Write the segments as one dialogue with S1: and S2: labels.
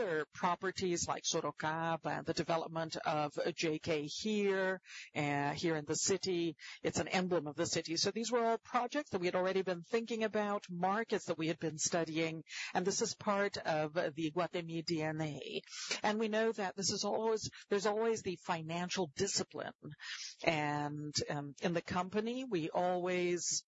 S1: Other properties like Sorocaba, the development of JK here in the city, it's an emblem of the city. So these were all projects that we had already been thinking about, markets that we had been studying, and this is part of the Iguatemi DNA. And we know that this is always there's always the financial discipline. And in the company, we always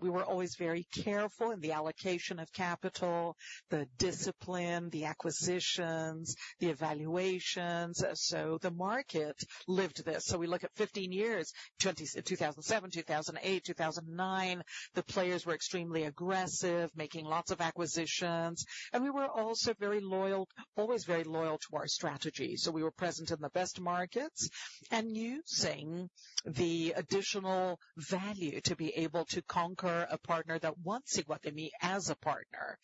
S1: we were always very careful in the allocation of capital, the discipline, the acquisitions, the evaluations. So the market lived this. So we look at 15 years, 2007, 2008, 2009, the players were extremely aggressive, making lots of acquisitions. And we were also very loyal, always very loyal to our strategy. So we were present in the best markets and using the additional value to be able to conquer a partner that wants Iguatemi as a partner.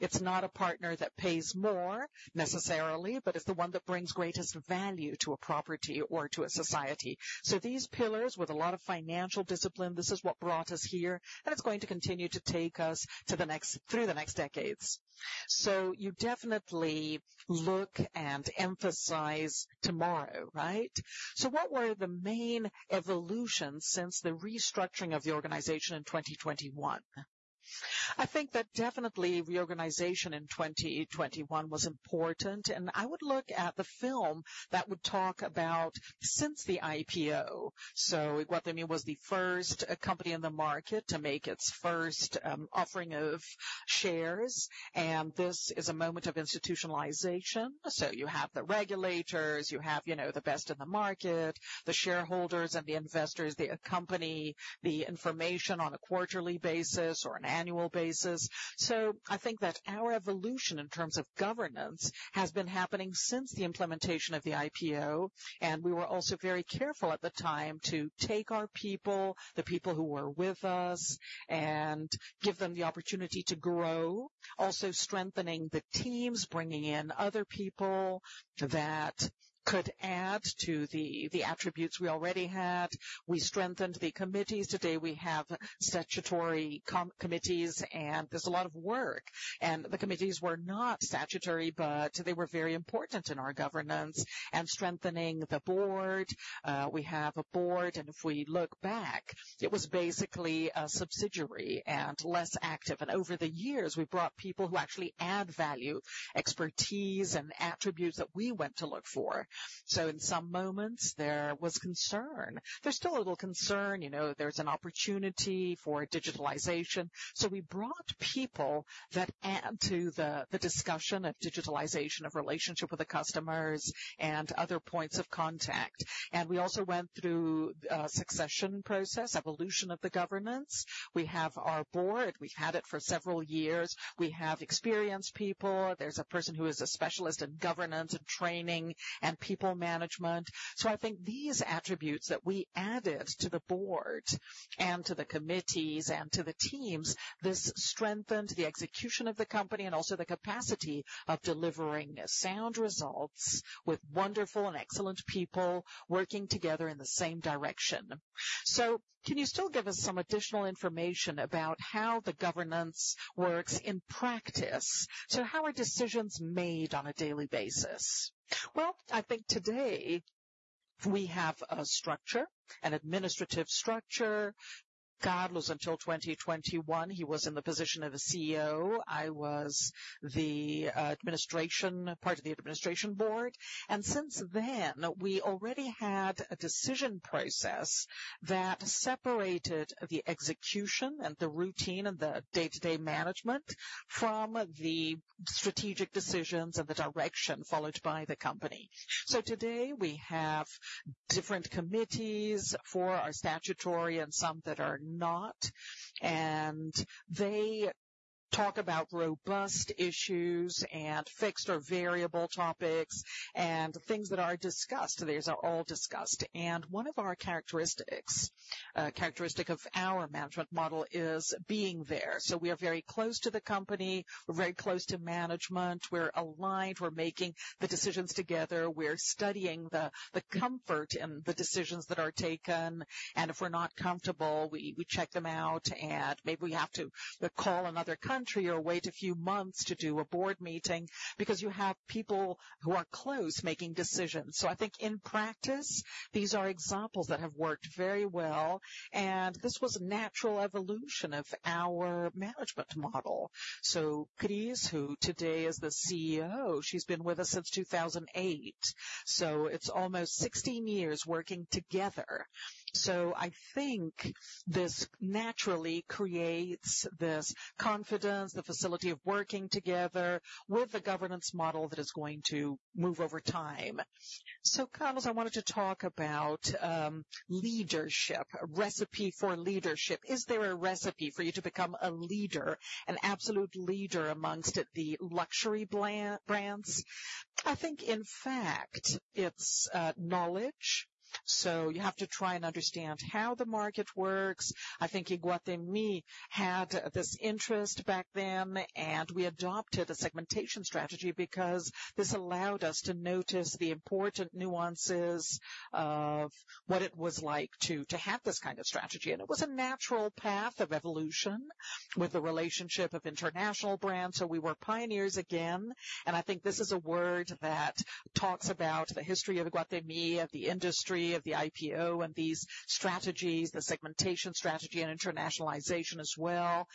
S1: It's not a partner that pays more necessarily, but it's the one that brings greatest value to a property or to a society. So these pillars with a lot of financial discipline, this is what brought us here, and it's going to continue to take us through the next decades.
S2: So you definitely look and emphasize tomorrow, right? So what were the main evolutions since the restructuring of the organization in 2021? I think that definitely reorganization in 2021 was important. And I would look at the film that would talk about since the IPO. So Iguatemi was the first company in the market to make its first offering of shares. And this is a moment of institutionalization. So you have the regulators, you have the best in the market, the shareholders and the investors, the company, the information on a quarterly basis or an annual basis. So I think that our evolution in terms of governance has been happening since the implementation of the IPO. We were also very careful at the time to take our people, the people who were with us, and give them the opportunity to grow, also strengthening the teams, bringing in other people that could add to the attributes we already had. We strengthened the committees. Today we have statutory committees, and there's a lot of work. The committees were not statutory, but they were very important in our governance and strengthening the board. We have a board, and if we look back, it was basically a subsidiary and less active. Over the years, we brought people who actually add value, expertise, and attributes that we went to look for. So in some moments, there was concern. There's still a little concern. There's an opportunity for digitalization. We brought people that add to the discussion of digitalization, of relationship with the customers, and other points of contact. We also went through a succession process, evolution of the governance. We have our board. We've had it for several years. We have experienced people. There's a person who is a specialist in governance and training and people management. So I think these attributes that we added to the board and to the committees and to the teams, this strengthened the execution of the company and also the capacity of delivering sound results with wonderful and excellent people working together in the same direction. So can you still give us some additional information about how the governance works in practice? So how are decisions made on a daily basis?
S1: Well, I think today we have a structure, an administrative structure. Carlos, until 2021, he was in the position of the CEO. I was part of the administration board. Since then, we already had a decision process that separated the execution and the routine and the day-to-day management from the strategic decisions and the direction followed by the company. Today we have different committees for our statutory and some that are not. They talk about robust issues and fixed or variable topics and things that are discussed. These are all discussed. One of our characteristics of our management model is being there. We are very close to the company. We're very close to management. We're aligned. We're making the decisions together. We're studying the comfort in the decisions that are taken. If we're not comfortable, we check them out. And maybe we have to call another country or wait a few months to do a board meeting because you have people who are close making decisions. So I think in practice, these are examples that have worked very well. And this was a natural evolution of our management model. So Cris, who today is the CEO, she's been with us since 2008. So it's almost 16 years working together. So I think this naturally creates this confidence, the facility of working together with the governance model that is going to move over time.
S2: So Carlos, I wanted to talk about leadership, a recipe for leadership. Is there a recipe for you to become a leader, an absolute leader amongst the luxury brands?
S3: I think, in fact, it's knowledge. So you have to try and understand how the market works. I think Iguatemi had this interest back then, and we adopted a segmentation strategy because this allowed us to notice the important nuances of what it was like to have this kind of strategy. It was a natural path of evolution with the relationship of international brands. We were pioneers again. I think this is a word that talks about the history of Iguatemi, of the industry, of the IPO, and these strategies, the segmentation strategy and internationalization as well.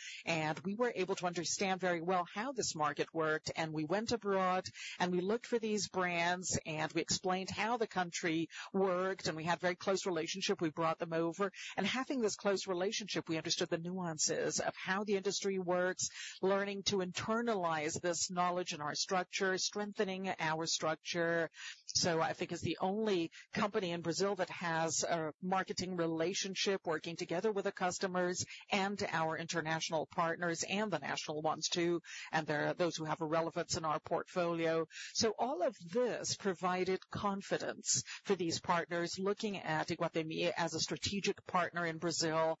S3: We were able to understand very well how this market worked. We went abroad, and we looked for these brands, and we explained how the country worked. We had a very close relationship. We brought them over. Having this close relationship, we understood the nuances of how the industry works, learning to internalize this knowledge in our structure, strengthening our structure. So I think it's the only company in Brazil that has a marketing relationship working together with our customers and our international partners and the national ones too, and those who have relevance in our portfolio. All of this provided confidence for these partners looking at Iguatemi as a strategic partner in Brazil.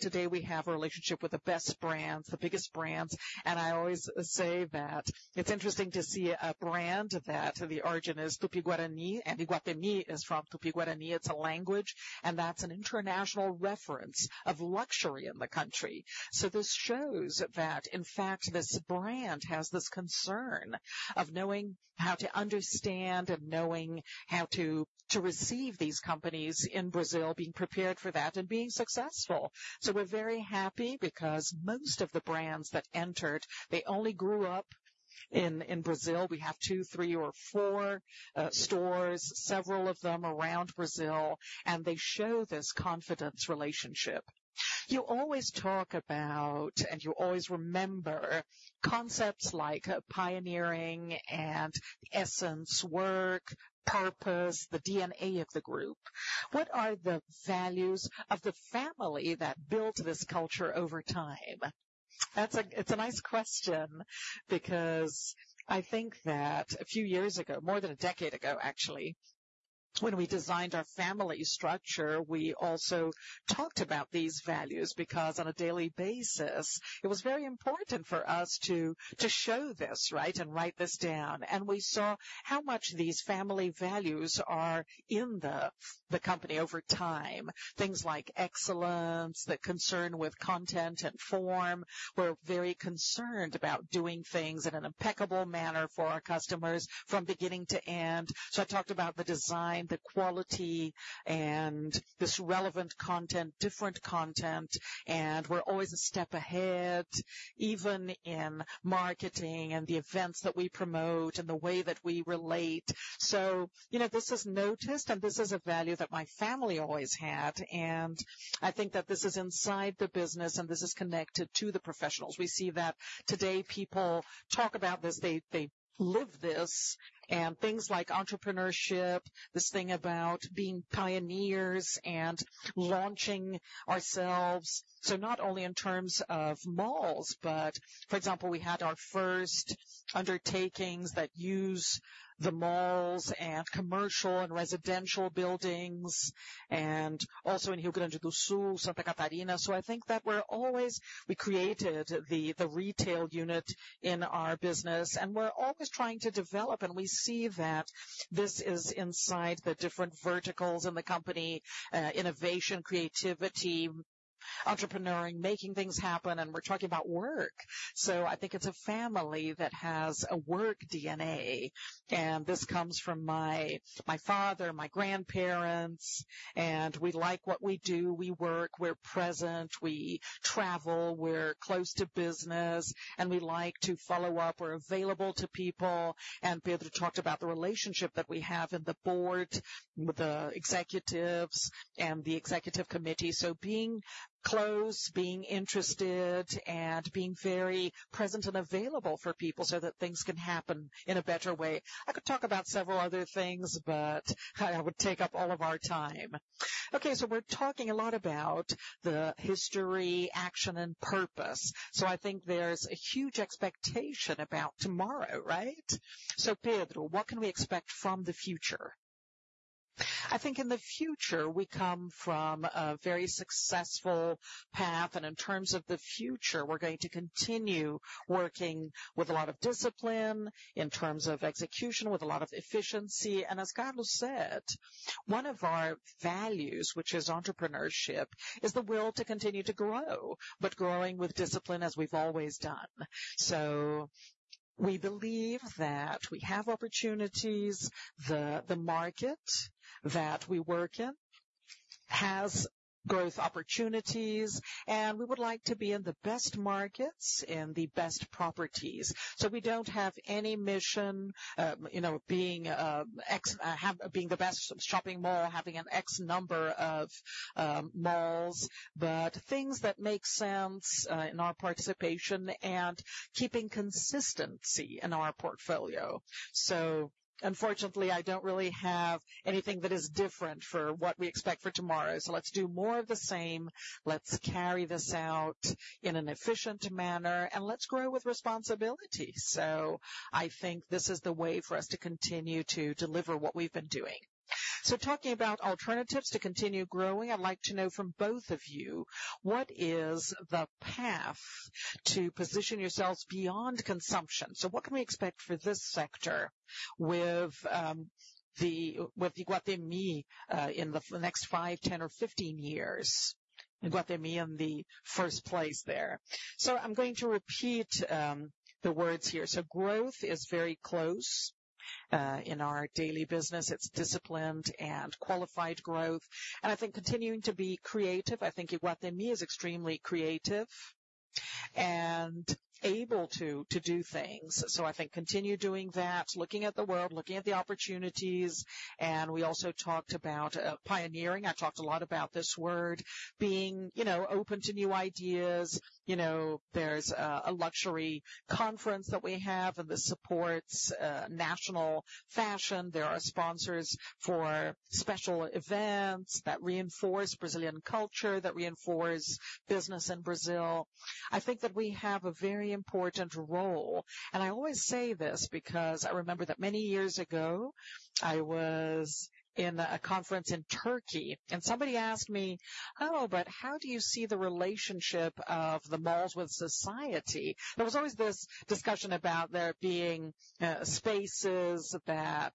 S3: Today we have a relationship with the best brands, the biggest brands. I always say that it's interesting to see a brand that the origin is Tupi-Guarani, and Iguatemi is from Tupi-Guarani. It's a language, and that's an international reference of luxury in the country. This shows that, in fact, this brand has this concern of knowing how to understand and knowing how to receive these companies in Brazil, being prepared for that, and being successful. We're very happy because most of the brands that entered, they only grew up in Brazil. We have 2, 3, or 4 stores, several of them around Brazil, and they show this confidence relationship.
S2: You always talk about, and you always remember, concepts like pioneering and essence, work, purpose, the DNA of the group. What are the values of the family that built this culture over time?
S3: It's a nice question because I think that a few years ago, more than a decade ago, actually, when we designed our family structure, we also talked about these values because on a daily basis, it was very important for us to show this, right, and write this down. We saw how much these family values are in the company over time, things like excellence, the concern with content and form. We're very concerned about doing things in an impeccable manner for our customers from beginning to end. So I talked about the design, the quality, and this relevant content, different content. We're always a step ahead, even in marketing and the events that we promote and the way that we relate. So this is noticed, and this is a value that my family always had. I think that this is inside the business, and this is connected to the professionals. We see that today people talk about this. They live this. Things like entrepreneurship, this thing about being pioneers and launching ourselves. So not only in terms of malls, but for example, we had our first undertakings that used the malls and commercial and residential buildings and also in Rio Grande do Sul, Santa Catarina. So I think that we're always we created the retail unit in our business, and we're always trying to develop. We see that this is inside the different verticals in the company: innovation, creativity, entrepreneuring, making things happen. We're talking about work. So I think it's a family that has a work DNA. And this comes from my father, my grandparents. We like what we do. We work. We're present. We travel. We're close to business. We like to follow up. We're available to people. Pedro talked about the relationship that we have in the board with the executives and the executive committee. Being close, being interested, and being very present and available for people so that things can happen in a better way. I could talk about several other things, but I would take up all of our time.
S2: Okay. We're talking a lot about the history, action, and purpose. So I think there's a huge expectation about tomorrow, right? So Pedro, what can we expect from the future?
S4: I think in the future, we come from a very successful path. In terms of the future, we're going to continue working with a lot of discipline in terms of execution, with a lot of efficiency. As Carlos said, one of our values, which is entrepreneurship, is the will to continue to grow, but growing with discipline as we've always done. We believe that we have opportunities. The market that we work in has growth opportunities. We would like to be in the best markets and the best properties. We don't have any mission of being the best shopping mall, having an X number of malls, but things that make sense in our participation and keeping consistency in our portfolio. Unfortunately, I don't really have anything that is different for what we expect for tomorrow. So let's do more of the same. Let's carry this out in an efficient manner, and let's grow with responsibility. So I think this is the way for us to continue to deliver what we've been doing.
S2: So talking about alternatives to continue growing, I'd like to know from both of you, what is the path to position yourselves beyond consumption? So what can we expect for this sector with Iguatemi in the next five, 10, or 15 years?
S3: Iguatemi in the first place there. So I'm going to repeat the words here. So growth is very close in our daily business. It's disciplined and qualified growth. And I think continuing to be creative. I think Iguatemi is extremely creative and able to do things. So I think continue doing that, looking at the world, looking at the opportunities. And we also talked about pioneering. I talked a lot about this word, being open to new ideas. There's a luxury conference that we have, and this supports national fashion. There are sponsors for special events that reinforce Brazilian culture, that reinforce business in Brazil. I think that we have a very important role. I always say this because I remember that many years ago, I was in a conference in Turkey, and somebody asked me, "Oh, but how do you see the relationship of the malls with society?" There was always this discussion about there being spaces that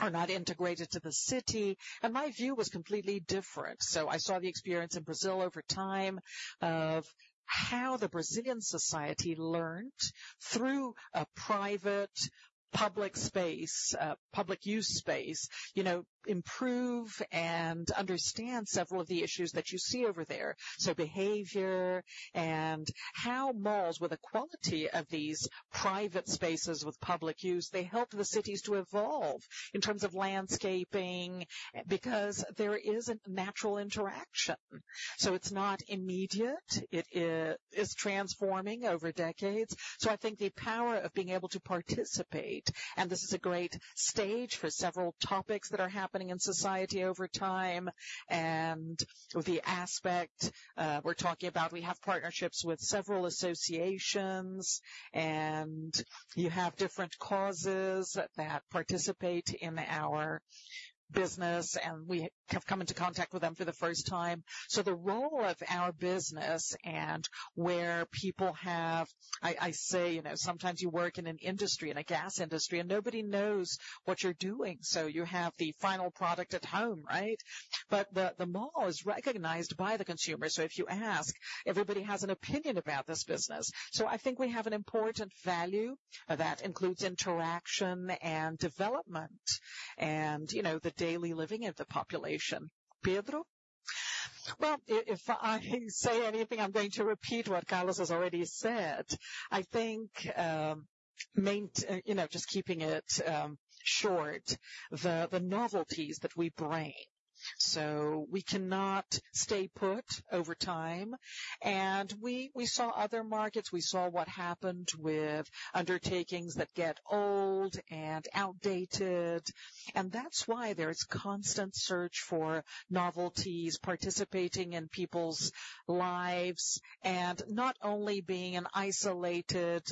S3: are not integrated to the city. My view was completely different. I saw the experience in Brazil over time of how the Brazilian society learned through a private public space, public use space, improve and understand several of the issues that you see over there. Behavior and how malls, with the quality of these private spaces with public use, they help the cities to evolve in terms of landscaping because there is a natural interaction. It's not immediate. It's transforming over decades. I think the power of being able to participate, and this is a great stage for several topics that are happening in society over time, and the aspect we're talking about, we have partnerships with several associations, and you have different causes that participate in our business. We have come into contact with them for the first time. The role of our business and where people have, I say sometimes you work in an industry, in a gas industry, and nobody knows what you're doing. You have the final product at home, right? But the mall is recognized by the consumer. So if you ask, everybody has an opinion about this business. So I think we have an important value that includes interaction and development and the daily living of the population.
S2: Pedro?
S4: Well, if I say anything, I'm going to repeat what Carlos has already said. I think just keeping it short, the novelties that we bring. So we cannot stay put over time. And we saw other markets. We saw what happened with undertakings that get old and outdated. And that's why there is constant search for novelties, participating in people's lives, and not only being an isolated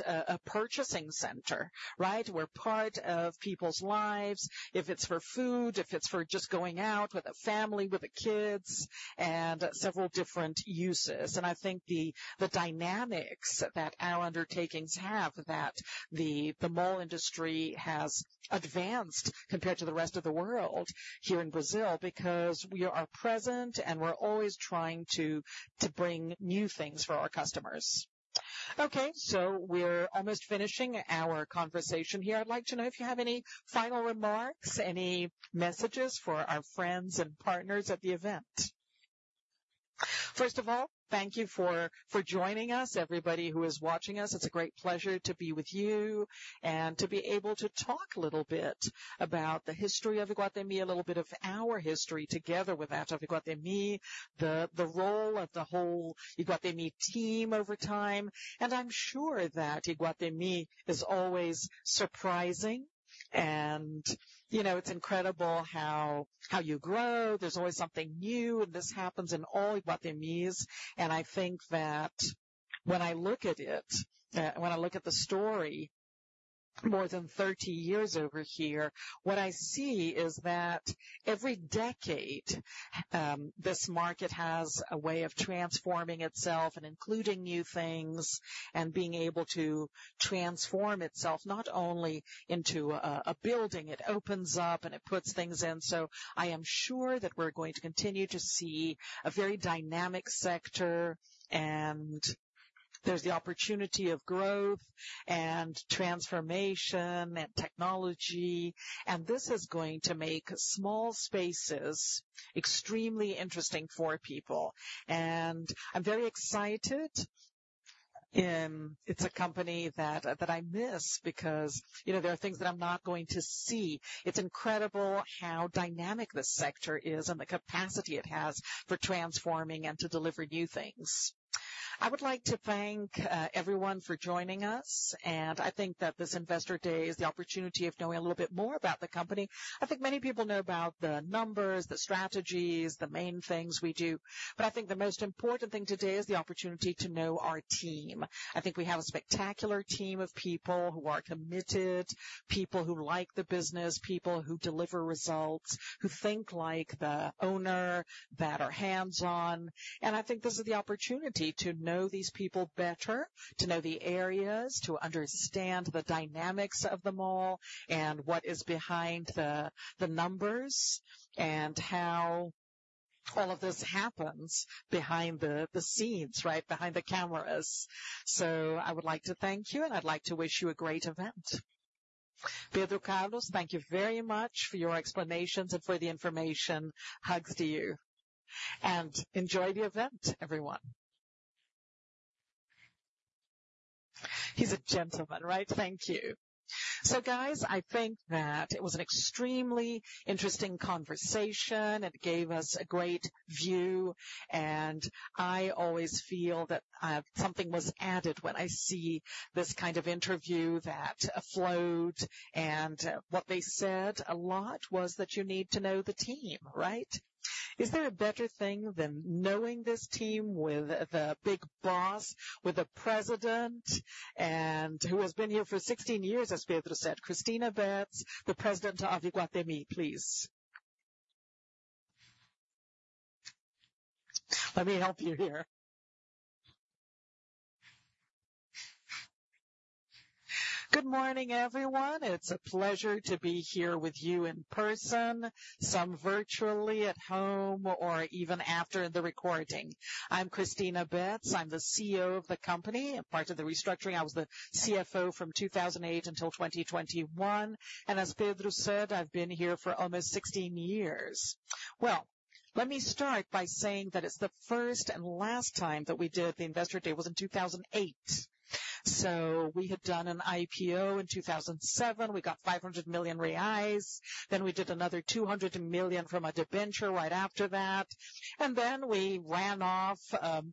S4: shopping center, right? We're part of people's lives, if it's for food, if it's for just going out with a family, with the kids, and several different uses. I think the dynamics that our undertakings have, that the mall industry has advanced compared to the rest of the world here in Brazil because we are present, and we're always trying to bring new things for our customers.
S2: Okay. We're almost finishing our conversation here. I'd like to know if you have any final remarks, any messages for our friends and partners at the event.
S3: First of all, thank you for joining us, everybody who is watching us. It's a great pleasure to be with you and to be able to talk a little bit about the history of Iguatemi, a little bit of our history together with that of Iguatemi, the role of the whole Iguatemi team over time. I'm sure that Iguatemi is always surprising. It's incredible how you grow. There's always something new, and this happens in all Iguatemis. I think that when I look at it, when I look at the story more than 30 years over here, what I see is that every decade, this market has a way of transforming itself and including new things and being able to transform itself not only into a building. It opens up, and it puts things in. So I am sure that we're going to continue to see a very dynamic sector, and there's the opportunity of growth and transformation and technology. And this is going to make small spaces extremely interesting for people. And I'm very excited. It's a company that I miss because there are things that I'm not going to see. It's incredible how dynamic this sector is and the capacity it has for transforming and to deliver new things. I would like to thank everyone for joining us. I think that this Investor Day is the opportunity of knowing a little bit more about the company. I think many people know about the numbers, the strategies, the main things we do. But I think the most important thing today is the opportunity to know our team. I think we have a spectacular team of people who are committed, people who like the business, people who deliver results, who think like the owner, that are hands-on. I think this is the opportunity to know these people better, to know the areas, to understand the dynamics of the mall and what is behind the numbers and how all of this happens behind the scenes, right, behind the cameras. So I would like to thank you, and I'd like to wish you a great event.
S2: Pedro, Carlos, thank you very much for your explanations and for the information. Hugs to you. Enjoy the event, everyone. He's a gentleman, right? Thank you. Guys, I think that it was an extremely interesting conversation. It gave us a great view. I always feel that something was added when I see this kind of interview that flowed. What they said a lot was that you need to know the team, right? Is there a better thing than knowing this team with the big boss, with the president, and who has been here for 16 years, as Pedro said, Cristina Betts, President of Iguatemi, please? Let me help you here.
S5: Good morning, everyone. It's a pleasure to be here with you in person, some virtually at home, or even after the recording. I'm Cristina Betts. I'm the CEO of the company and part of the restructuring. I was the CFO from 2008 until 2021. As Pedro said, I've been here for almost 16 years. Well, let me start by saying that it's the first and last time that we did the Investor Day was in 2008. So we had done an IPO in 2007. We got 500 million reais. Then we did another 200 million from a debenture right after that. And then we ran off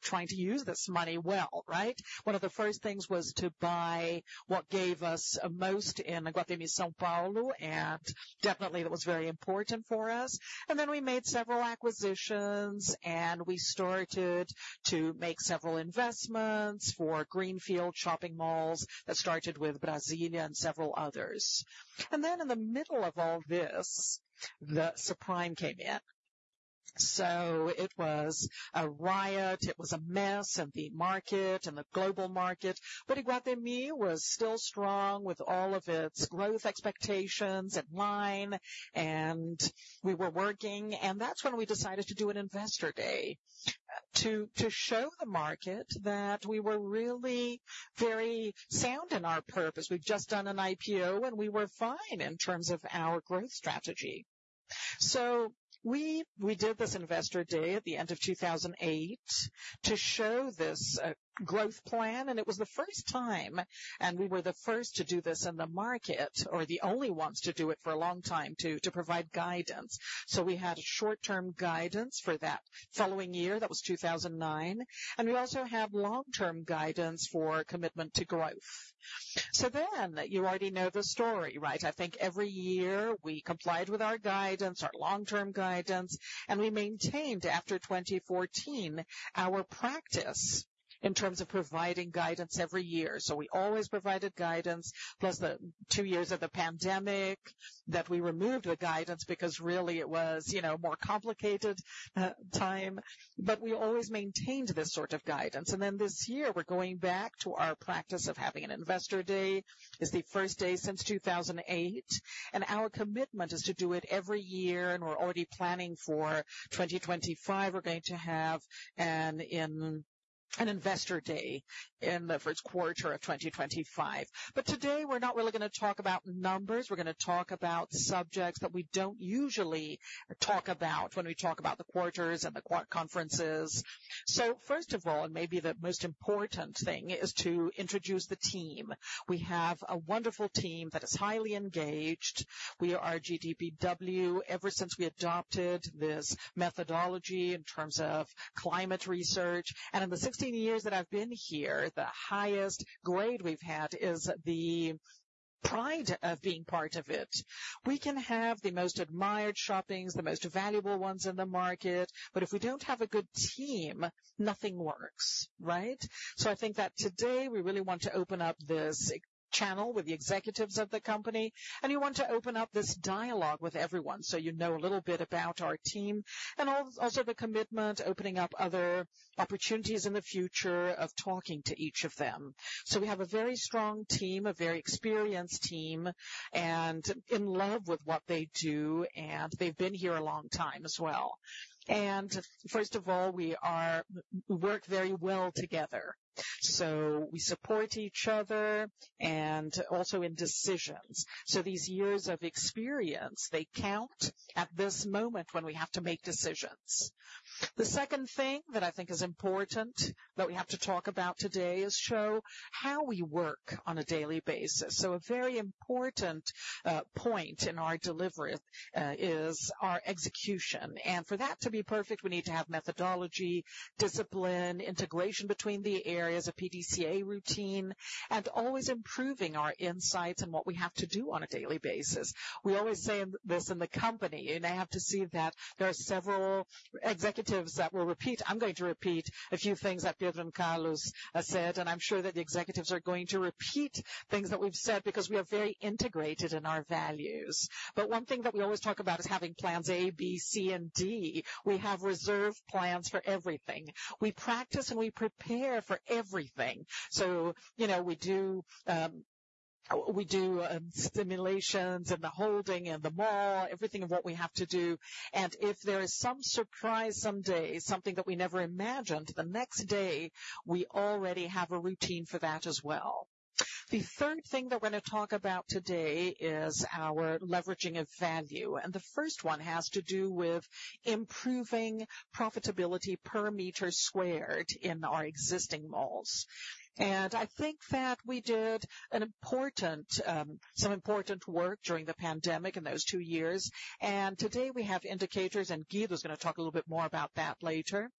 S5: trying to use this money well, right? One of the first things was to buy what gave us most in Iguatemi, São Paulo. And definitely, that was very important for us. And then we made several acquisitions, and we started to make several investments for greenfield shopping malls that started with Brasília and several others. And then in the middle of all this, the slump came in. So it was a riot. It was a mess in the market and the global market. But Iguatemi was still strong with all of its growth expectations in line. We were working. That's when we decided to do an Investor Day to show the market that we were really very sound in our purpose. We've just done an IPO, and we were fine in terms of our growth strategy. We did this Investor Day at the end of 2008 to show this growth plan. It was the first time, and we were the first to do this in the market or the only ones to do it for a long time to provide guidance. We had short-term guidance for that following year. That was 2009. We also have long-term guidance for commitment to growth. Then you already know the story, right? I think every year, we complied with our guidance, our long-term guidance. We maintained, after 2014, our practice in terms of providing guidance every year. We always provided guidance, plus the 2 years of the pandemic that we removed the guidance because really it was a more complicated time. We always maintained this sort of guidance. Then this year, we're going back to our practice of having an Investor Day. It's the first day since 2008. Our commitment is to do it every year. We're already planning for 2025. We're going to have an Investor Day in the first quarter of 2025. Today, we're not really going to talk about numbers. We're going to talk about subjects that we don't usually talk about when we talk about the quarters and the conferences. First of all, and maybe the most important thing, is to introduce the team. We have a wonderful team that is highly engaged. We are GPTW ever since we adopted this methodology in terms of climate research. In the 16 years that I've been here, the highest grade we've had is the pride of being part of it. We can have the most admired shoppings, the most valuable ones in the market. But if we don't have a good team, nothing works, right? I think that today, we really want to open up this channel with the executives of the company. You want to open up this dialogue with everyone so you know a little bit about our team and also the commitment, opening up other opportunities in the future of talking to each of them. So we have a very strong team, a very experienced team, and in love with what they do. They've been here a long time as well. First of all, we work very well together. So we support each other and also in decisions. So these years of experience, they count at this moment when we have to make decisions. The second thing that I think is important that we have to talk about today is show how we work on a daily basis. So a very important point in our delivery is our execution. And for that to be perfect, we need to have methodology, discipline, integration between the areas, a PDCA routine, and always improving our insights and what we have to do on a daily basis. We always say this in the company. And I have to see that there are several executives that will repeat. I'm going to repeat a few things that Pedro and Carlos said. I'm sure that the executives are going to repeat things that we've said because we are very integrated in our values. One thing that we always talk about is having plans A, B, C, and D. We have reserve plans for everything. We practice and we prepare for everything. We do simulations and the holding and the mall, everything of what we have to do. If there is some surprise someday, something that we never imagined, the next day, we already have a routine for that as well. The third thing that we're going to talk about today is our leveraging of value. The first one has to do with improving profitability per square meter in our existing malls. I think that we did some important work during the pandemic in those two years. Today, we have indicators, and Guido is going to talk a little bit more about that later,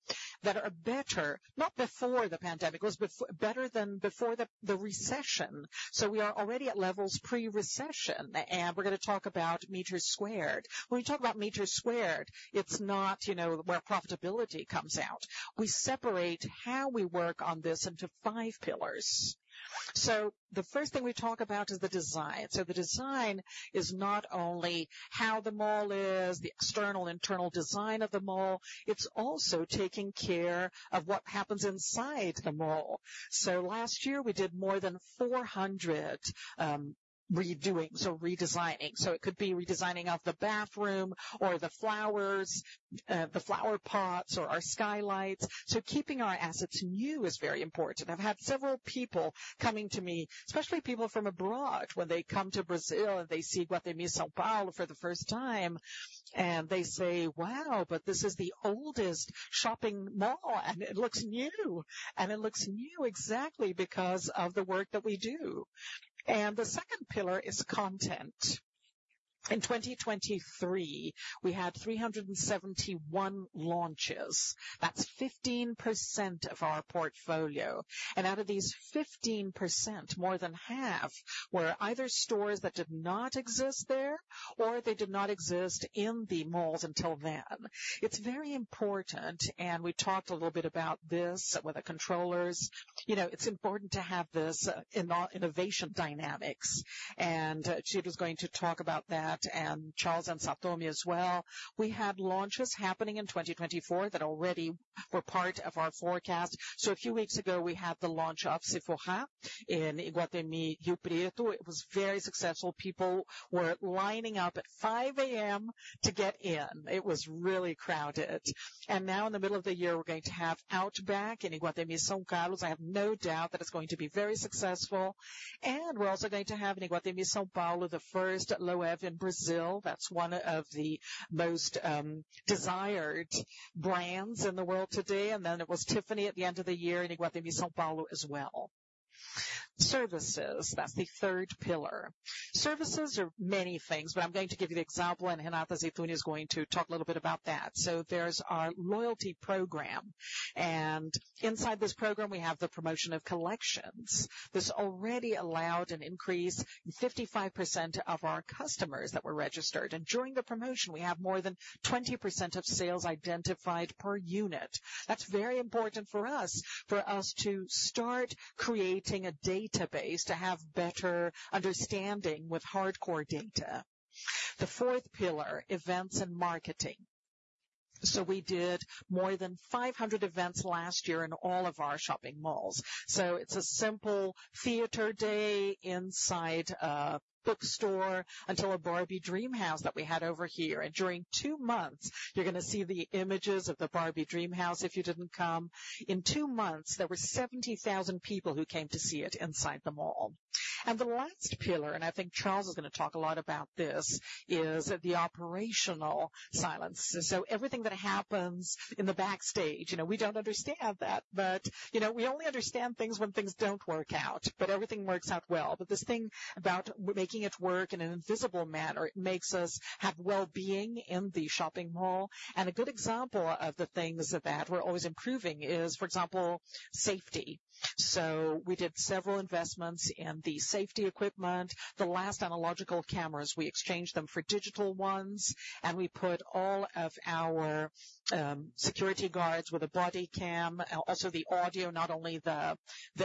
S5: that are better, not before the pandemic, but better than before the recession. We are already at levels pre-recession. We're going to talk about meter squared. When we talk about meter squared, it's not where profitability comes out. We separate how we work on this into five pillars. The first thing we talk about is the design. The design is not only how the mall is, the external, internal design of the mall. It's also taking care of what happens inside the mall. Last year, we did more than 400 redoings, so redesigning. It could be redesigning of the bathroom or the flowers, the flower pots, or our skylights. Keeping our assets new is very important. I've had several people coming to me, especially people from abroad, when they come to Brazil and they see Iguatemi São Paulo for the first time, and they say, "Wow, but this is the oldest shopping mall, and it looks new." It looks new exactly because of the work that we do. The second pillar is content. In 2023, we had 371 launches. That's 15% of our portfolio. Out of these 15%, more than half were either stores that did not exist there or they did not exist in the malls until then. It's very important. We talked a little bit about this with the controllers. It's important to have this in all innovation dynamics. Guido is going to talk about that, and Charles and Sartori as well. We had launches happening in 2024 that already were part of our forecast. So a few weeks ago, we had the launch of Sephora in Iguatemi, Rio Preto. It was very successful. People were lining up at 5:00 A.M. to get in. It was really crowded. And now, in the middle of the year, we're going to have Outback in Iguatemi, São Carlos. I have no doubt that it's going to be very successful. And we're also going to have in Iguatemi, São Paulo, the first Loewe in Brazil. That's one of the most desired brands in the world today. And then it was Tiffany at the end of the year in Iguatemi, São Paulo as well. Services, that's the third pillar. Services are many things, but I'm going to give you the example. And Renata Zitune is going to talk a little bit about that. So there's our loyalty program. And inside this program, we have the promotion of collections. This already allowed an increase in 55% of our customers that were registered. During the promotion, we have more than 20% of sales identified per unit. That's very important for us, for us to start creating a database, to have better understanding with hardcore data. The fourth pillar, events and marketing. We did more than 500 events last year in all of our shopping malls. It's a simple theater day inside a bookstore until a Barbie Dreamhouse that we had over here. During two months, you're going to see the images of the Barbie Dreamhouse if you didn't come. In two months, there were 70,000 people who came to see it inside the mall. The last pillar, and I think Charles is going to talk a lot about this, is the operational silence. Everything that happens in the backstage, we don't understand that. But we only understand things when things don't work out. But everything works out well. But this thing about making it work in an invisible manner, it makes us have well-being in the shopping mall. And a good example of the things that we're always improving is, for example, safety. So we did several investments in the safety equipment. The last analog cameras, we exchanged them for digital ones. And we put all of our security guards with a body cam, also the audio, not only the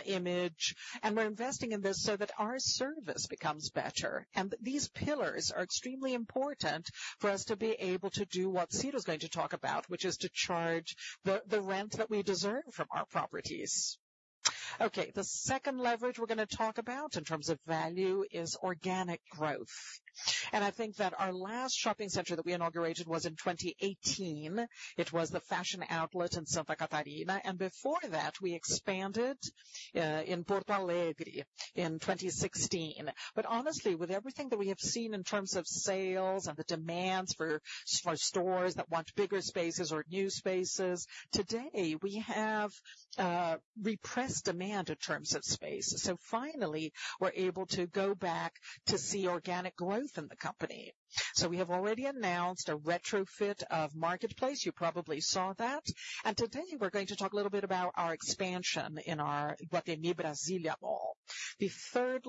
S5: image. And we're investing in this so that our service becomes better. And these pillars are extremely important for us to be able to do what Guido is going to talk about, which is to charge the rent that we deserve from our properties. Okay. The second leverage we're going to talk about in terms of value is organic growth. I think that our last shopping center that we inaugurated was in 2018. It was the Fashion Outlet in Santa Catarina. And before that, we expanded in Porto Alegre in 2016. But honestly, with everything that we have seen in terms of sales and the demands for stores that want bigger spaces or new spaces, today, we have repressed demand in terms of space. So finally, we're able to go back to see organic growth in the company. So we have already announced a retrofit of Market Place. You probably saw that. And today, we're going to talk a little bit about our expansion in our Iguatemi Brasília mall. The third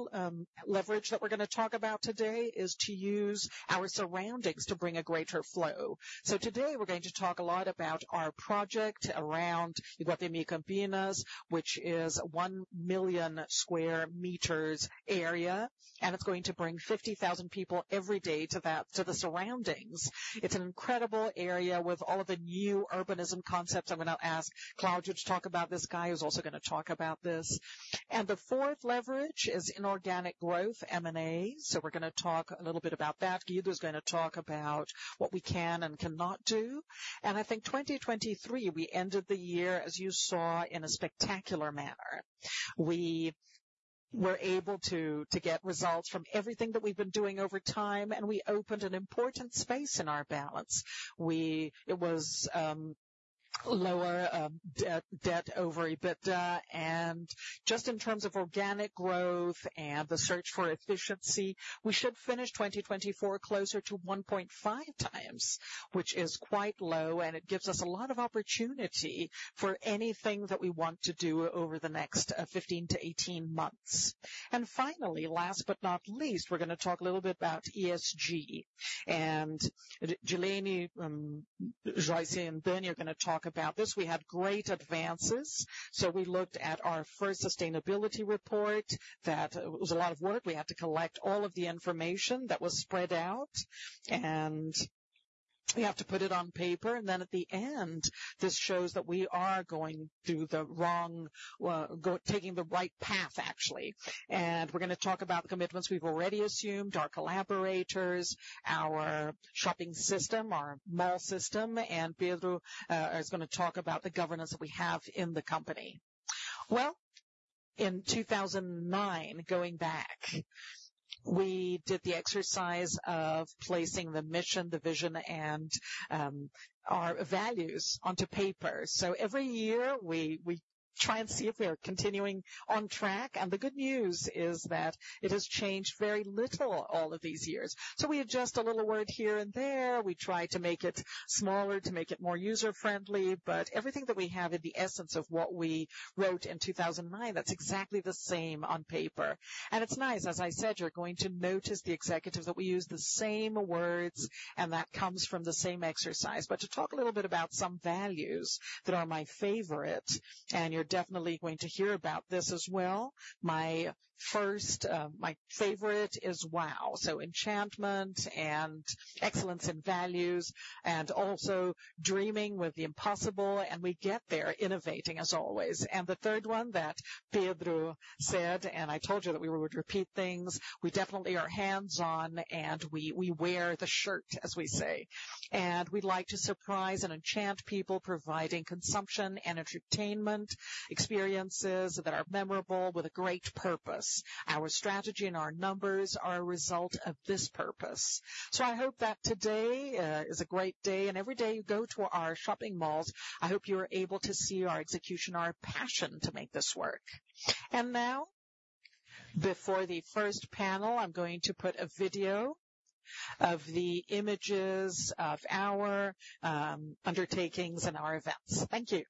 S5: leverage that we're going to talk about today is to use our surroundings to bring a greater flow. So today, we're going to talk a lot about our project around Iguatemi Campinas, which is 1 million square meters area. It's going to bring 50,000 people every day to the surroundings. It's an incredible area with all of the new urbanism concepts. I'm going to ask Claudio to talk about this. Caio is also going to talk about this. The fourth leverage is inorganic growth, M&A. We're going to talk a little bit about that. Guido is going to talk about what we can and cannot do. I think 2023, we ended the year, as you saw, in a spectacular manner. We were able to get results from everything that we've been doing over time. We opened an important space in our balance. It was lower debt over EBITDA. Just in terms of organic growth and the search for efficiency, we should finish 2024 closer to 1.5 times, which is quite low. It gives us a lot of opportunity for anything that we want to do over the next 15-18 months. Finally, last but not least, we're going to talk a little bit about ESG. And Gisele, Joaquim, and Beny are going to talk about this. We had great advances. So we looked at our first sustainability report. That was a lot of work. We had to collect all of the information that was spread out. And we have to put it on paper. And then at the end, this shows that we are taking the right path, actually. And we're going to talk about the commitments we've already assumed, our collaborators, our shopping system, our mall system. And Pedro is going to talk about the governance that we have in the company. Well, in 2009, going back, we did the exercise of placing the mission, the vision, and our values onto paper. So every year, we try and see if we are continuing on track. And the good news is that it has changed very little all of these years. So we adjust a little word here and there. We try to make it smaller, to make it more user-friendly. But everything that we have in the essence of what we wrote in 2009, that's exactly the same on paper. And it's nice. As I said, you're going to notice the executives that we use the same words, and that comes from the same exercise. But to talk a little bit about some values that are my favorite, and you're definitely going to hear about this as well, my favorite is WOW. So, enchantment and excellence in values and also dreaming with the impossible. We get there, innovating as always. The third one that Pedro said, and I told you that we would repeat things. We definitely are hands-on, and we wear the shirt, as we say. We'd like to surprise and enchant people providing consumption and entertainment experiences that are memorable with a great purpose. Our strategy and our numbers are a result of this purpose. So, I hope that today is a great day. Every day you go to our shopping malls, I hope you are able to see our execution, our passion to make this work. Now, before the first panel, I'm going to put a video of the images of our undertakings and our events. Thank you.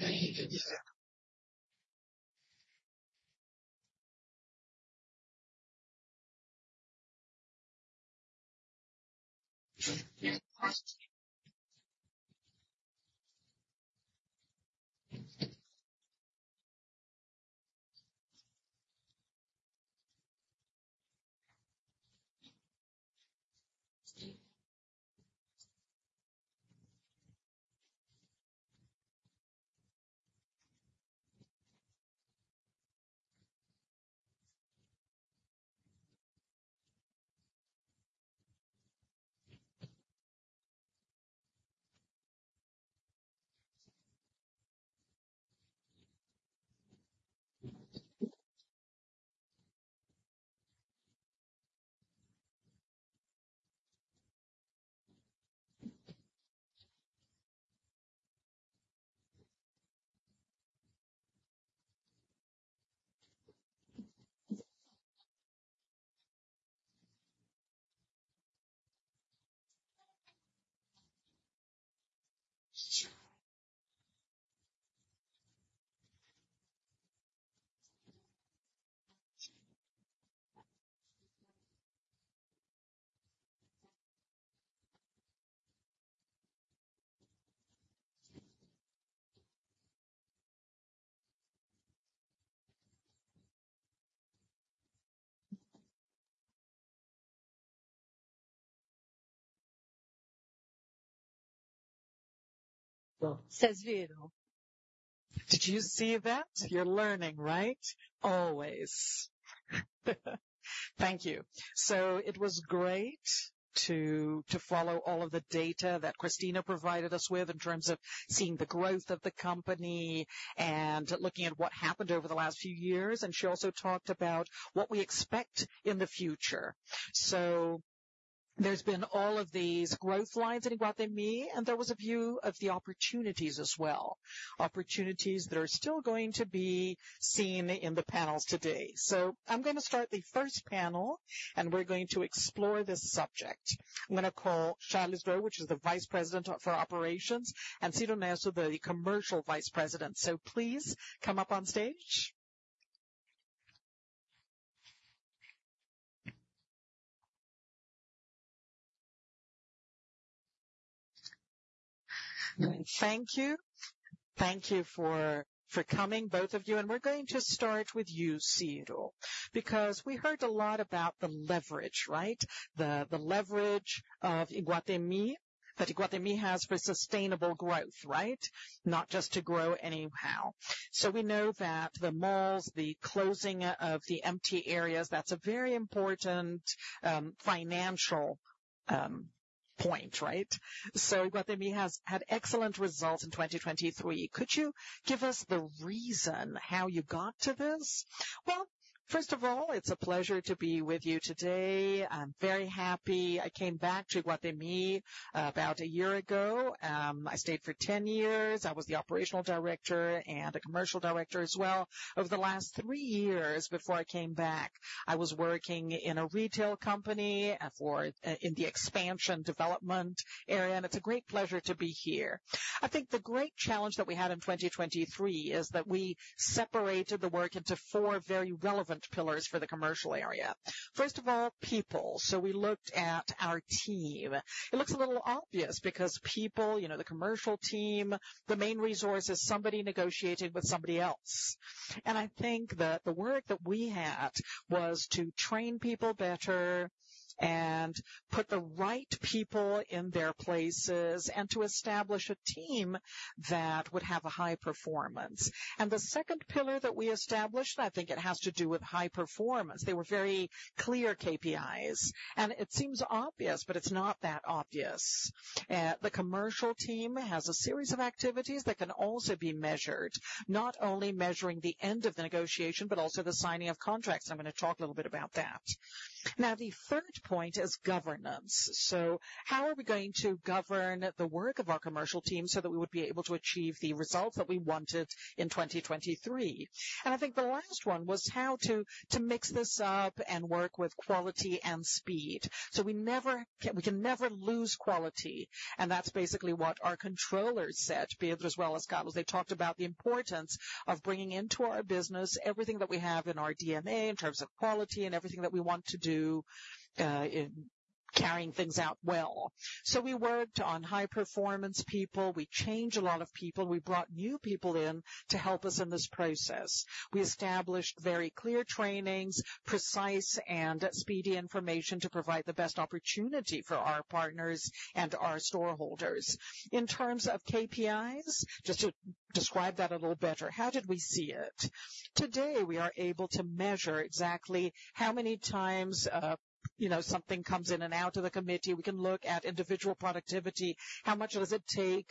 S2: Says Guido. Did you see that? You're learning, right? Always. Thank you. So it was great to follow all of the data that Cristina provided us with in terms of seeing the growth of the company and looking at what happened over the last few years. And she also talked about what we expect in the future. So there's been all of these growth lines in Iguatemi, and there was a view of the opportunities as well, opportunities that are still going to be seen in the panels today. So I'm going to start the first panel, and we're going to explore this subject. I'm going to call Charleston, which is the Vice President for Operations, and Ciro Neto, the Commercial Vice President. So please come up on stage. Thank you. Thank you for coming, both of you. And we're going to start with you, Ciro, because we heard a lot about the leverage, right, the leverage of Iguatemi that Iguatemi has for sustainable growth, right, not just to grow anyhow. So we know that the malls, the closing of the empty areas, that's a very important financial point, right? So Iguatemi has had excellent results in 2023. Could you give us the reason how you got to this?
S6: Well, first of all, it's a pleasure to be with you today. I'm very happy. I came back to Iguatemi about a year ago. I stayed for 10 years. I was the operational director and a commercial director as well. Over the last 3 years before I came back, I was working in a retail company in the expansion development area. And it's a great pleasure to be here. I think the great challenge that we had in 2023 is that we separated the work into four very relevant pillars for the commercial area. First of all, people. So we looked at our team. It looks a little obvious because people, the commercial team, the main resource is somebody negotiating with somebody else. And I think that the work that we had was to train people better and put the right people in their places and to establish a team that would have a high performance. And the second pillar that we established, and I think it has to do with high performance, they were very clear KPIs. And it seems obvious, but it's not that obvious. The commercial team has a series of activities that can also be measured, not only measuring the end of the negotiation but also the signing of contracts. I'm going to talk a little bit about that. Now, the third point is governance. So how are we going to govern the work of our commercial team so that we would be able to achieve the results that we wanted in 2023? I think the last one was how to mix this up and work with quality and speed. We can never lose quality. That's basically what our controllers said, Pedro as well as Carlos. They talked about the importance of bringing into our business everything that we have in our DNA in terms of quality and everything that we want to do in carrying things out well. We worked on high-performance people. We changed a lot of people. We brought new people in to help us in this process. We established very clear trainings, precise, and speedy information to provide the best opportunity for our partners and our stakeholders. In terms of KPIs, just to describe that a little better, how did we see it? Today, we are able to measure exactly how many times something comes in and out of the committee. We can look at individual productivity, how much does it take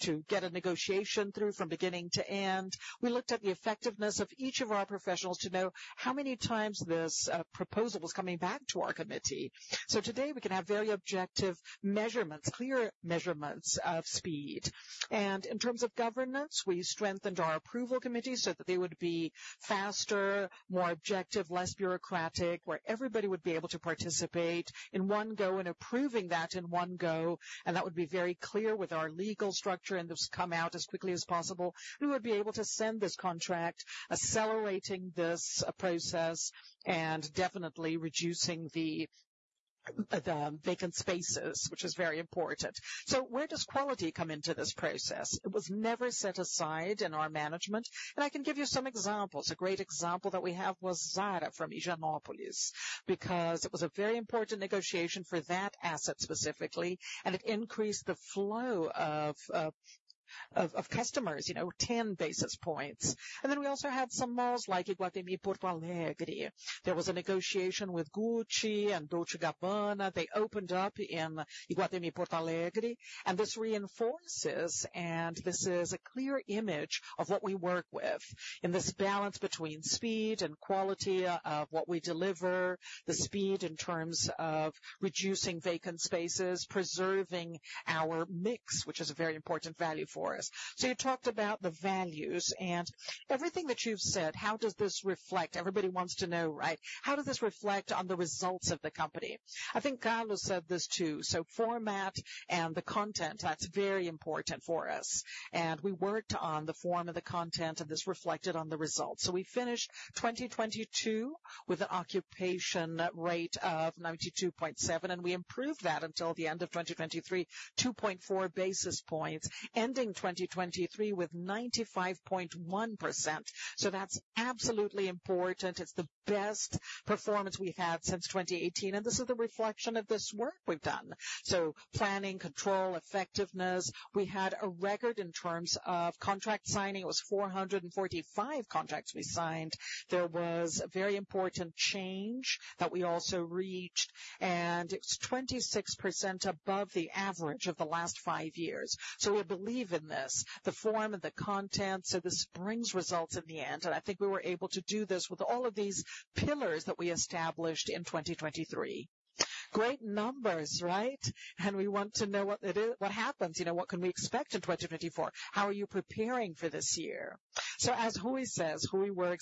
S6: to get a negotiation through from beginning to end. We looked at the effectiveness of each of our professionals to know how many times this proposal was coming back to our committee. So today, we can have very objective measurements, clear measurements of speed. In terms of governance, we strengthened our approval committees so that they would be faster, more objective, less bureaucratic, where everybody would be able to participate in one go and approving that in one go. That would be very clear with our legal structure and come out as quickly as possible. We would be able to send this contract, accelerating this process and definitely reducing the vacant spaces, which is very important. So where does quality come into this process? It was never set aside in our management. I can give you some examples. A great example that we have was Zara from Higienópolis because it was a very important negotiation for that asset specifically. It increased the flow of customers, 10 basis points. Then we also had some malls like Iguatemi, Porto Alegre. There was a negotiation with Gucci and Dolce & Gabbana. They opened up in Iguatemi, Porto Alegre. This reinforces, and this is a clear image of what we work with, in this balance between speed and quality of what we deliver, the speed in terms of reducing vacant spaces, preserving our mix, which is a very important value for us.
S2: So you talked about the values. And everything that you've said, how does this reflect? Everybody wants to know, right? How does this reflect on the results of the company?
S6: I think Carlos said this too. So format and the content, that's very important for us. And we worked on the form and the content, and this reflected on the results. So we finished 2022 with an occupation rate of 92.7%. And we improved that until the end of 2023, 2.4 basis points, ending 2023 with 95.1%. So that's absolutely important. It's the best performance we've had since 2018. This is a reflection of this work we've done. Planning, control, effectiveness, we had a record in terms of contract signing. It was 445 contracts we signed. There was a very important change that we also reached. It's 26% above the average of the last five years. We believe in this, the form and the content. This brings results in the end. I think we were able to do this with all of these pillars that we established in 2023.
S2: Great numbers, right? We want to know what happens, what can we expect in 2024? How are you preparing for this year?
S6: As Guido says, Guido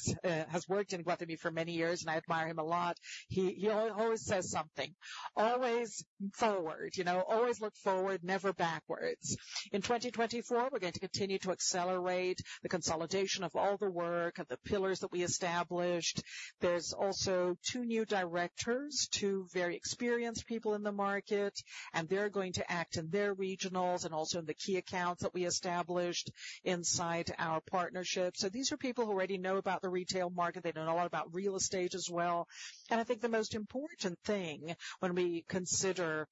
S6: has worked in Iguatemi for many years, and I admire him a lot. He always says something, "Always forward. Always look forward, never backwards." In 2024, we're going to continue to accelerate the consolidation of all the work, of the pillars that we established. There's also two new directors, two very experienced people in the market. And they're going to act in their regionals and also in the key accounts that we established inside our partnership. So these are people who already know about the retail market. They know a lot about real estate as well. And I think the most important thing when we consider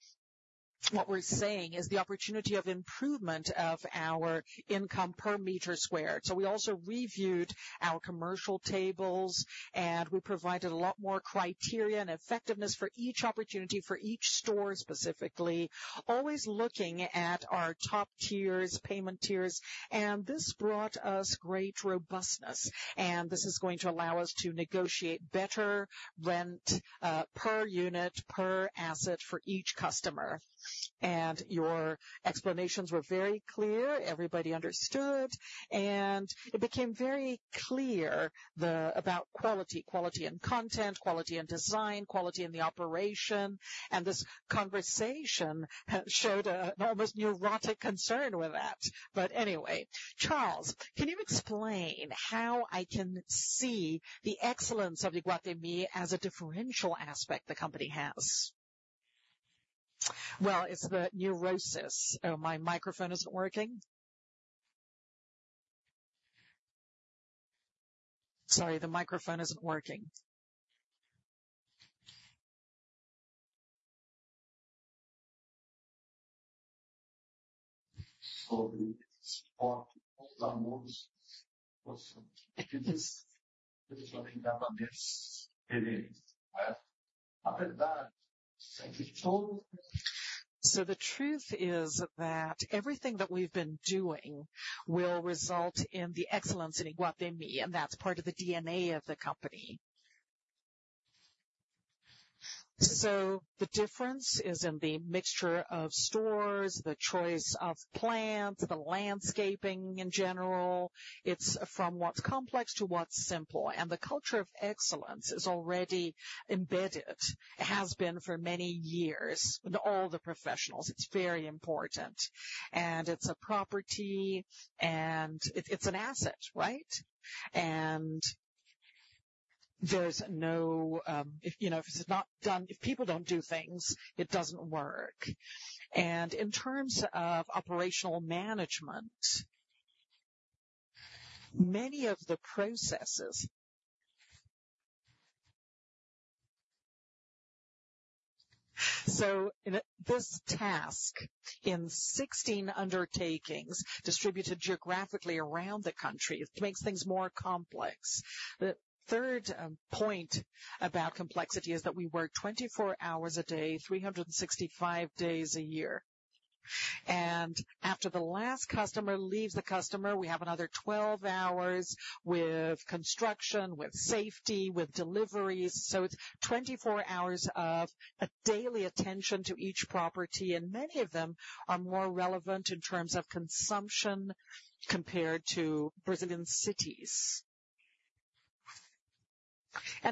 S6: what we're saying is the opportunity of improvement of our income per meter squared. So we also reviewed our commercial tables, and we provided a lot more criteria and effectiveness for each opportunity, for each store specifically, always looking at our top tiers, payment tiers. And this brought us great robustness. This is going to allow us to negotiate better rent per unit, per asset for each customer.
S2: Your explanations were very clear. Everybody understood. It became very clear about quality, quality in content, quality in design, quality in the operation. This conversation showed an almost neurotic concern with that. But anyway, Charles, can you explain how I can see the excellence of Iguatemi as a differential aspect the company has?
S7: Well, it's the neurosis. Oh, my microphone isn't working. Sorry, the microphone isn't working. The truth is that everything that we've been doing will result in the excellence in Iguatemi. That's part of the DNA of the company. So the difference is in the mixture of stores, the choice of plants, the landscaping in general. It's from what's complex to what's simple. The culture of excellence is already embedded. It has been for many years in all the professionals. It's very important. It's a property, and it's an asset, right? There's no if it's not done, if people don't do things, it doesn't work. In terms of operational management, many of the processes so this task, in 16 undertakings distributed geographically around the country, it makes things more complex. The third point about complexity is that we work 24 hours a day, 365 days a year. After the last customer leaves the customer, we have another 12 hours with construction, with safety, with deliveries. It's 24 hours of daily attention to each property. Many of them are more relevant in terms of consumption compared to Brazilian cities.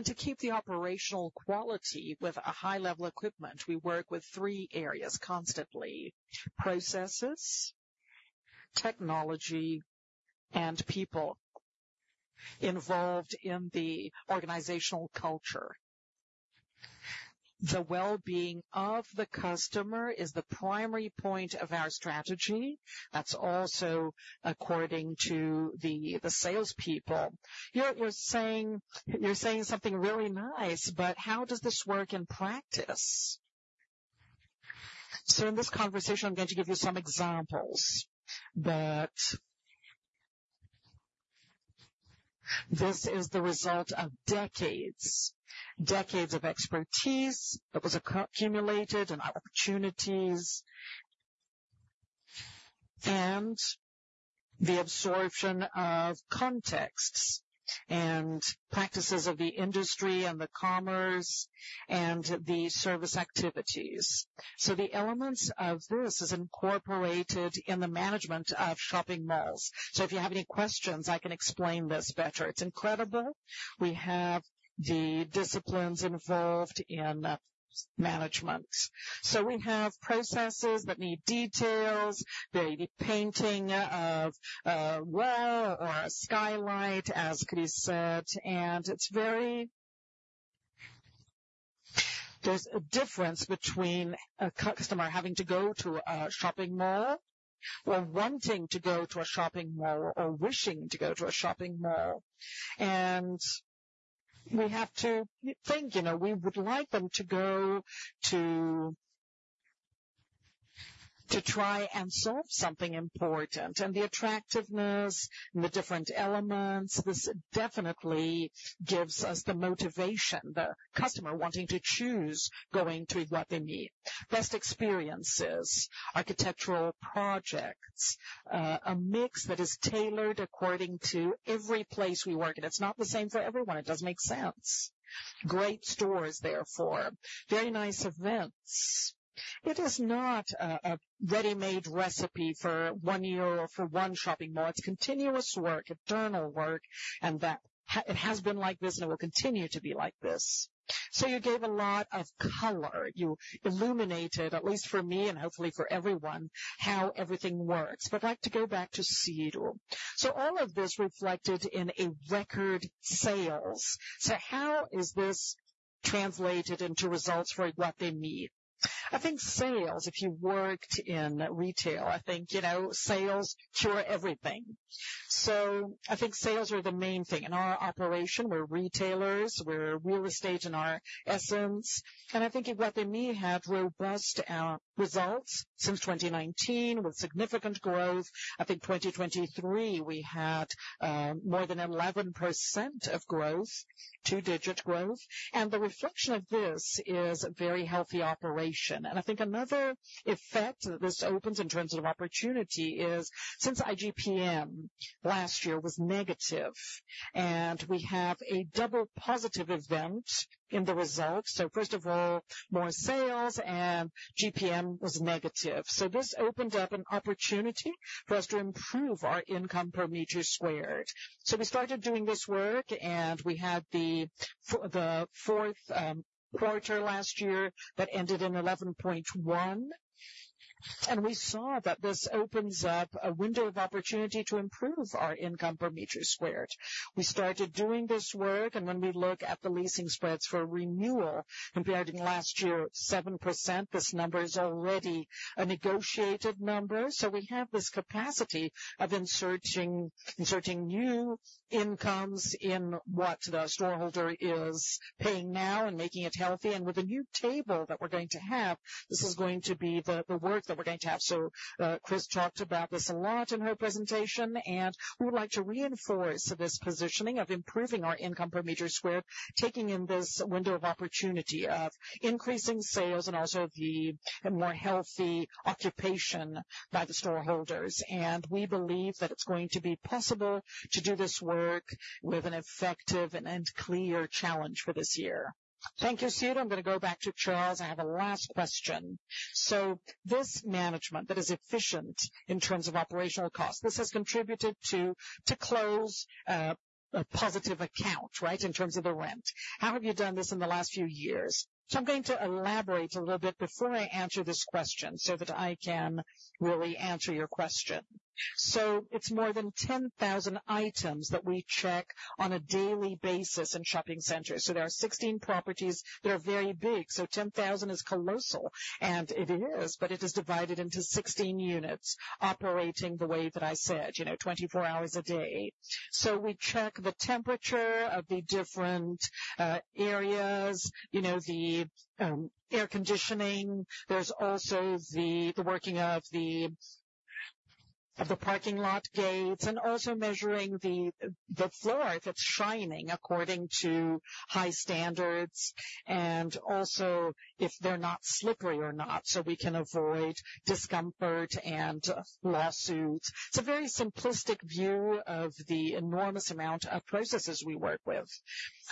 S7: To keep the operational quality with a high-level equipment, we work with 3 areas constantly: processes, technology, and people involved in the organizational culture. The well-being of the customer is the primary point of our strategy. That's also according to the salespeople. You're saying something really nice, but how does this work in practice? So in this conversation, I'm going to give you some examples. But this is the result of decades, decades of expertise that was accumulated and opportunities and the absorption of contexts and practices of the industry and the commerce and the service activities. So the elements of this is incorporated in the management of shopping malls. So if you have any questions, I can explain this better. It's incredible. We have the disciplines involved in management. So we have processes that need details, the painting of a wall or a skylight, as Cris said. There's a difference between a customer having to go to a shopping mall or wanting to go to a shopping mall or wishing to go to a shopping mall. We have to think we would like them to go to try and solve something important. The attractiveness and the different elements, this definitely gives us the motivation, the customer wanting to choose going to Iguatemi, best experiences, architectural projects, a mix that is tailored according to every place we work in. It's not the same for everyone. It doesn't make sense. Great stores, therefore, very nice events. It is not a ready-made recipe for one year or for one shopping mall. It's continuous work, eternal work. It has been like this, and it will continue to be like this.
S2: You gave a lot of color. You illuminated, at least for me and hopefully for everyone, how everything works. But I'd like to go back to Ciro. So all of this reflected in a record sales. So how is this translated into results for Iguatemi?
S6: I think sales, if you worked in retail, I think sales cure everything. So I think sales are the main thing. In our operation, we're retailers. We're real estate in our essence. And I think Iguatemi had robust results since 2019 with significant growth. I think 2023, we had more than 11% of growth, two-digit growth. And the reflection of this is a very healthy operation. And I think another effect that this opens in terms of opportunity is since IGP-M last year was negative, and we have a double positive event in the results. So first of all, more sales, and IGP-M was negative. So this opened up an opportunity for us to improve our income per meter squared. So we started doing this work, and we had the fourth quarter last year that ended in 11.1%. And we saw that this opens up a window of opportunity to improve our income per meter squared. We started doing this work. And when we look at the leasing spreads for renewal compared to last year, 7%, this number is already a negotiated number. So we have this capacity of inserting new incomes in what the storeholder is paying now and making it healthy. And with a new table that we're going to have, this is going to be the work that we're going to have. So Cris talked about this a lot in her presentation. We would like to reinforce this positioning of improving our income per meter squared, taking in this window of opportunity of increasing sales and also the more healthy occupation by the stakeholders. We believe that it's going to be possible to do this work with an effective and clear challenge for this year.
S2: Thank you, Ciro. I'm going to go back to Charles. I have a last question. So this management that is efficient in terms of operational costs, this has contributed to close a positive account, right, in terms of the rent. How have you done this in the last few years?
S7: So I'm going to elaborate a little bit before I answer this question so that I can really answer your question. So it's more than 10,000 items that we check on a daily basis in shopping centers. So there are 16 properties that are very big. So 10,000 is colossal. And it is, but it is divided into 16 units operating the way that I said, 24 hours a day. So we check the temperature of the different areas, the air conditioning. There's also the working of the parking lot gates and also measuring the floor, if it's shining according to high standards, and also if they're not slippery or not so we can avoid discomfort and lawsuits. It's a very simplistic view of the enormous amount of processes we work with.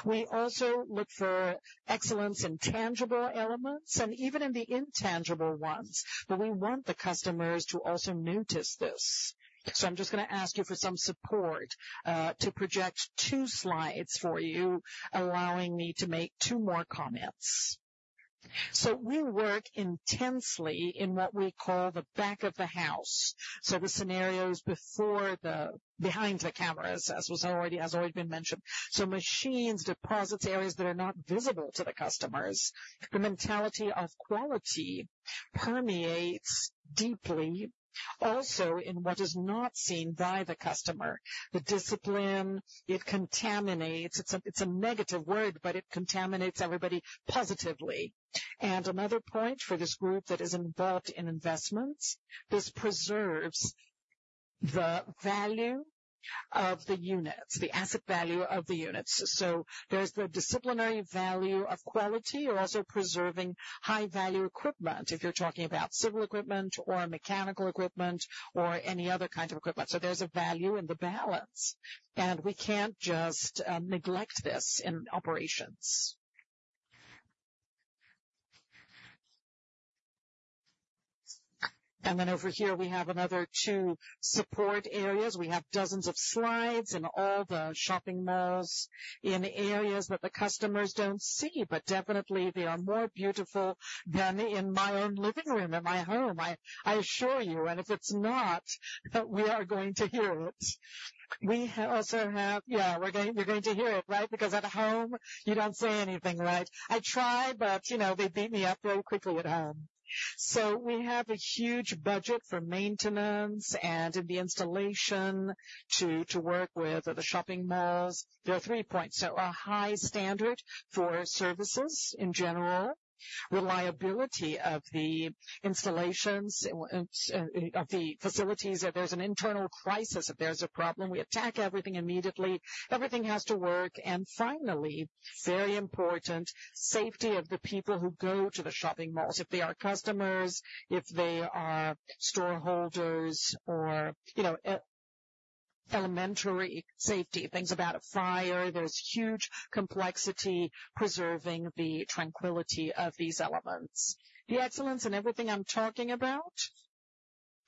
S7: We also look for excellence in tangible elements and even in the intangible ones. But we want the customers to also notice this. So I'm just going to ask you for some support to project two slides for you, allowing me to make two more comments. So we work intensely in what we call the back of the house, so the scenarios behind the cameras, as has already been mentioned, so machines, deposits, areas that are not visible to the customers. The mentality of quality permeates deeply also in what is not seen by the customer, the discipline. It contaminates. It's a negative word, but it contaminates everybody positively. And another point for this group that is involved in investments, this preserves the value of the units, the asset value of the units. So there's the disciplinary value of quality or also preserving high-value equipment if you're talking about civil equipment or mechanical equipment or any other kind of equipment. So there's a value in the balance. And we can't just neglect this in operations. And then over here, we have another two support areas. We have dozens of slides in all the shopping malls in areas that the customers don't see. But definitely, they are more beautiful than in my own living room, in my home, I assure you. And if it's not, we are going to hear it. We also have yeah, you're going to hear it, right? Because at home, you don't say anything, right? I try, but they beat me up very quickly at home. So we have a huge budget for maintenance and the installation to work with the shopping malls. There are three points. So a high standard for services in general, reliability of the installations of the facilities. If there's an internal crisis, if there's a problem, we attack everything immediately. Everything has to work. Finally, very important, safety of the people who go to the shopping malls, if they are customers, if they are stakeholders, or elementary safety, things about a fire. There's huge complexity preserving the tranquility of these elements. The excellence in everything I'm talking about,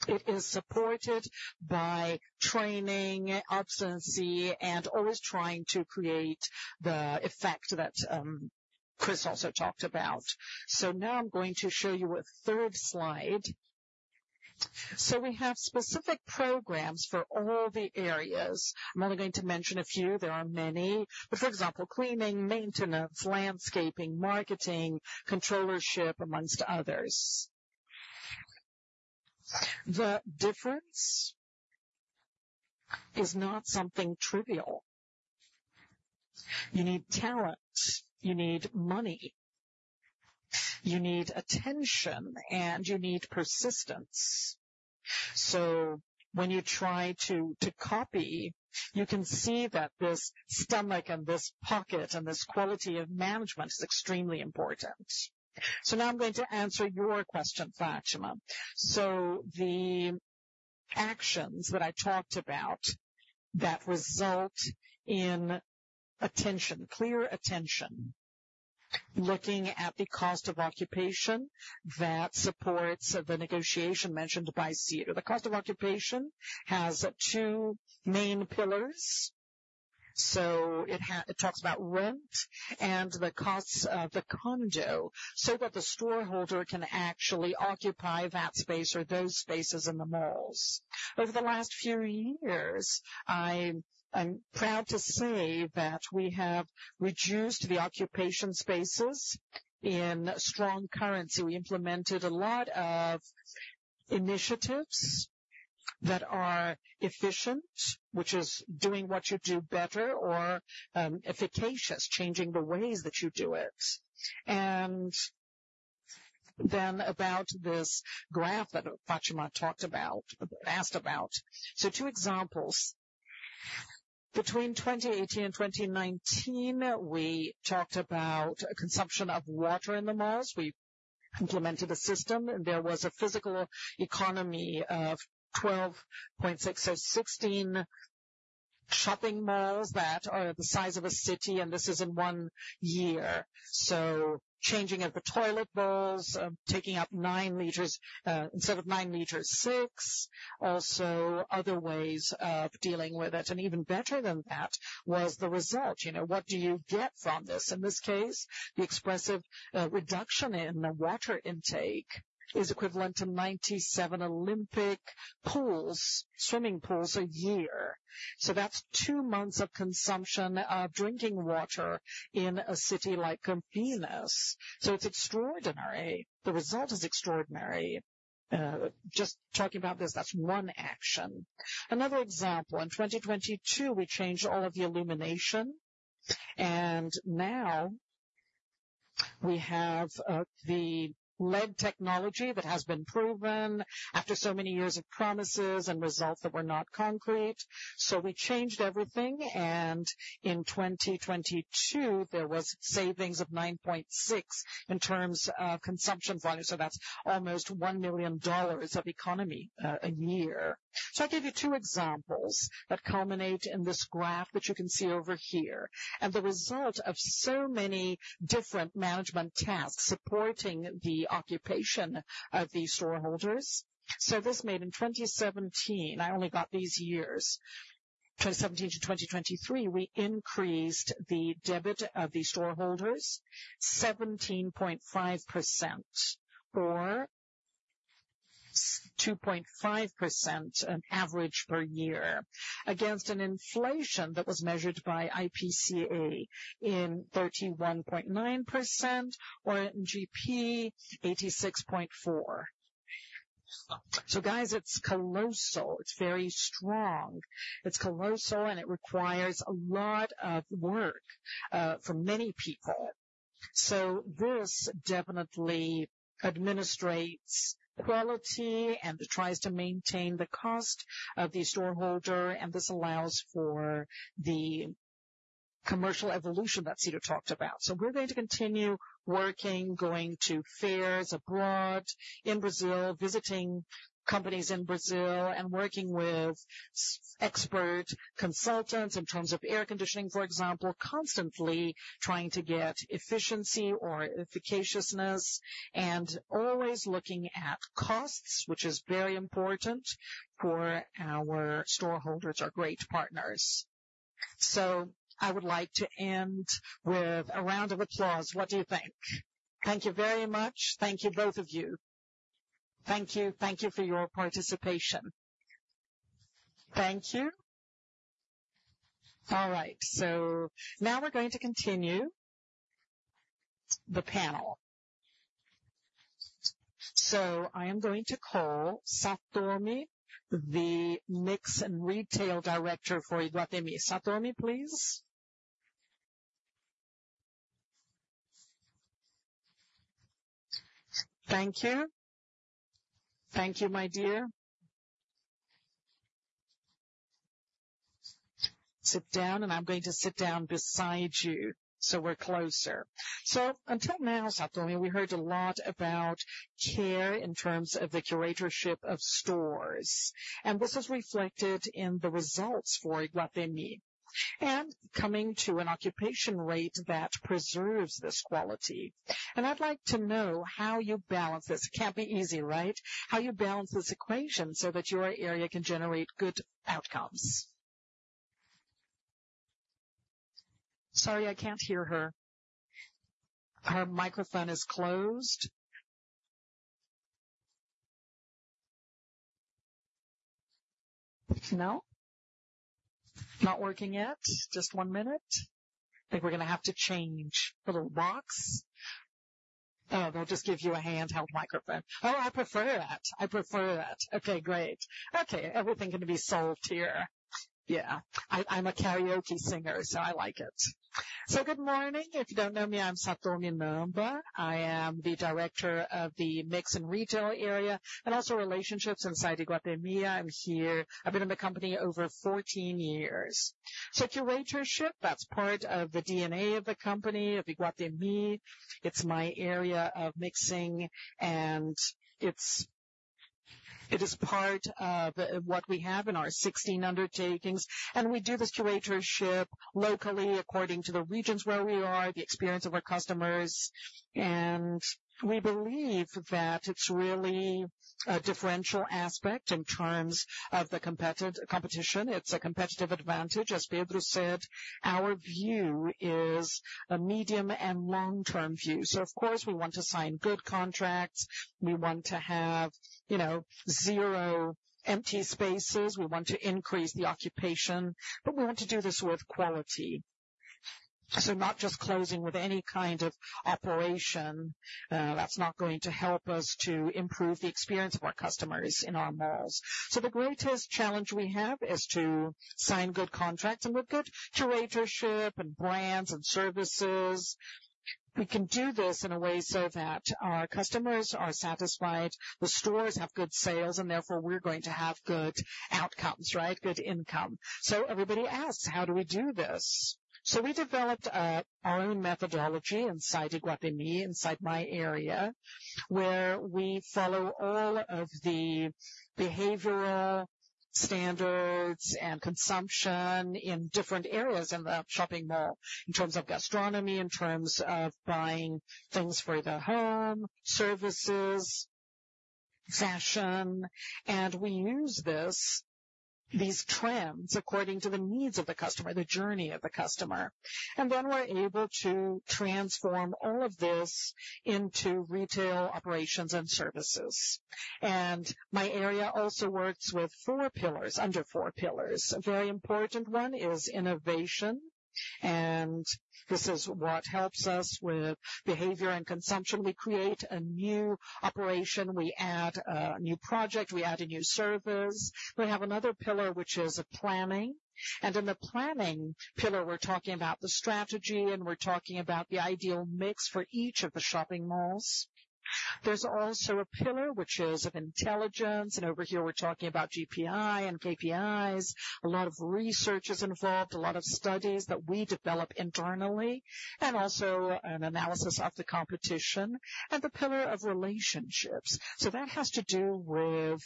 S7: it is supported by training, agency, and always trying to create the effect that Cris also talked about. Now I'm going to show you a third slide. We have specific programs for all the areas. I'm only going to mention a few. There are many. For example, cleaning, maintenance, landscaping, marketing, controllership, among others. The difference is not something trivial. You need talent. You need money. You need attention, and you need persistence. When you try to copy, you can see that this so much and this pocket and this quality of management is extremely important. So now I'm going to answer your question, Fatima. The actions that I talked about that result in attention, clear attention, looking at the cost of occupation that supports the negotiation mentioned by Ciro, the cost of occupation has two main pillars. It talks about rent and the costs of the condo so that the storeholder can actually occupy that space or those spaces in the malls. Over the last few years, I'm proud to say that we have reduced the occupation spaces in strong currency. We implemented a lot of initiatives that are efficient, which is doing what you do better or efficacious, changing the ways that you do it. Then about this graph that Fatima talked about, asked about. Two examples. Between 2018 and 2019, we talked about consumption of water in the malls. We implemented a system, and there was a physical economy of 12.6, so 16 shopping malls that are the size of a city. This is in one year. So changing of the toilet bowls, taking up 6 liters instead of 9 liters, also other ways of dealing with it. And even better than that was the result. What do you get from this? In this case, the expressive reduction in the water intake is equivalent to 97 Olympic pools, swimming pools a year. So that's two months of consumption of drinking water in a city like Athens. So it's extraordinary. The result is extraordinary. Just talking about this, that's one action. Another example, in 2022, we changed all of the illumination. Now we have the LED technology that has been proven after so many years of promises and results that were not concrete. So we changed everything. In 2022, there was savings of 9.6 in terms of consumption volume. So that's almost $1 million of economy a year. So I gave you 2 examples that culminate in this graph that you can see over here and the result of so many different management tasks supporting the occupation of the storeholders. So this made in 2017, I only got these years, 2017 to 2023, we increased the debit of the storeholders 17.5% or 2.5% an average per year against an inflation that was measured by IPCA in 31.9% or in IGP-M, 86.4%. So guys, it's colossal. It's very strong. It's colossal, and it requires a lot of work for many people. So this definitely demonstrates quality and tries to maintain the cost of the storeholder. And this allows for the commercial evolution that Ciro talked about. So we're going to continue working, going to fairs abroad in Brazil, visiting companies in Brazil, and working with expert consultants in terms of air conditioning, for example, constantly trying to get efficiency or efficaciousness and always looking at costs, which is very important for our shareholders, our great partners.
S2: So I would like to end with a round of applause. What do you think? Thank you very much. Thank you, both of you. Thank you. Thank you for your participation. Thank you. All right. So now we're going to continue the panel. So I am going to call Saturmi, the Mix and Retail Director for Iguatemi. Saturmi, please.
S8: Thank you.
S2: Thank you, my dear. Sit down, and I'm going to sit down beside you so we're closer. So until now, Saturmi, we heard a lot about care in terms of the curatorship of stores. This is reflected in the results for Iguatemi and coming to an occupation rate that preserves this quality. I'd like to know how you balance this. It can't be easy, right? How you balance this equation so that your area can generate good outcomes. Sorry, I can't hear her. Her microphone is closed. No? Not working yet? Just one minute? I think we're going to have to change the little box. Oh, they'll just give you a handheld microphone.
S8: Oh, I prefer that. I prefer that. Okay, great. Okay, everything can be solved here. Yeah. I'm a karaoke singer, so I like it. Good morning. If you don't know me, I'm Saturni Luciana. I am the director of the mix and retail area and also relationships inside Iguatemi. I've been in the company over 14 years. So curatorship, that's part of the DNA of the company, of Iguatemi. It's my area of mixing, and it is part of what we have in our 16 undertakings. We do this curatorship locally according to the regions where we are, the experience of our customers. We believe that it's really a differential aspect in terms of the competition. It's a competitive advantage. As Pedro said, our view is a medium and long-term view. Of course, we want to sign good contracts. We want to have 0 empty spaces. We want to increase the occupation. But we want to do this with quality, so not just closing with any kind of operation. That's not going to help us to improve the experience of our customers in our malls. The greatest challenge we have is to sign good contracts and with good curatorship and brands and services. We can do this in a way so that our customers are satisfied, the stores have good sales, and therefore, we're going to have good outcomes, right, good income. So everybody asks, "How do we do this?" We developed our own methodology inside Iguatemi, inside my area, where we follow all of the behavioral standards and consumption in different areas in the shopping mall in terms of gastronomy, in terms of buying things for the home, services, fashion. We use these trends according to the needs of the customer, the journey of the customer. Then we're able to transform all of this into retail operations and services. My area also works with four pillars, under four pillars. A very important one is innovation. This is what helps us with behavior and consumption. We create a new operation. We add a new project. We add a new service. We have another pillar, which is planning. In the planning pillar, we're talking about the strategy, and we're talking about the ideal mix for each of the shopping malls. There's also a pillar, which is of intelligence. Over here, we're talking about GRI and KPIs, a lot of research is involved, a lot of studies that we develop internally, and also an analysis of the competition and the pillar of relationships. So that has to do with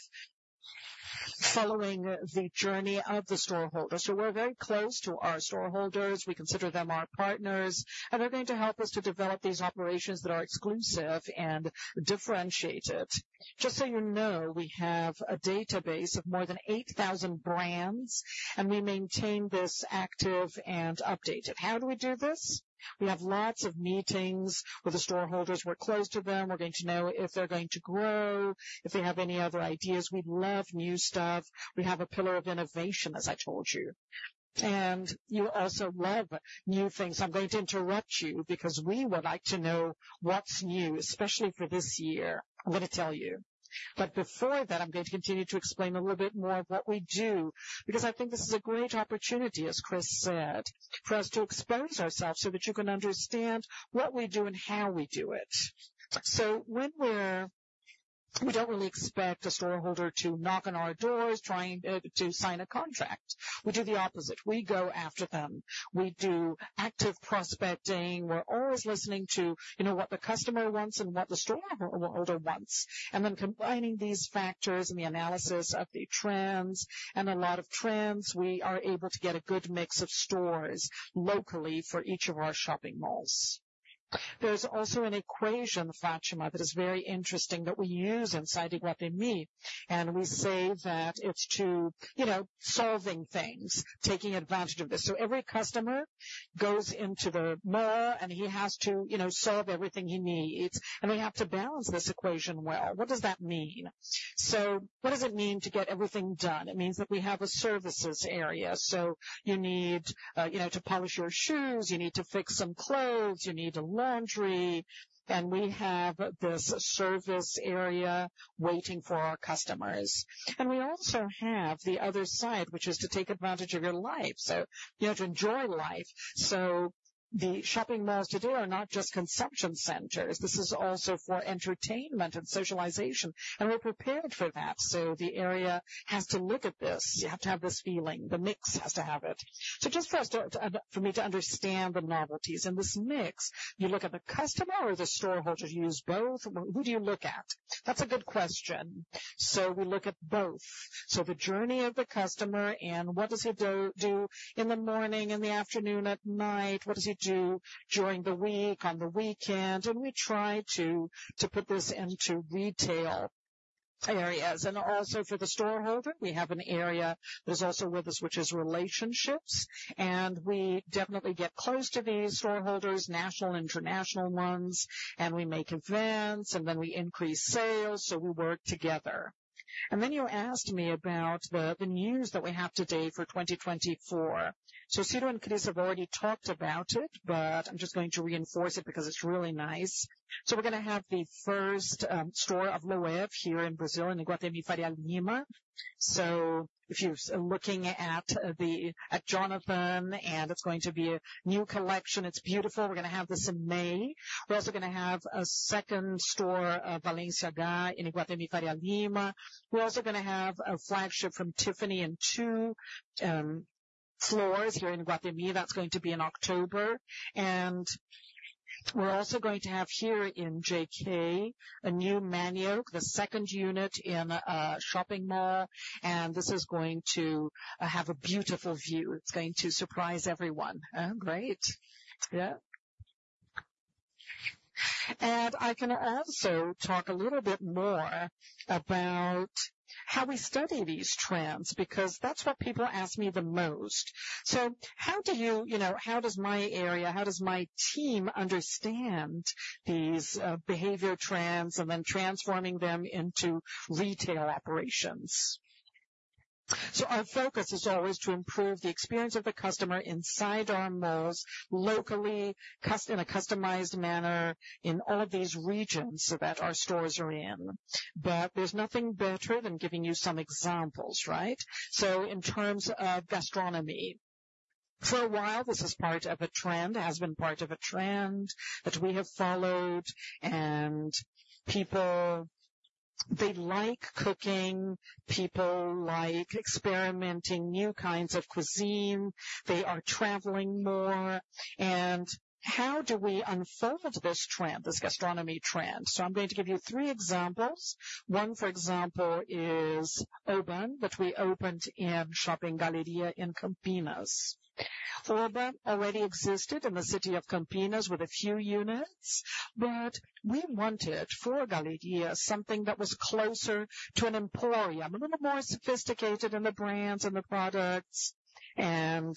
S8: following the journey of the storeholder. So we're very close to our storeholders. We consider them our partners. And they're going to help us to develop these operations that are exclusive and differentiated. Just so you know, we have a database of more than 8,000 brands, and we maintain this active and updated. How do we do this? We have lots of meetings with the storeholders. We're close to them. We're going to know if they're going to grow, if they have any other ideas. We love new stuff. We have a pillar of innovation, as I told you. You also love new things. I'm going to interrupt you because we would like to know what's new, especially for this year. I'm going to tell you. Before that, I'm going to continue to explain a little bit more of what we do because I think this is a great opportunity, as Cris said, for us to expose ourselves so that you can understand what we do and how we do it. We don't really expect a storeholder to knock on our doors trying to sign a contract. We do the opposite. We go after them. We do active prospecting. We're always listening to what the customer wants and what the storeholder wants and then combining these factors and the analysis of the trends. And a lot of trends, we are able to get a good mix of stores locally for each of our shopping malls. There's also an equation, Fatima, that is very interesting that we use inside Iguatemi. And we say that it's to solving things, taking advantage of this. So every customer goes into the mall, and he has to solve everything he needs. And we have to balance this equation well. What does that mean? So what does it mean to get everything done? It means that we have a services area. So you need to polish your shoes. You need to fix some clothes. You need laundry. And we have this service area waiting for our customers. We also have the other side, which is to take advantage of your life, so to enjoy life. So the shopping malls today are not just consumption centers. This is also for entertainment and socialization. And we're prepared for that. So the area has to look at this. You have to have this feeling. The mix has to have it.
S2: So just for me to understand the novelties in this mix, you look at the customer or the stakeholders? You use both? Who do you look at?
S8: That's a good question. So we look at both. So the journey of the customer and what does he do in the morning, in the afternoon, at night? What does he do during the week, on the weekend? And we try to put this into retail areas. And also for the storeholders, we have an area that is also with us, which is relationships. And we definitely get close to these storeholders, national and international ones. And we make events, and then we increase sales. So we work together. And then you asked me about the news that we have today for 2024. So Ciro and Cris have already talked about it, but I'm just going to reinforce it because it's really nice. So we're going to have the first store of Loewe here in Brazil, in Iguatemi Faria Lima. So if you're looking at Jonathan, and it's going to be a new collection. It's beautiful. We're going to have this in May. We're also going to have a second store of Balenciaga in Iguatemi Faria Lima. We're also going to have a flagship from Tiffany in two floors here in Iguatemi. That's going to be in October. And we're also going to have here in JK a new Manioca, the second unit in a shopping mall. And this is going to have a beautiful view. It's going to surprise everyone. Great. Yeah. And I can also talk a little bit more about how we study these trends because that's what people ask me the most. So how do you how does my area how does my team understand these behavior trends and then transforming them into retail operations? So our focus is always to improve the experience of the customer inside our malls locally in a customized manner in all of these regions that our stores are in. But there's nothing better than giving you some examples, right? So, in terms of gastronomy, for a while, this is part of a trend, has been part of a trend that we have followed. And people, they like cooking. People like experimenting new kinds of cuisine. They are traveling more. And how do we unfold this trend, this gastronomy trend? So, I'm going to give you three examples. One, for example, is Oba that we opened in Shopping Galleria in Campinas. Oba already existed in the city of Campinas with a few units. But we wanted for Galleria something that was closer to an emporium, a little more sophisticated in the brands and the products and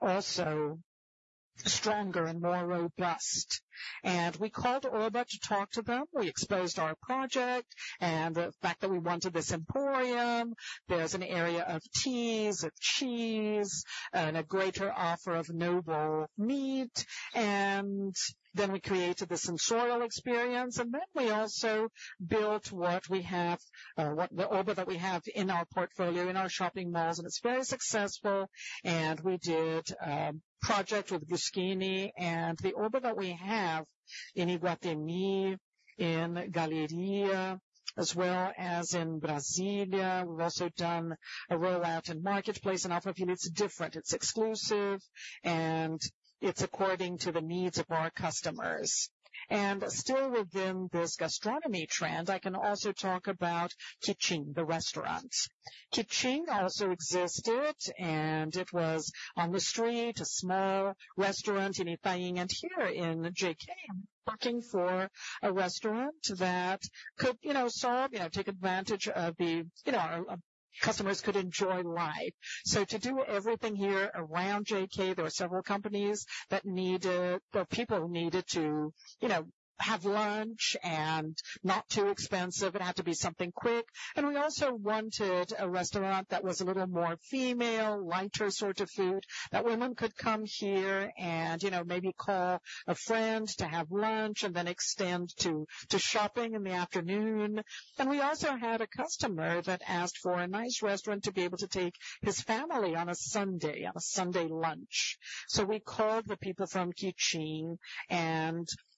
S8: also stronger and more robust. And we called Oba to talk to them. We exposed our project and the fact that we wanted this emporium. There's an area of teas, of cheese, and a greater offer of noble meat. Then we created this sensorial experience. Then we also built what we have, the Oba that we have in our portfolio, in our shopping malls. And it's very successful. And we did a project with Gucci. And the Oba that we have in Iguatemi, in Galleria, as well as in Brasília, we've also done a rollout in Market Place. And I'll tell you, it's different. It's exclusive, and it's according to the needs of our customers. And still within this gastronomy trend, I can also talk about Kitchin, the restaurant. Kitchin also existed, and it was on the street, a small restaurant in Itaim and here in JK, working for a restaurant that could solve, take advantage of the our customers could enjoy life. So to do everything here around JK, there were several companies that needed or people needed to have lunch and not too expensive. It had to be something quick. We also wanted a restaurant that was a little more female, lighter sort of food, that women could come here and maybe call a friend to have lunch and then extend to shopping in the afternoon. We also had a customer that asked for a nice restaurant to be able to take his family on a Sunday, on a Sunday lunch. We called the people from Kitchin.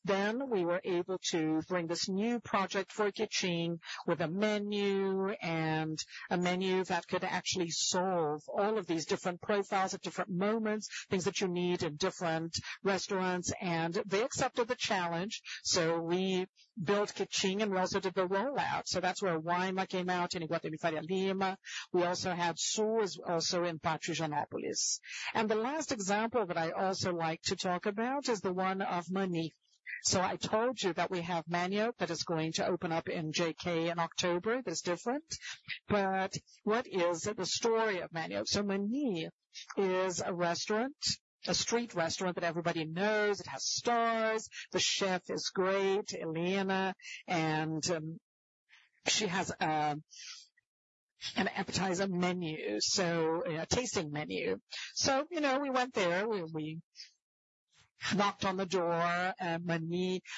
S8: Then we were able to bring this new project for Kitchin with a menu and a menu that could actually solve all of these different profiles at different moments, things that you need in different restaurants. They accepted the challenge. We built Kitchin, and we also did the rollout. That's where Aima came out in Iguatemi Faria Lima. We also had Su also in Pátio Higienópolis. The last example that I also like to talk about is the one of Mani. I told you that we have Maniok that is going to open up in JK in October; that's different. But what is it, the story of Maniok? Mani is a restaurant, a street restaurant that everybody knows. It has stars. The chef is great, Helena. And she has an appetizer menu, so a tasting menu. We went there. We knocked on the door.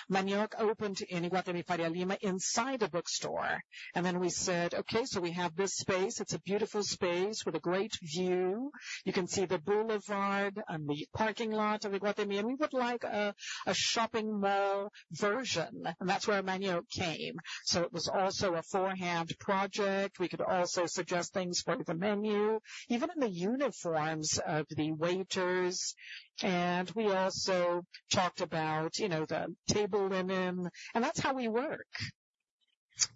S8: Manioc opened in Iguatemi Faria Lima, inside a bookstore. And then we said, "Okay. So we have this space. It's a beautiful space with a great view. You can see the boulevard and the parking lot of Iguatemi. And we would like a shopping mall version." And that's where Maniok came. It was also a forehand project. We could also suggest things for the menu, even in the uniforms of the waiters. We also talked about the table linen. That's how we work.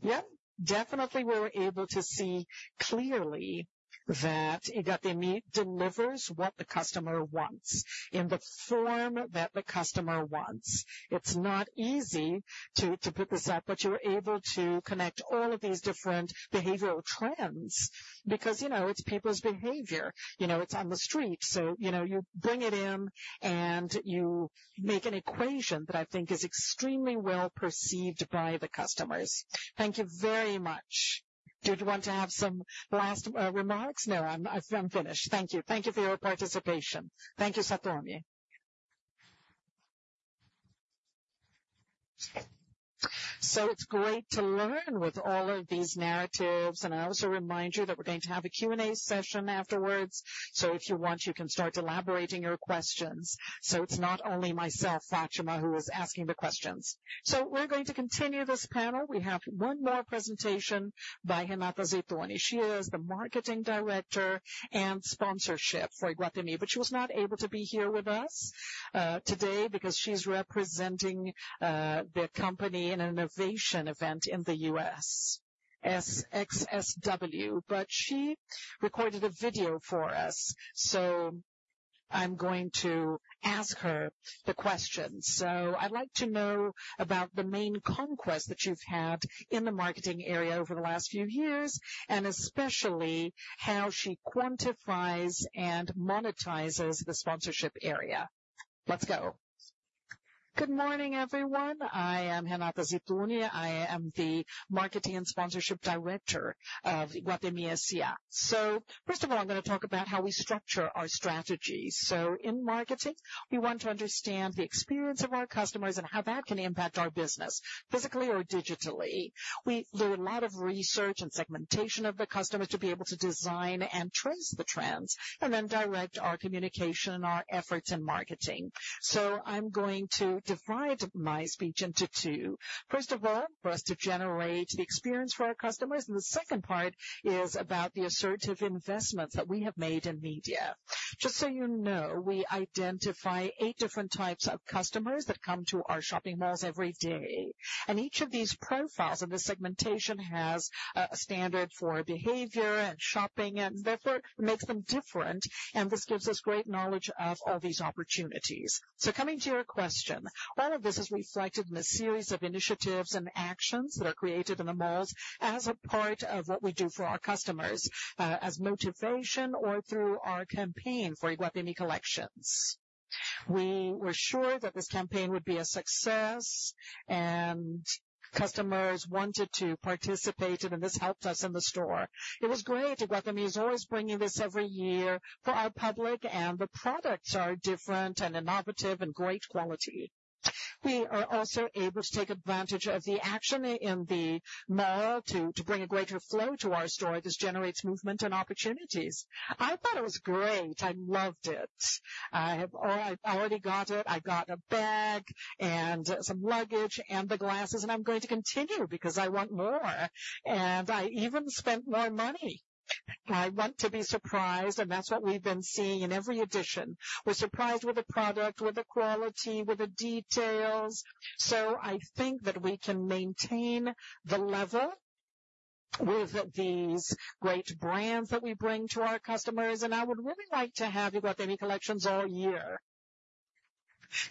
S8: Yeah. Definitely, we were able to see clearly that Iguatemi delivers what the customer wants in the form that the customer wants. It's not easy to put this up, but you're able to connect all of these different behavioral trends because it's people's behavior. It's on the street. You bring it in, and you make an equation that I think is extremely well perceived by the customers.
S2: Thank you very much. Did you want to have some last remarks?
S8: No. I'm finished. Thank you.
S2: Thank you for your participation. Thank you, Saturni. It's great to learn with all of these narratives. I also remind you that we're going to have a Q&A session afterwards. If you want, you can start elaborating your questions. It's not only myself, Fatima, who is asking the questions. We're going to continue this panel. We have one more presentation by Renata Zitune. She is the marketing and sponsorship director for Iguatemi. But she was not able to be here with us today because she's representing the company in an innovation event in the US, SXSW. But she recorded a video for us. I'm going to ask her the questions. I'd like to know about the main conquest that you've had in the marketing area over the last few years and especially how she quantifies and monetizes the sponsorship area. Let's go.
S9: Good morning, everyone. I am Renata Zitune. I am the marketing and sponsorship director of Iguatemi S.A. First of all, I'm going to talk about how we structure our strategies. So in marketing, we want to understand the experience of our customers and how that can impact our business physically or digitally. We do a lot of research and segmentation of the customers to be able to design and trace the trends and then direct our communication and our efforts in marketing. So I'm going to divide my speech into two. First of all, for us to generate the experience for our customers. And the second part is about the assertive investments that we have made in media. Just so you know, we identify eight different types of customers that come to our shopping malls every day. And each of these profiles and this segmentation has a standard for behavior and shopping. And therefore, it makes them different. And this gives us great knowledge of all these opportunities. So coming to your question, all of this is reflected in a series of initiatives and actions that are created in the malls as a part of what we do for our customers, as motivation or through our campaign for Iguatemi collections. We were sure that this campaign would be a success, and customers wanted to participate in it. And this helped us in the store. It was great. Iguatemi is always bringing this every year for our public. And the products are different and innovative and great quality. We are also able to take advantage of the action in the mall to bring a greater flow to our store. This generates movement and opportunities. I thought it was great. I loved it. I've already got it. I got a bag and some luggage and the glasses. And I'm going to continue because I want more. And I even spent more money. I want to be surprised. And that's what we've been seeing in every edition. We're surprised with the product, with the quality, with the details. So I think that we can maintain the level with these great brands that we bring to our customers. And I would really like to have Iguatemi collections all year,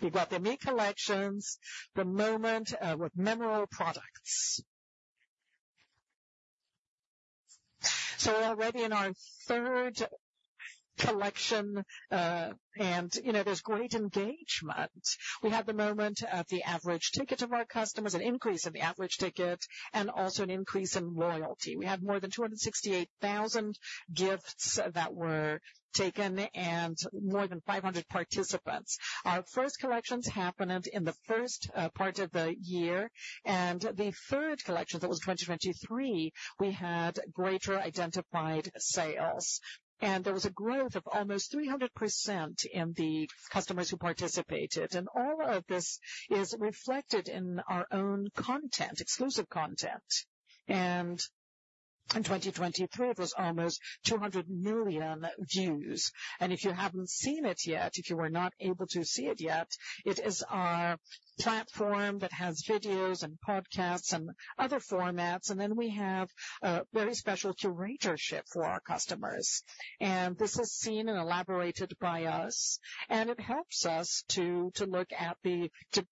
S9: Iguatemi collections, the moment with memorable products. So we're already in our third collection. And there's great engagement. We had the moment at the average ticket of our customers, an increase in the average ticket, and also an increase in loyalty. We had more than 268,000 gifts that were taken and more than 500 participants. Our first collections happened in the first part of the year. And the third collection, that was 2023, we had greater identified sales. There was a growth of almost 300% in the customers who participated. All of this is reflected in our own content, exclusive content. In 2023, it was almost 200 million views. If you haven't seen it yet, if you were not able to see it yet, it is our platform that has videos and podcasts and other formats. Then we have a very special curatorship for our customers. This is seen and elaborated by us. It helps us to look at the to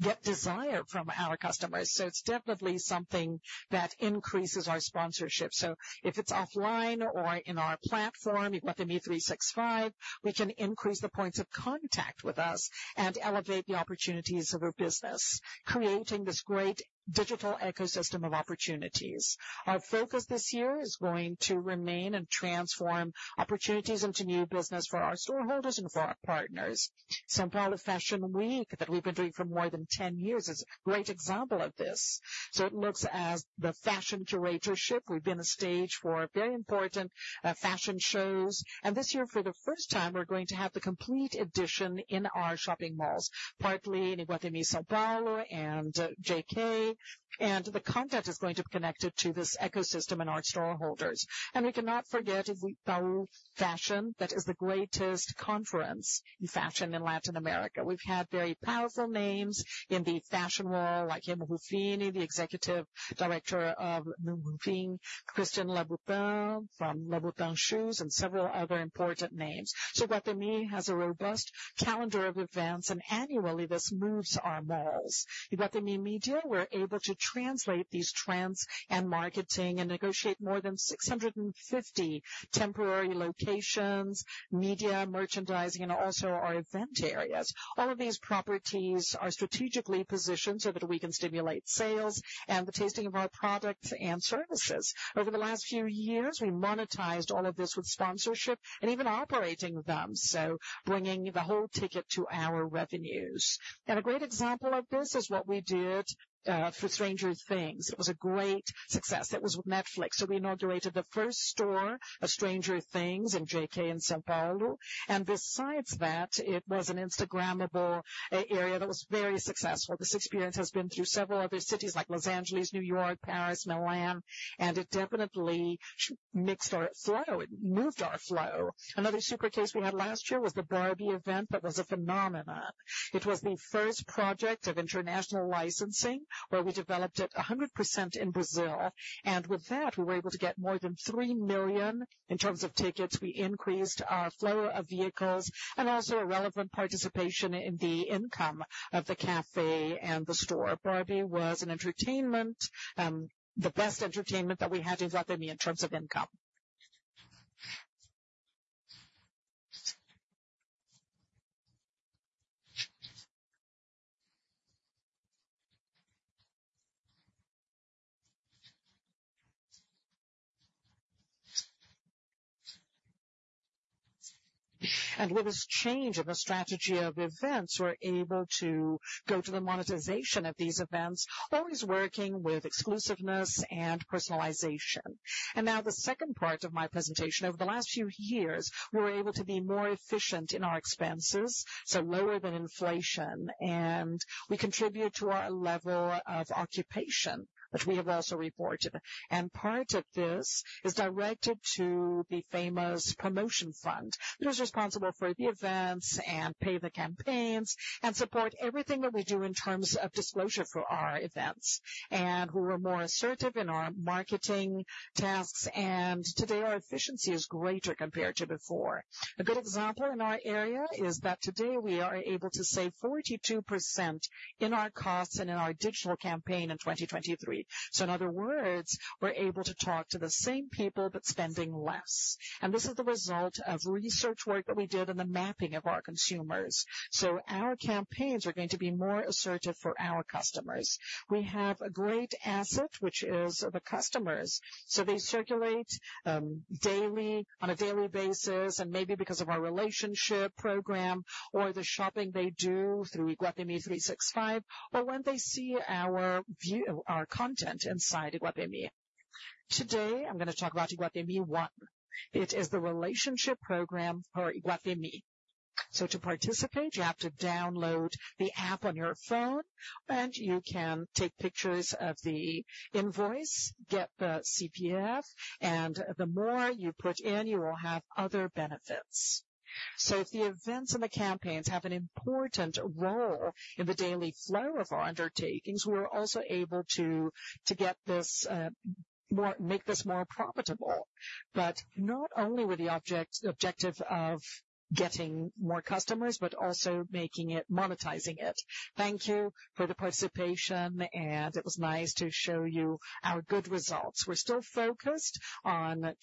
S9: get desire from our customers. It's definitely something that increases our sponsorship. If it's offline or in our platform, Iguatemi 365, we can increase the points of contact with us and elevate the opportunities of our business, creating this great digital ecosystem of opportunities. Our focus this year is going to remain and transform opportunities into new business for our stakeholders and for our partners. São Paulo Fashion Week that we've been doing for more than 10 years is a great example of this. So it looks as the fashion curatorship. We've been a stage for very important fashion shows. And this year, for the first time, we're going to have the complete edition in our shopping malls, partly in Iguatemi, São Paulo, and JK. And the content is going to be connected to this ecosystem and our stakeholders. And we cannot forget Iguatemi Talks Fashion. That is the greatest conference in fashion in Latin America. We've had very powerful names in the fashion world like Remo Ruffini, the executive director of Rufini, Christian Louboutin from Louboutin Shoes, and several other important names. So Iguatemi has a robust calendar of events. Annually, this moves our malls. Iguatemi Media, we're able to translate these trends and marketing and negotiate more than 650 temporary locations, media merchandising, and also our event areas. All of these properties are strategically positioned so that we can stimulate sales and the tasting of our products and services. Over the last few years, we monetized all of this with sponsorship and even operating them, so bringing the whole ticket to our revenues. A great example of this is what we did for Stranger Things. It was a great success. It was with Netflix. So we inaugurated the first store of Stranger Things in JK and São Paulo. Besides that, it was an Instagrammable area that was very successful. This experience has been through several other cities like Los Angeles, New York, Paris, Milan. It definitely mixed our flow. It moved our flow. Another super case we had last year was the Barbie event that was a phenomenon. It was the first project of international licensing where we developed it 100% in Brazil. And with that, we were able to get more than 3 million in terms of tickets. We increased our flow of vehicles and also a relevant participation in the income of the café and the store. Barbie was the best entertainment that we had in Iguatemi in terms of income. And with this change in the strategy of events, we're able to go to the monetization of these events, always working with exclusiveness and personalization. And now the second part of my presentation, over the last few years, we were able to be more efficient in our expenses, so lower than inflation. And we contribute to our level of occupation that we have also reported. Part of this is directed to the famous promotion fund that is responsible for the events and pay the campaigns and support everything that we do in terms of disclosure for our events and who are more assertive in our marketing tasks. Today, our efficiency is greater compared to before. A good example in our area is that today, we are able to save 42% in our costs and in our digital campaign in 2023. In other words, we're able to talk to the same people but spending less. This is the result of research work that we did and the mapping of our consumers. Our campaigns are going to be more assertive for our customers. We have a great asset, which is the customers. They circulate on a daily basis and maybe because of our relationship program or the shopping they do through Iguatemi 365 or when they see our content inside Iguatemi. Today, I'm going to talk about Iguatemi One. It is the relationship program for Iguatemi. To participate, you have to download the app on your phone. You can take pictures of the invoice, get the CPF. The more you put in, you will have other benefits. If the events and the campaigns have an important role in the daily flow of our undertakings, we are also able to make this more profitable, but not only with the objective of getting more customers but also monetizing it. Thank you for the participation. It was nice to show you our good results. We're still focused on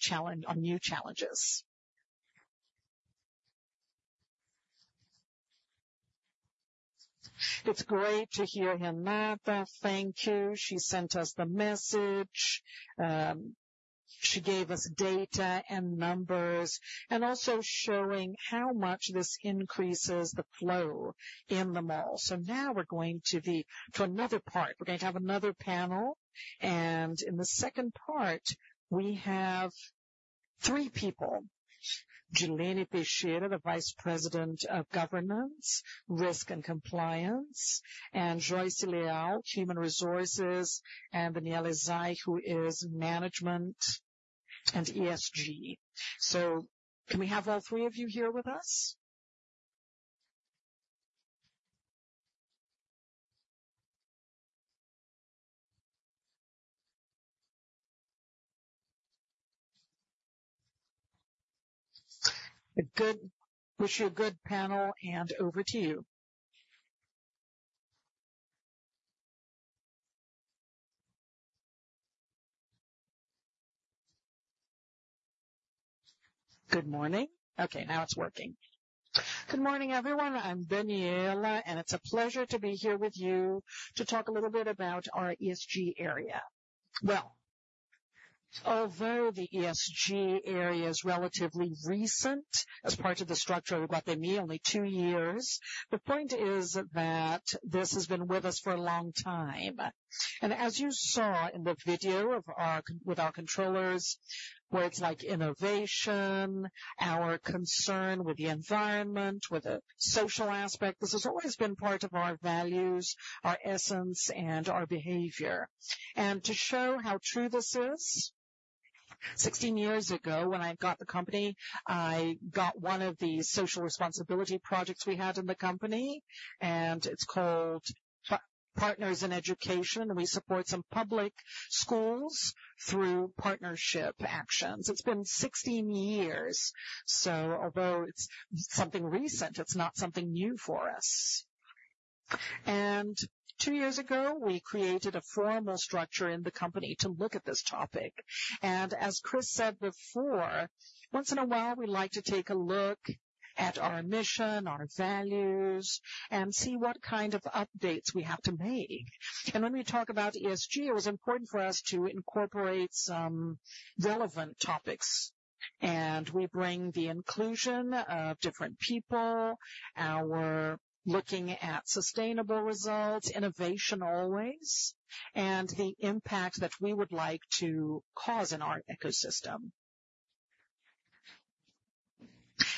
S9: new challenges.
S2: It's great to hear, Renata. Thank you. She sent us the message. She gave us data and numbers and also showing how much this increases the flow in the mall. Now we're going to another part. We're going to have another panel. In the second part, we have three people: Gilene Teixeira, the Vice President of Governance, Risk and Compliance; Joyce Leal, Human Resources; and Daniela Isai, who is Management and ESG. So can we have all three of you here with us? Wish you a good panel. Over to you.
S10: Good morning. Okay. Now it's working. Good morning, everyone. I'm Daniella. It's a pleasure to be here with you to talk a little bit about our ESG area. Well, although the ESG area is relatively recent as part of the structure of Iguatemi, only two years, the point is that this has been with us for a long time. As you saw in the video with our controllers, where it's like innovation, our concern with the environment, with the social aspect, this has always been part of our values, our essence, and our behavior. To show how true this is, 16 years ago, when I got the company, I got one of the social responsibility projects we had in the company. And it's called Partners in Education. And we support some public schools through partnership actions. It's been 16 years. So although it's something recent, it's not something new for us. And 2 years ago, we created a formal structure in the company to look at this topic. And as Chris said before, once in a while, we like to take a look at our mission, our values, and see what kind of updates we have to make. When we talk about ESG, it was important for us to incorporate some relevant topics. And we bring the inclusion of different people, looking at sustainable results, innovation always, and the impact that we would like to cause in our ecosystem.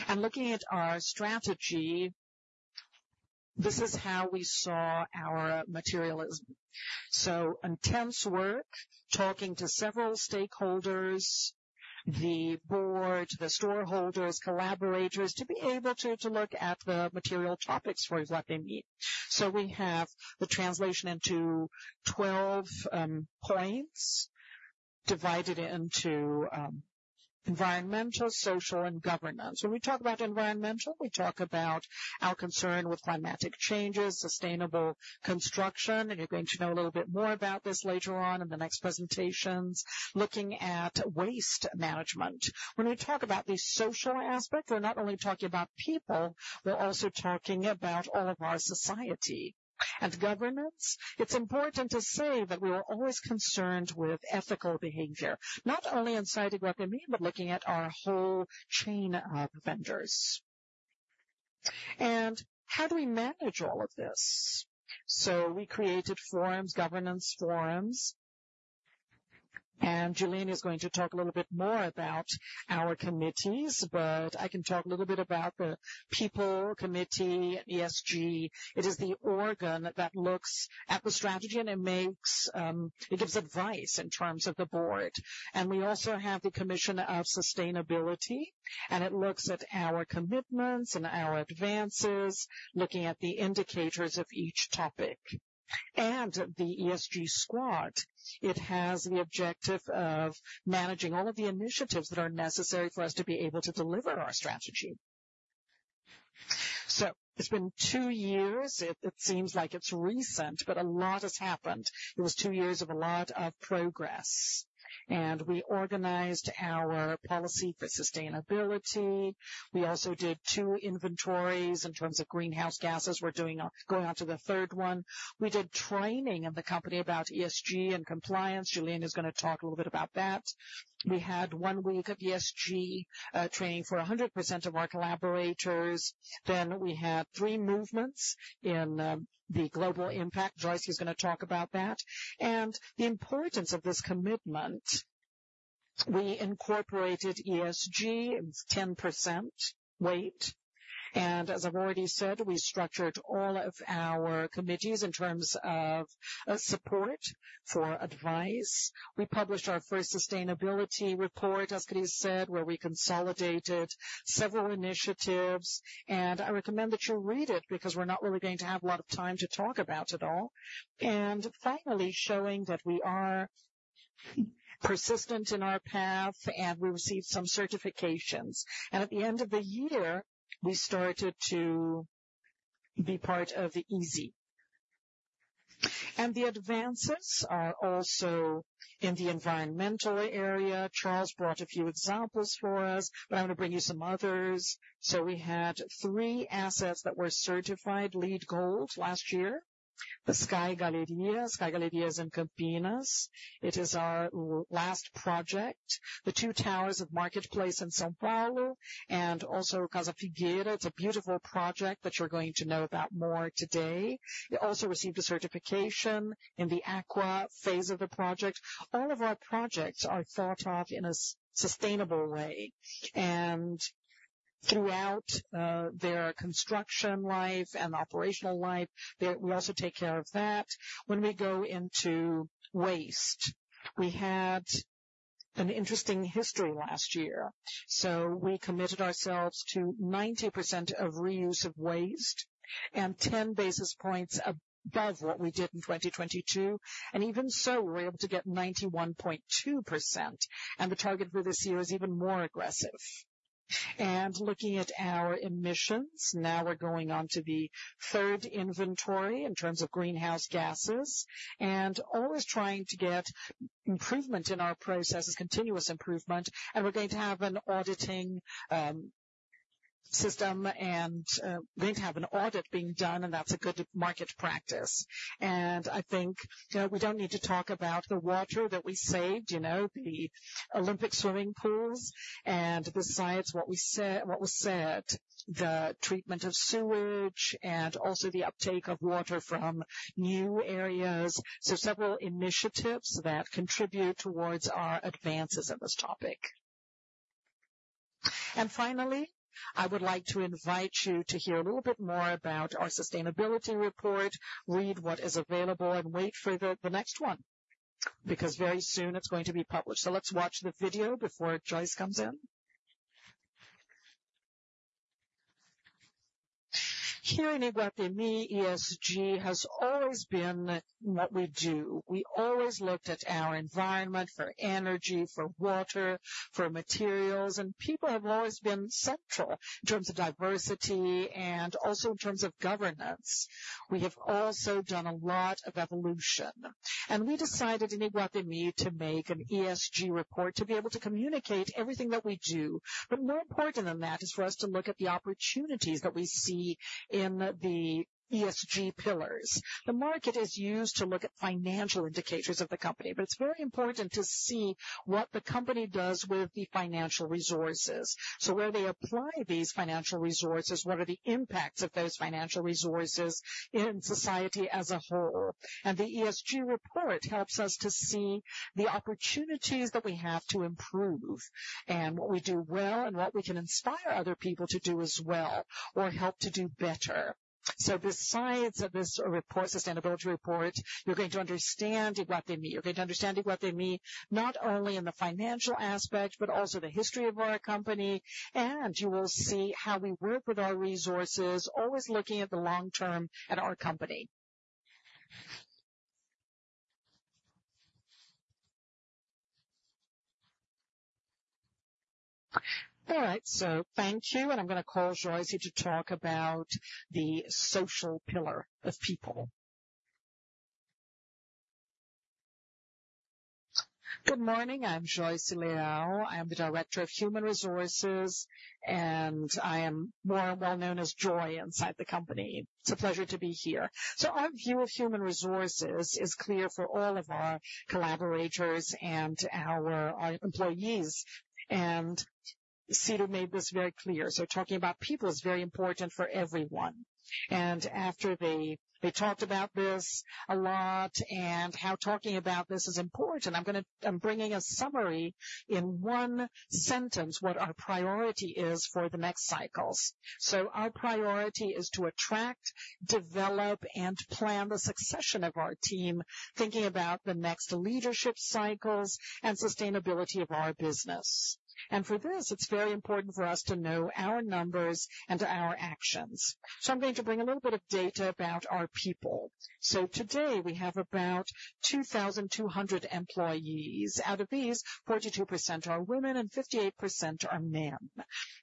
S10: And looking at our strategy, this is how we saw our materiality. So intense work, talking to several stakeholders, the board, the shareholders, collaborators to be able to look at the material topics for Iguatemi. So we have the translation into 12 points divided into environmental, social, and governance. When we talk about environmental, we talk about our concern with climatic changes, sustainable construction. And you're going to know a little bit more about this later on in the next presentations, looking at waste management. When we talk about the social aspect, we're not only talking about people. We're also talking about all of our society and governance. It's important to say that we were always concerned with ethical behavior, not only inside Iguatemi but looking at our whole chain of vendors. How do we manage all of this? We created governance forums. Jilene is going to talk a little bit more about our committees. But I can talk a little bit about the people committee, ESG. It is the organ that looks at the strategy and it gives advice in terms of the board. We also have the commission of sustainability. It looks at our commitments and our advances, looking at the indicators of each topic. The ESG squad, it has the objective of managing all of the initiatives that are necessary for us to be able to deliver our strategy. It's been two years. It seems like it's recent, but a lot has happened. It was two years of a lot of progress. We organized our policy for sustainability. We also did two inventories in terms of greenhouse gases. We're going on to the third one. We did training in the company about ESG and compliance. Gilene is going to talk a little bit about that. We had one week of ESG training for 100% of our collaborators. We had three movements in the global impact. Joyce is going to talk about that. The importance of this commitment, we incorporated ESG, 10% weight. As I've already said, we structured all of our committees in terms of support for advice. We published our first sustainability report, as Chris said, where we consolidated several initiatives. I recommend that you read it because we're not really going to have a lot of time to talk about it all. Finally, showing that we are persistent in our path and we received some certifications. At the end of the year, we started to be part of the ESG. The advances are also in the environmental area. Charles brought a few examples for us, but I'm going to bring you some others. We had three assets that were certified LEED Gold last year: the Sky Gallleria in Campinas. It is our last project, the two towers of Market Place in São Paulo and also Casa Figueira. It's a beautiful project that you're going to know about more today. It also received a certification in the Aqua phase of the project. All of our projects are thought of in a sustainable way. Throughout their construction life and operational life, we also take care of that. When we go into waste, we had an interesting history last year. So we committed ourselves to 90% of reuse of waste and 10 basis points above what we did in 2022. And even so, we were able to get 91.2%. And the target for this year is even more aggressive. And looking at our emissions, now we're going on to the third inventory in terms of greenhouse gases and always trying to get improvement in our processes, continuous improvement. And we're going to have an auditing system and going to have an audit being done. And that's a good market practice. And I think we don't need to talk about the water that we saved, the Olympic swimming pools, and besides what was said, the treatment of sewage and also the uptake of water from new areas. So several initiatives that contribute towards our advances in this topic. Finally, I would like to invite you to hear a little bit more about our sustainability report, read what is available, and wait for the next one because very soon, it's going to be published. Let's watch the video before Joyce comes in. Here in Iguatemi, ESG has always been what we do. We always looked at our environment for energy, for water, for materials. People have always been central in terms of diversity and also in terms of governance. We have also done a lot of evolution. We decided in Iguatemi to make an ESG report to be able to communicate everything that we do. But more important than that is for us to look at the opportunities that we see in the ESG pillars. The market is used to look at financial indicators of the company. But it's very important to see what the company does with the financial resources. So where they apply these financial resources, what are the impacts of those financial resources in society as a whole? And the ESG report helps us to see the opportunities that we have to improve and what we do well and what we can inspire other people to do as well or help to do better. So besides this sustainability report, you're going to understand Iguatemi. You're going to understand Iguatemi not only in the financial aspect but also the history of our company. And you will see how we work with our resources, always looking at the long term at our company. All right. So thank you. And I'm going to call Joyce here to talk about the social pillar of people.
S11: Good morning. I'm Joyce Leal. I am the director of human resources. I am more well known as Joy inside the company. It's a pleasure to be here. Our view of human resources is clear for all of our collaborators and our employees. Ciro made this very clear. Talking about people is very important for everyone. After they talked about this a lot and how talking about this is important, I'm bringing a summary in one sentence what our priority is for the next cycles. Our priority is to attract, develop, and plan the succession of our team, thinking about the next leadership cycles and sustainability of our business. For this, it's very important for us to know our numbers and our actions. I'm going to bring a little bit of data about our people. Today, we have about 2,200 employees. Out of these, 42% are women and 58% are men.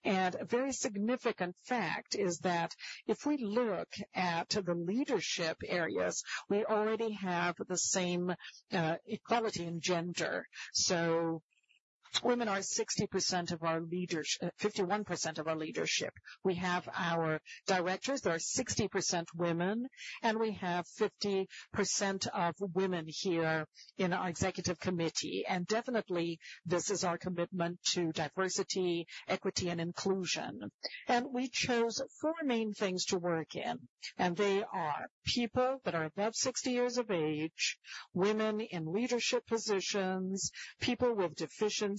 S11: A very significant fact is that if we look at the leadership areas, we already have the same equality in gender. So women are 51% of our leadership. We have our directors. There are 60% women. And we have 50% of women here in our executive committee. And definitely, this is our commitment to diversity, equity, and inclusion. And we chose four main things to work in. And they are people that are above 60 years of age, women in leadership positions, people with deficiencies,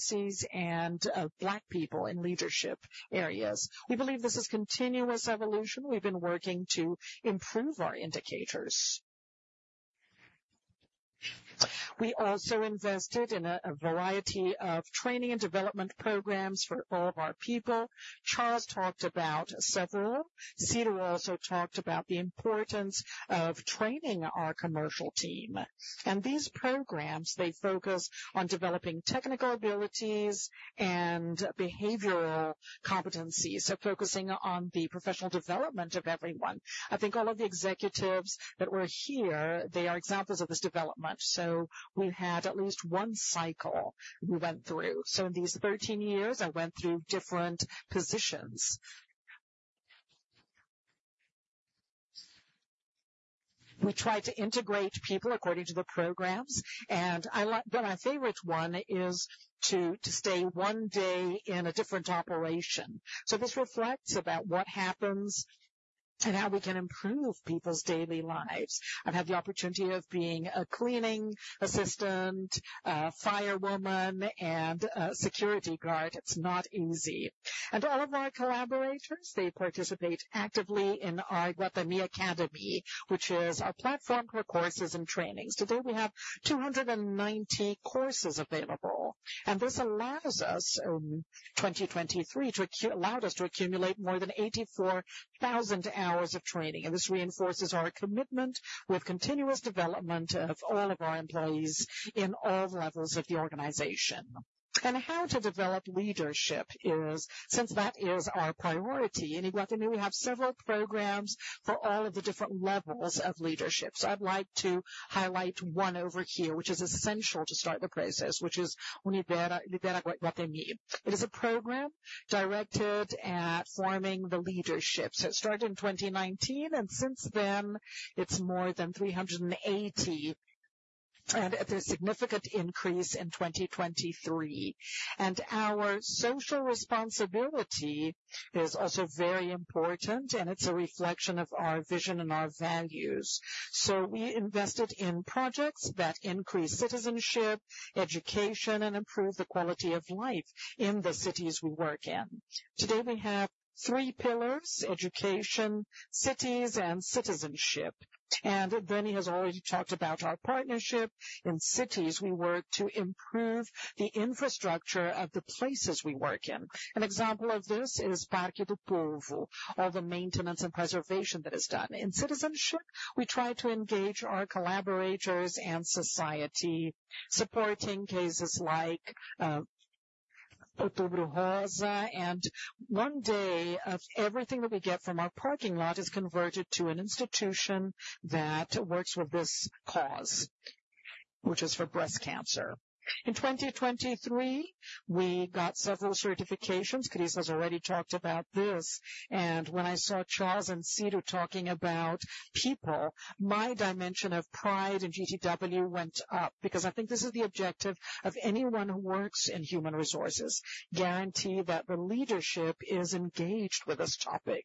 S11: and Black people in leadership areas. We believe this is continuous evolution. We've been working to improve our indicators. We also invested in a variety of training and development programs for all of our people. Charles talked about several. Ciro also talked about the importance of training our commercial team. These programs, they focus on developing technical abilities and behavioral competencies, so focusing on the professional development of everyone. I think all of the executives that were here, they are examples of this development. We had at least one cycle we went through. In these 13 years, I went through different positions. We tried to integrate people according to the programs. My favorite one is to stay one day in a different operation. This reflects about what happens and how we can improve people's daily lives. I've had the opportunity of being a cleaning assistant, firewoman, and security guard. It's not easy. All of our collaborators, they participate actively in our Iguatemi Academy, which is our platform for courses and trainings. Today, we have 290 courses available. This allows us in 2023 to allow us to accumulate more than 84,000 hours of training. This reinforces our commitment with continuous development of all of our employees in all levels of the organization. How to develop leadership is since that is our priority in Iguatemi, we have several programs for all of the different levels of leadership. So I'd like to highlight one over here, which is essential to start the process, which is Lidera Iguatemi. It is a program directed at forming the leadership. So it started in 2019. And since then, it's more than 380. And there's significant increase in 2023. And our social responsibility is also very important. And it's a reflection of our vision and our values. So we invested in projects that increase citizenship, education, and improve the quality of life in the cities we work in. Today, we have three pillars: education, cities, and citizenship. And Danny has already talked about our partnership. In cities, we work to improve the infrastructure of the places we work in. An example of this is Parque do Povo, all the maintenance and preservation that is done. In citizenship, we try to engage our collaborators and society, supporting cases like Outubro Rosa. And one day of everything that we get from our parking lot is converted to an institution that works with this cause, which is for breast cancer. In 2023, we got several certifications. Chris has already talked about this. And when I saw Charles and Cedar talking about people, my dimension of pride in GPTW went up because I think this is the objective of anyone who works in human resources: guarantee that the leadership is engaged with this topic.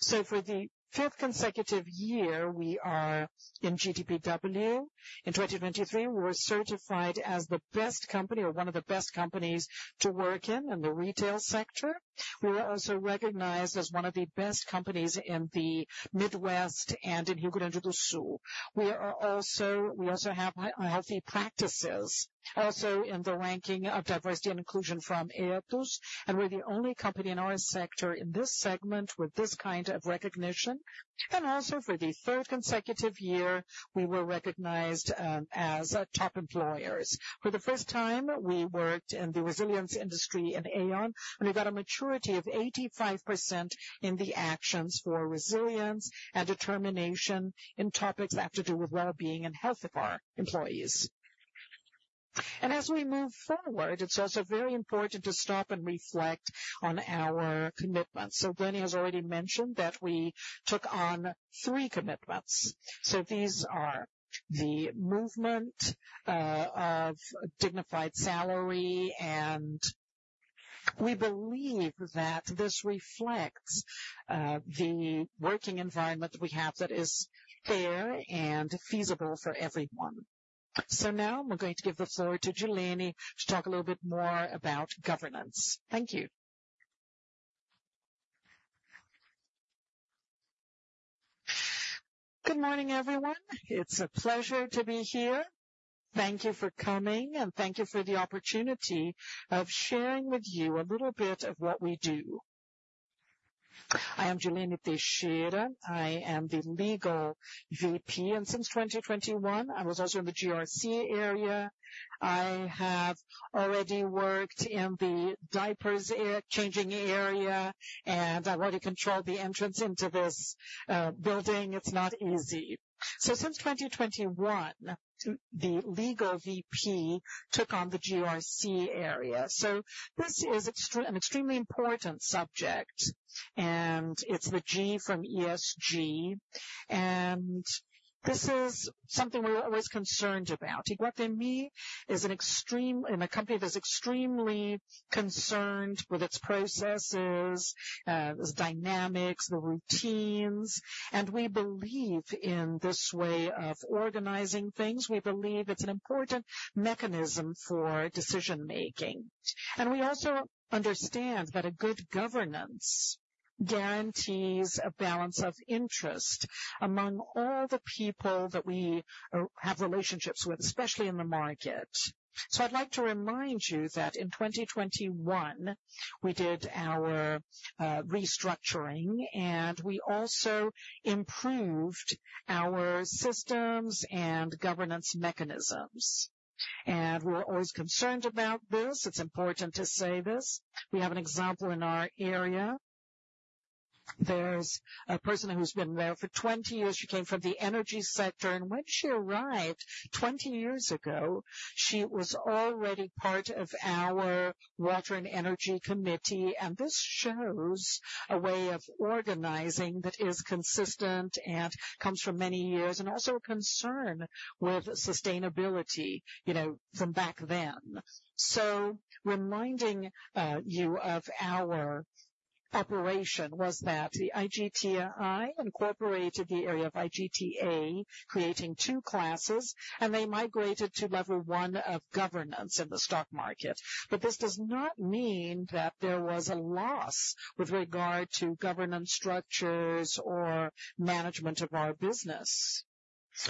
S11: So for the fifth consecutive year, we are in GPTW. In 2023, we were certified as the best company or one of the best companies to work in in the retail sector. We were also recognized as one of the best companies in the Midwest and in Rio Grande do Sul. We also have healthy practices also in the ranking of diversity and inclusion from Ethos. We're the only company in our sector in this segment with this kind of recognition. Also for the third consecutive year, we were recognized as top employers. For the first time, we worked in the resilience industry in Aon. We got a maturity of 85% in the actions for resilience and determination in topics that have to do with well-being and health of our employees. As we move forward, it's also very important to stop and reflect on our commitments. So Danny has already mentioned that we took on three commitments. So these are the movement of dignified salary. And we believe that this reflects the working environment that we have that is fair and feasible for everyone. So now, I'm going to give the floor to Gilene to talk a little bit more about governance. Thank you.
S12: Good morning, everyone. It's a pleasure to be here. Thank you for coming. And thank you for the opportunity of sharing with you a little bit of what we do. I am Gilene Teixeira. I am the Legal VP. And since 2021, I was also in the GRC area. I have already worked in the diapers changing area. And I already controlled the entrance into this building. It's not easy. So since 2021, the Legal VP took on the GRC area. So this is an extremely important subject. It's the G from ESG. This is something we're always concerned about. Iguatemi is a company that's extremely concerned with its processes, the dynamics, the routines. We believe in this way of organizing things. We believe it's an important mechanism for decision-making. We also understand that a good governance guarantees a balance of interest among all the people that we have relationships with, especially in the market. So I'd like to remind you that in 2021, we did our restructuring. We also improved our systems and governance mechanisms. We're always concerned about this. It's important to say this. We have an example in our area. There's a person who's been there for 20 years. She came from the energy sector. When she arrived 20 years ago, she was already part of our water and energy committee. This shows a way of organizing that is consistent and comes from many years and also a concern with sustainability from back then. So, reminding you, our operation was that the Iguatemi incorporated the area of Iguatemi, creating two classes. And they migrated to level one of governance in the stock market. But this does not mean that there was a loss with regard to governance structures or management of our business.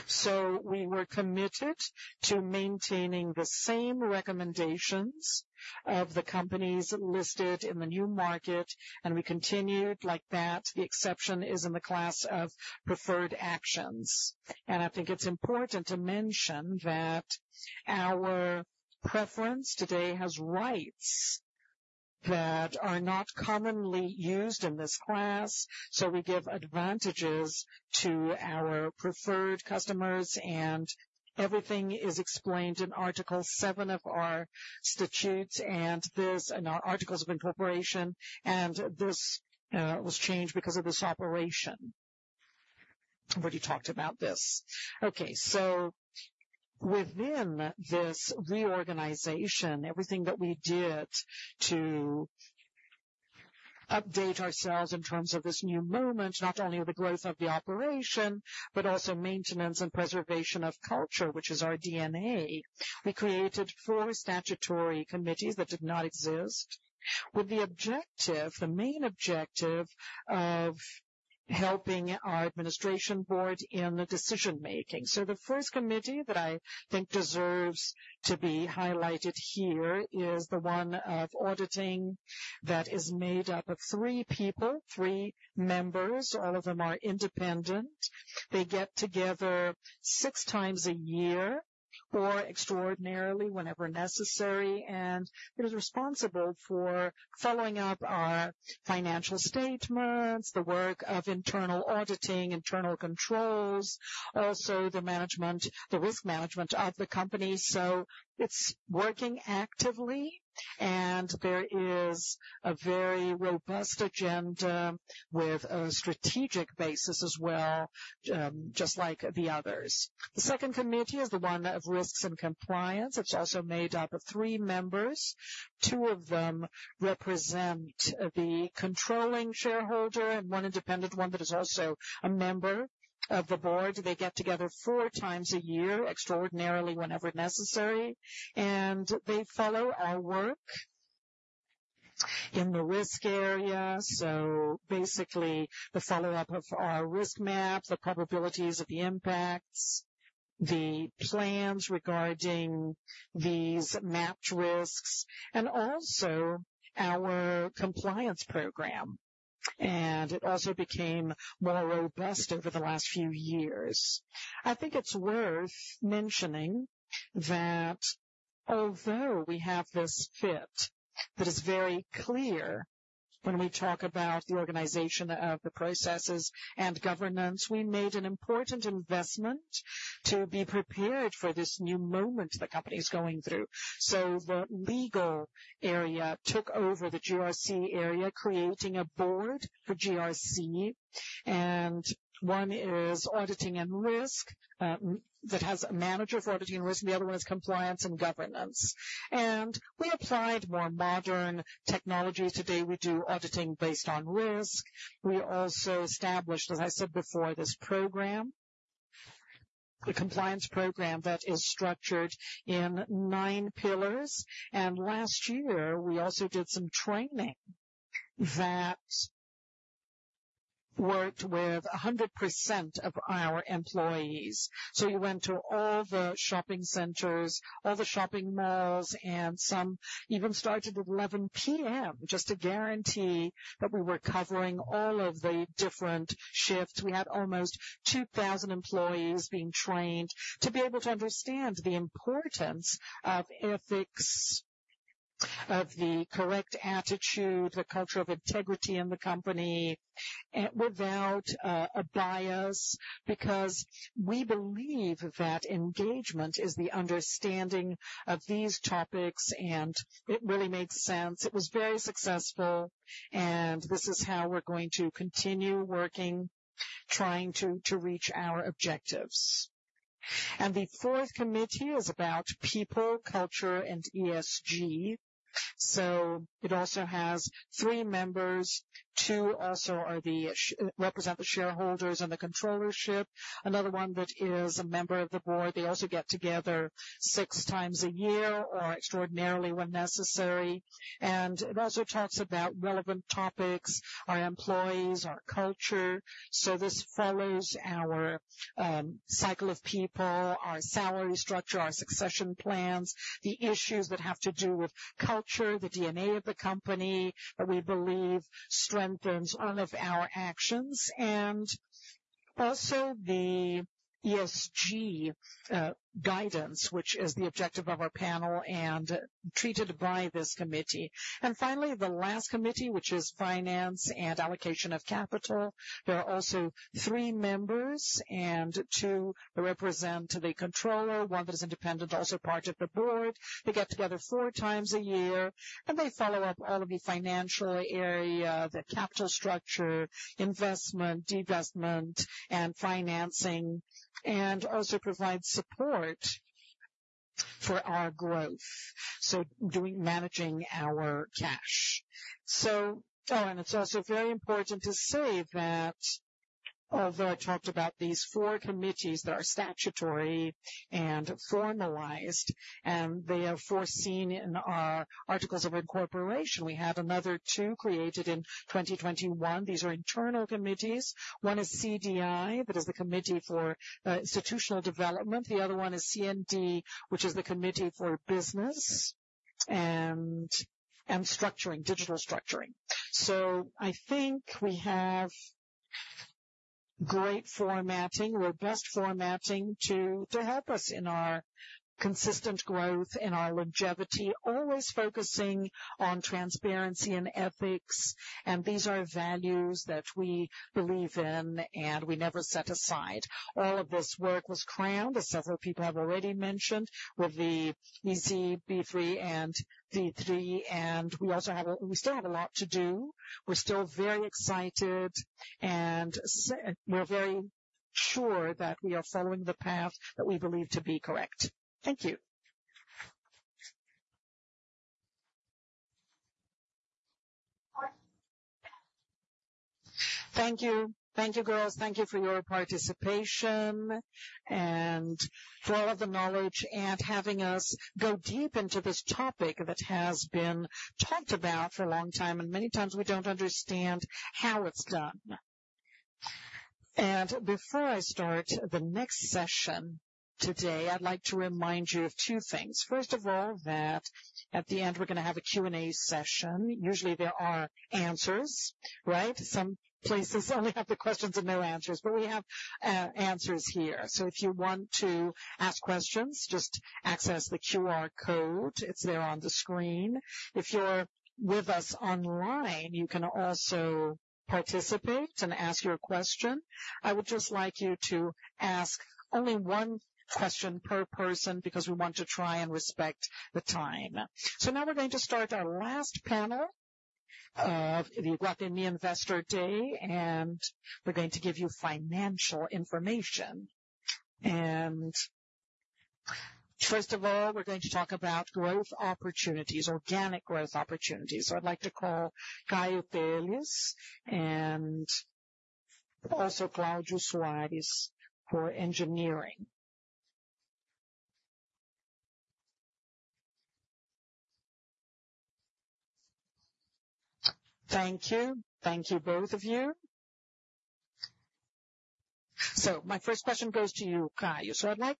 S12: So we were committed to maintaining the same recommendations of the companies listed in the Novo Mercado. And we continued like that. The exception is in the class of preferred shares. And I think it's important to mention that our preferred shares today have rights that are not commonly used in this class. So we give advantages to our preferred shareholders. And everything is explained in Article 7 of our statutes and our articles of incorporation. And this was changed because of this operation where you talked about this. Okay. So within this reorganization, everything that we did to update ourselves in terms of this new moment, not only with the growth of the operation but also maintenance and preservation of culture, which is our DNA, we created four statutory committees that did not exist with the main objective of helping our administration board in the decision-making. So the first committee that I think deserves to be highlighted here is the one of auditing that is made up of three people, three members. All of them are independent. They get together six times a year or extraordinarily whenever necessary. And it is responsible for following up our financial statements, the work of internal auditing, internal controls, also the risk management of the company. So it's working actively. There is a very robust agenda with a strategic basis as well, just like the others. The second committee is the one of risks and compliance. It's also made up of three members. Two of them represent the controlling shareholder and one independent one that is also a member of the board. They get together four times a year, extraordinarily whenever necessary. They follow our work in the risk area. So basically, the follow-up of our risk map, the probabilities of the impacts, the plans regarding these mapped risks, and also our compliance program. It also became more robust over the last few years. I think it's worth mentioning that although we have this fit that is very clear when we talk about the organization of the processes and governance, we made an important investment to be prepared for this new moment the company is going through. The legal area took over the GRC area, creating a board for GRC. One is auditing and risk that has a manager for auditing and risk. The other one is compliance and governance. We applied more modern technology. Today, we do auditing based on risk. We also established, as I said before, this compliance program that is structured in nine pillars. Last year, we also did some training that worked with 100% of our employees. We went to all the shopping centers, all the shopping malls, and even started at 11:00 P.M. just to guarantee that we were covering all of the different shifts. We had almost 2,000 employees being trained to be able to understand the importance of ethics, of the correct attitude, the culture of integrity in the company without a bias because we believe that engagement is the understanding of these topics. It really makes sense. It was very successful. This is how we're going to continue working, trying to reach our objectives. The fourth committee is about people, culture, and ESG. It also has 3 members. 2 also represent the shareholders and the controllership. Another one that is a member of the board, they also get together 6 times a year or extraordinarily when necessary. It also talks about relevant topics, our employees, our culture. This follows our cycle of people, our salary structure, our succession plans, the issues that have to do with culture, the DNA of the company that we believe strengthens all of our actions, and also the ESG guidance, which is the objective of our panel and treated by this committee. Finally, the last committee, which is finance and allocation of capital, there are also three members and two that represent the controller, one that is independent, also part of the board. They get together four times a year. They follow up all of the financial area, the capital structure, investment, deinvestment, and financing, and also provide support for our growth, so managing our cash. Oh, and it's also very important to say that although I talked about these four committees that are statutory and formalized, and they are foreseen in our articles of incorporation, we had another two created in 2021. These are internal committees. One is CDI, that is the committee for institutional development. The other one is CND, which is the committee for business and digital structuring. So I think we have great formatting, robust formatting to help us in our consistent growth and our longevity, always focusing on transparency and ethics. And these are values that we believe in. And we never set aside. All of this work was crowned, as several people have already mentioned, with the ISE B3 and D3. And we still have a lot to do. We're still very excited. And we're very sure that we are following the path that we believe to be correct. Thank you.
S2: Thank you. Thank you, girls. Thank you for your participation and for all of the knowledge and having us go deep into this topic that has been talked about for a long time. Many times, we don't understand how it's done. Before I start the next session today, I'd like to remind you of two things. First of all, that at the end, we're going to have a Q&A session. Usually, there are answers, right? Some places only have the questions and no answers. We have answers here. If you want to ask questions, just access the QR code. It's there on the screen. If you're with us online, you can also participate and ask your question. I would just like you to ask only one question per person because we want to try and respect the time. So now, we're going to start our last panel of the Iguatemi Investor Day. And we're going to give you financial information. And first of all, we're going to talk about organic growth opportunities. So I'd like to call Caio Teles and also Cláudio Soares for engineering. Thank you. Thank you, both of you. So my first question goes to you, Caio. I'd like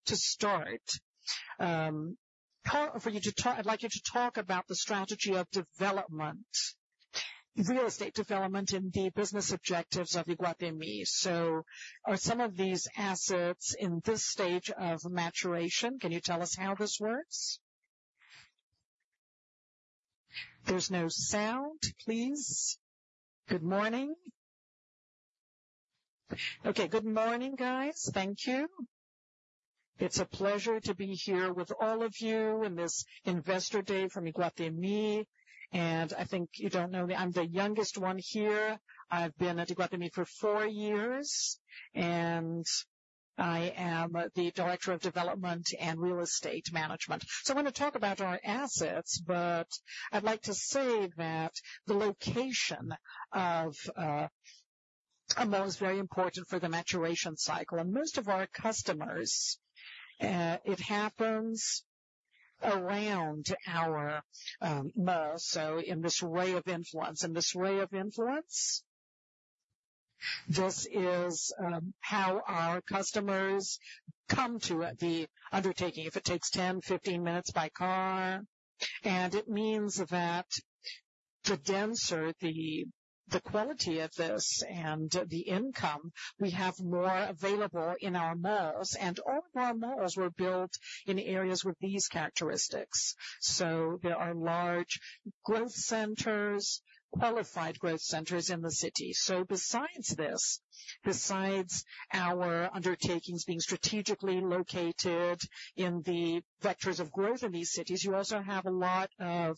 S2: you to talk about the strategy of real estate development and the business objectives of Iguatemi. So are some of these assets in this stage of maturation? Can you tell us how this works? There's no sound, please.
S13: Good morning. Okay. Good morning, guys. Thank you. It's a pleasure to be here with all of you in this Investor Day from Iguatemi. And I think you don't know me. I'm the youngest one here. I've been at Iguatemi for four years. I am the director of development and real estate management. I want to talk about our assets. I'd like to say that the location of a mall is very important for the maturation cycle. Most of our customers, it happens around our mall, so in this ray of influence. This ray of influence, this is how our customers come to the undertaking. If it takes 10-15 minutes by car. It means that to denser the quality of this and the income, we have more available in our malls. All of our malls were built in areas with these characteristics. There are large growth centers, qualified growth centers in the city. So besides this, besides our undertakings being strategically located in the vectors of growth in these cities, you also have a lot of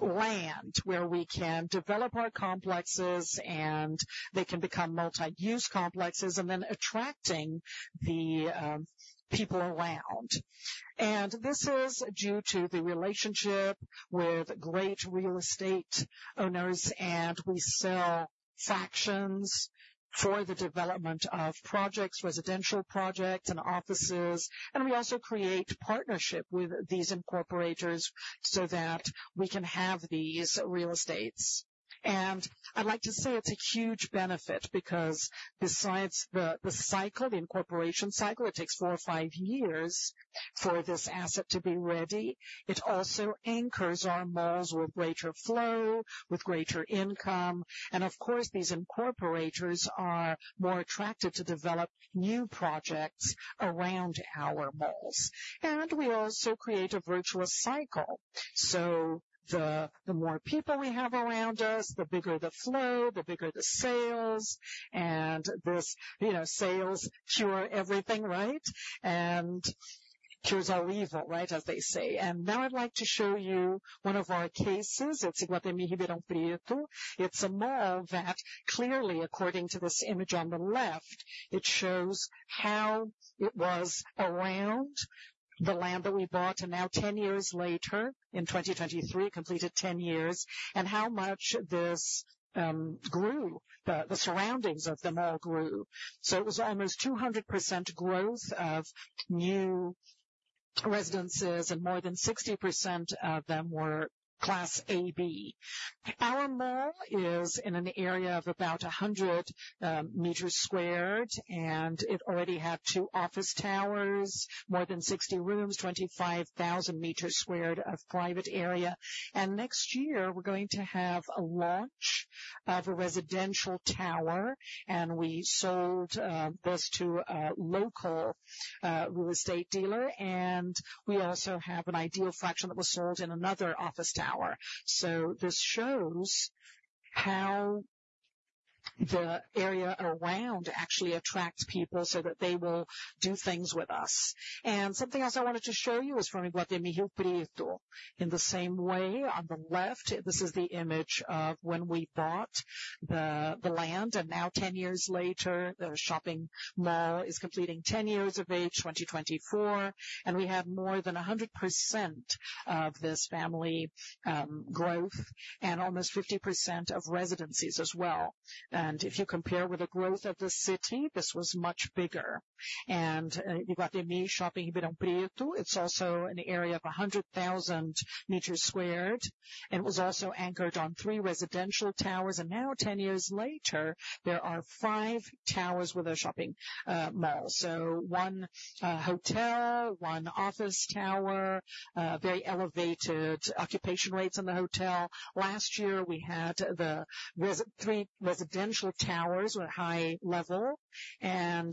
S13: land where we can develop our complexes. They can become multi-use complexes and then attracting the people around. This is due to the relationship with great real estate owners. We sell fractions for the development of residential projects and offices. We also create partnership with these incorporators so that we can have these real estates. I'd like to say it's a huge benefit because besides the cycle, the incorporation cycle, it takes 4 or 5 years for this asset to be ready. It also anchors our malls with greater flow, with greater income. Of course, these incorporators are more attracted to develop new projects around our malls. We also create a virtuous cycle. So the more people we have around us, the bigger the flow, the bigger the sales. And sales cure everything, right? And cures all evil, right, as they say. And now, I'd like to show you one of our cases. It's Iguatemi Ribeirão Preto. It's a mall that clearly, according to this image on the left, it shows how it was around the land that we bought. And now, 10 years later, in 2023, completed 10 years, and how much this grew, the surroundings of the mall grew. So it was almost 200% growth of new residences. And more than 60% of them were Class AB. Our mall is in an area of about 100 square meters. And it already had 2 office towers, more than 60 rooms, 25,000 square meters of private area. And next year, we're going to have a launch of a residential tower. We sold this to a local real estate dealer. We also have an ideal fraction that was sold in another office tower. So this shows how the area around actually attracts people so that they will do things with us. Something else I wanted to show you is from Iguatemi Rio Preto. In the same way, on the left, this is the image of when we bought the land. Now, 10 years later, the shopping mall is completing 10 years of age, 2024. We have more than 100% of this family growth and almost 50% of residencies as well. If you compare with the growth of the city, this was much bigger. Iguatemi Shopping Ribeirão Preto, it's also an area of 100,000 square meters. It was also anchored on three residential towers. And now, 10 years later, there are 5 towers with a shopping mall, so 1 hotel, 1 office tower, very elevated occupation rates in the hotel. Last year, we had 3 residential towers with high level. Now,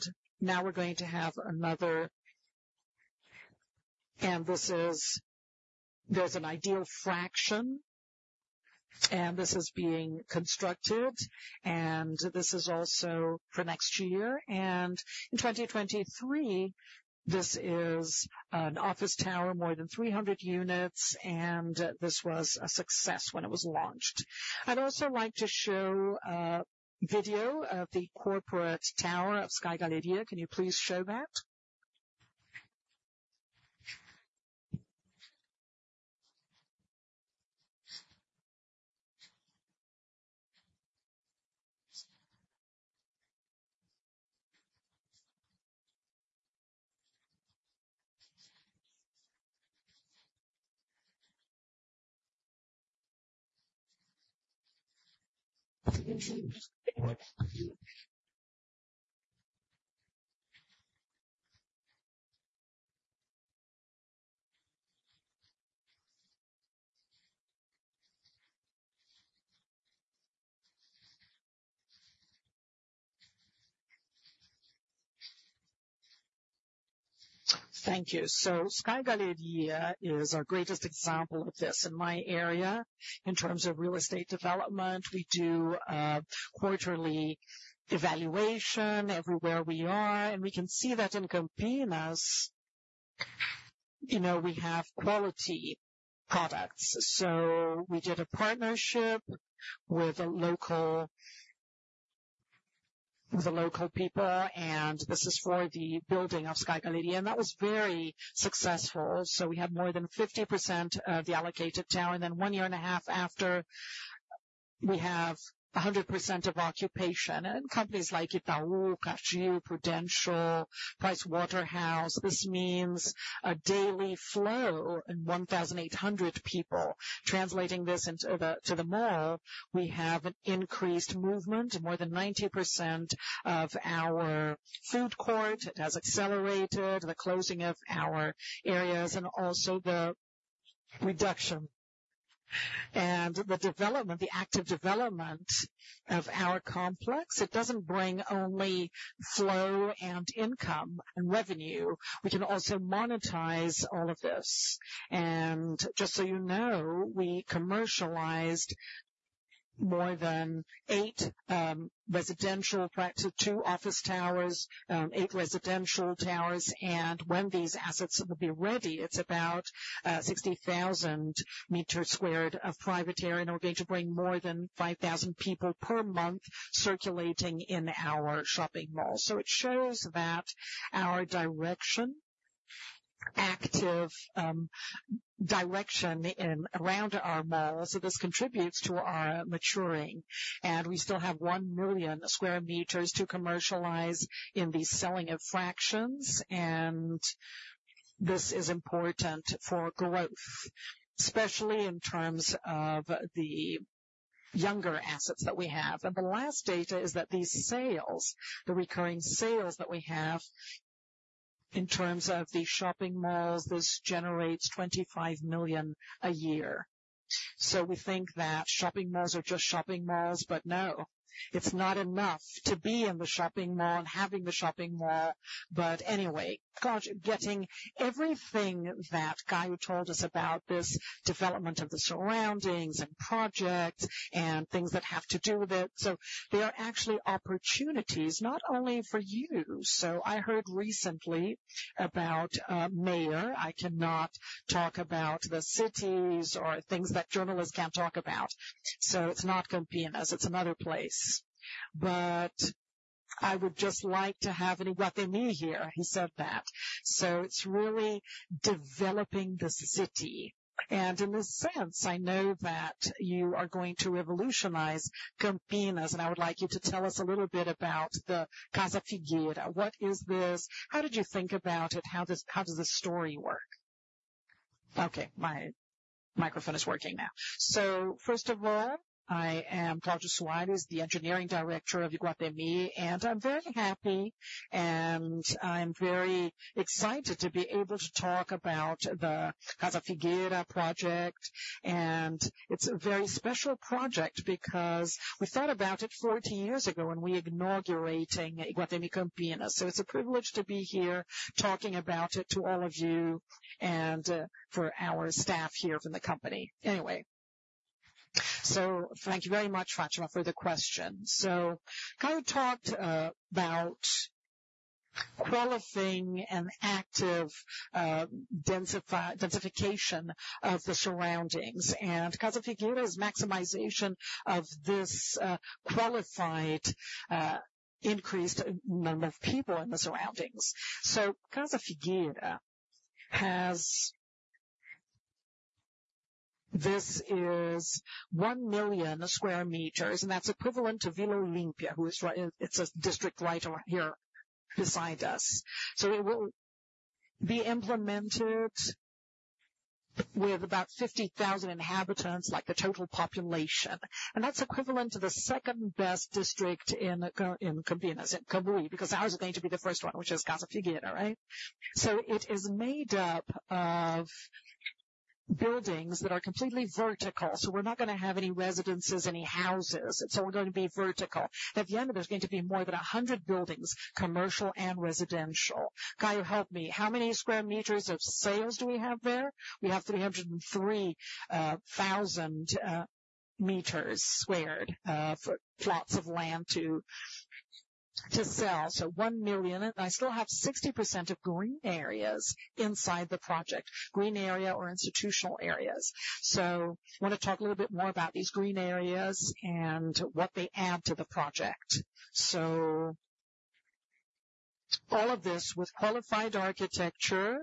S13: we're going to have another. There's an ideal fraction. This is being constructed. This is also for next year. In 2023, this is an office tower, more than 300 units. This was a success when it was launched. I'd also like to show a video of the corporate tower of Sky Galleria. Can you please show that? Thank you. Sky Galleria is our greatest example of this in my area in terms of real estate development. We do quarterly evaluation everywhere we are. We can see that in Campinas, we have quality products. We did a partnership with the local people. This is for the building of Sky Galleria. That was very successful. We had more than 50% of the allocated tower. Then 1 year and a half after, we have 100% of occupation. Companies like Itaú, Caju, Prudential, PricewaterhouseCoopers. This means a daily flow of 1,800 people. Translating this to the ma, we have an increased movement, more than 90% of our food court. It has accelerated the closing of our areas and also the reduction and the active development of our complex. It doesn't bring only flow and income and revenue. We can also monetize all of this. Just so you know, we commercialized more than 8 residential, 2 office towers, 8 residential towers. When these assets will be ready, it's about 60,000 square meters of private area. We're going to bring more than 5,000 people per month circulating in our shopping mall. So it shows that our active direction around our mall, so this contributes to our maturing. We still have 1 million square meters to commercialize in the selling of fractions. This is important for growth, especially in terms of the younger assets that we have. The last data is that the recurring sales that we have in terms of the shopping malls, this generates 25 million a year. So we think that shopping malls are just shopping malls. But no, it's not enough to be in the shopping mall and having the shopping mall.
S2: But anyway, getting everything that Caio told us about this development of the surroundings and projects and things that have to do with it, so they are actually opportunities not only for you. So I heard recently about mayor. I cannot talk about the cities or things that journalists can't talk about. So it's not Campinas. It's another place. But I would just like to have an Iguatemi here. He said that. So it's really developing the city. And in this sense, I know that you are going to revolutionize Campinas. And I would like you to tell us a little bit about the Casa Figueira. What is this? How did you think about it? How does this story work?
S14: Okay. My microphone is working now. So first of all, I am Cláudio Soares, the engineering director of Iguatemi. And I'm very happy. And I'm very excited to be able to talk about the Casa Figueira project. And it's a very special project because we thought about it 40 years ago when we inaugurated Iguatemi Campinas. So it's a privilege to be here talking about it to all of you and for our staff here from the company. Anyway, so thank you very much, Fátima, for the question. So Caio talked about qualifying and active densification of the surroundings. And Casa Figueira is maximization of this qualified increased number of people in the surroundings. So Casa Figueira has 1 million square meters. And that's equivalent to Vila Olímpia, which is a district right here beside us. So it will be implemented with about 50,000 inhabitants, the total population. And that's equivalent to the second-best district in Campinas, in Cambuí, because ours is going to be the first one, which is Casa Figueira, right? So it is made up of buildings that are completely vertical. So we're not going to have any residences, any houses. It's all going to be vertical. At the end of it, there's going to be more than 100 buildings, commercial and residential. Caio, help me. How many square meters of sales do we have there?
S13: We have 303,000 square meters of plots of land to sell.
S14: So 1 million. And I still have 60% of green areas inside the project, green area or institutional areas. So I want to talk a little bit more about these green areas and what they add to the project. So all of this with qualified architecture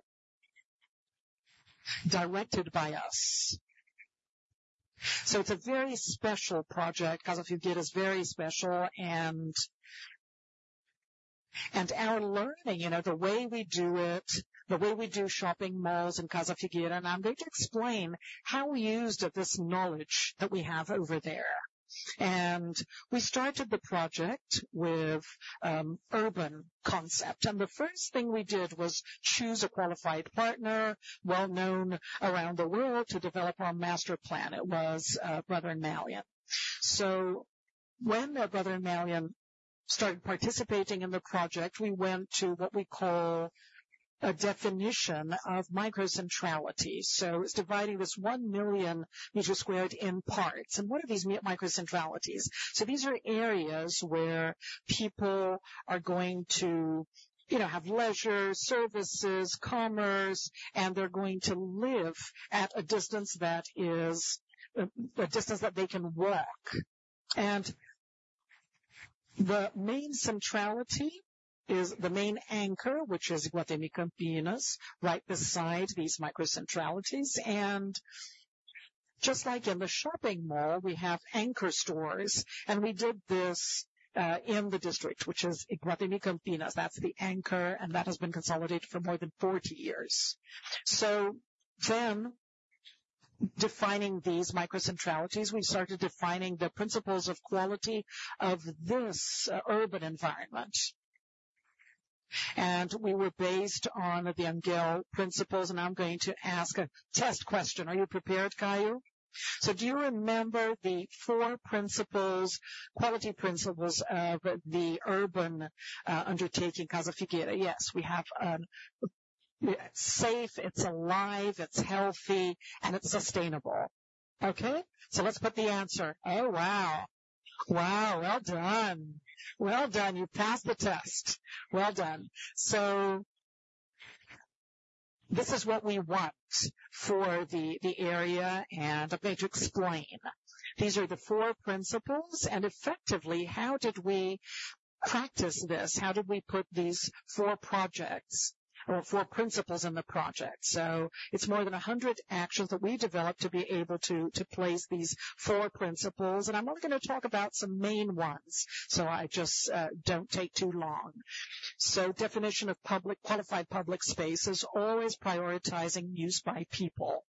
S14: directed by us. So it's a very special project. Casa Figueira is very special. And our learning, the way we do it, the way we do shopping malls in Casa Figueira, and I'm going to explain how we used this knowledge that we have over there. And we started the project with an urban concept. The first thing we did was choose a qualified partner, well-known around the world, to develop our master plan. It was Balmori Associates. So when Balmori Associates started participating in the project, we went to what we call a definition of microcentrality. So it's dividing this 1 million square meters in parts. And what are these microcentralities? So these are areas where people are going to have leisure, services, commerce. And they're going to live at a distance that is a distance that they can walk. And the main centrality is the main anchor, which is Iguatemi Campinas, right beside these microcentralities. And just like in the shopping mall, we have anchor stores. And we did this in the district, which is Iguatemi Campinas. That's the anchor. And that has been consolidated for more than 40 years. So then, defining these microcentralities, we started defining the principles of quality of this urban environment. We were based on the Gehl principles. I'm going to ask a test question. Are you prepared, Caio? Do you remember the four quality principles of the urban undertaking, Casa Figueira?
S13: Yes. We have a safe, it's alive, it's healthy, and it's sustainable. Okay? Let's put the answer.
S14: Oh, wow. Wow. Well done. Well done. You passed the test. Well done. This is what we want for the area. I'm going to explain. These are the four principles. Effectively, how did we practice this? How did we put these four projects or four principles in the project? It's more than 100 actions that we developed to be able to place these four principles. I'm only going to talk about some main ones so I just don't take too long. Definition of qualified public spaces, always prioritizing use by people.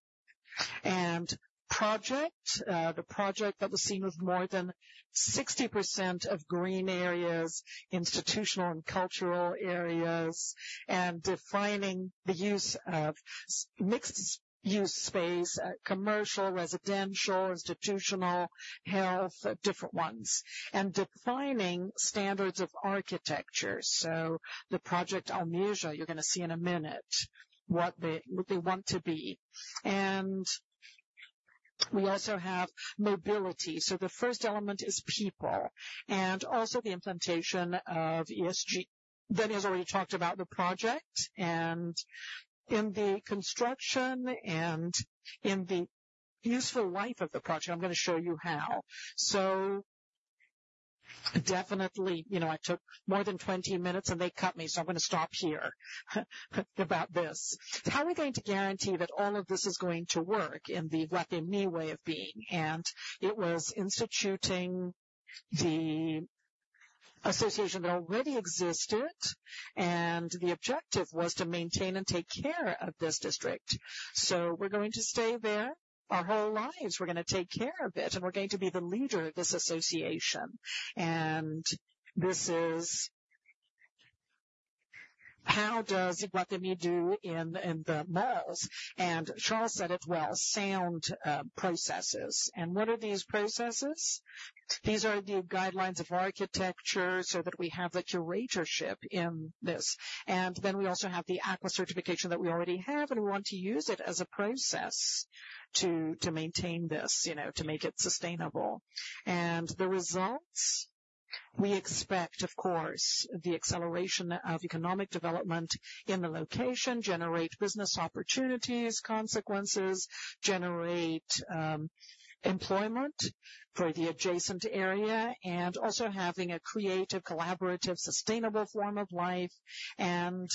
S14: The project that was seen with more than 60% of green areas, institutional and cultural areas, and defining the mixed-use space, commercial, residential, institutional, health, different ones, and defining standards of architecture. The project Almeja, you're going to see in a minute what they want to be. We also have mobility. The first element is people and also the implementation of ESG. Dennis already talked about the project. In the construction and in the useful life of the project, I'm going to show you how. Definitely, I took more than 20 minutes. They cut me. I'm going to stop here about this. How are we going to guarantee that all of this is going to work in the Iguatemi way of being? It was instituting the association that already existed. The objective was to maintain and take care of this district. So we're going to stay there our whole lives. We're going to take care of it. We're going to be the leader of this association. This is how does Iguatemi do in the malls? Carlos said it well: sound processes. What are these processes? These are the guidelines of architecture so that we have the curatorship in this. Then we also have the AQUA certification that we already have. We want to use it as a process to maintain this, to make it sustainable. And the results, we expect, of course, the acceleration of economic development in the location, generate business opportunities, consequences, generate employment for the adjacent area, and also having a creative, collaborative, sustainable form of life and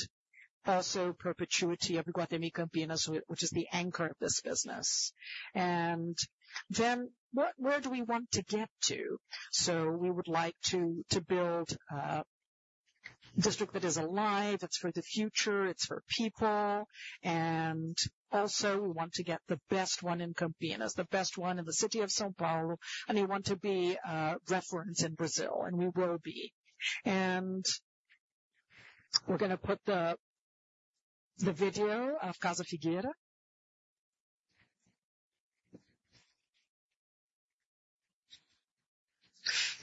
S14: also perpetuity of Iguatemi Campinas, which is the anchor of this business. And then where do we want to get to? So we would like to build a district that is alive. It's for the future. It's for people. And also, we want to get the best one in Campinas, the best one in the city of São Paulo. And we want to be a reference in Brazil. And we will be. And we're going to put the video of Casa Figueira.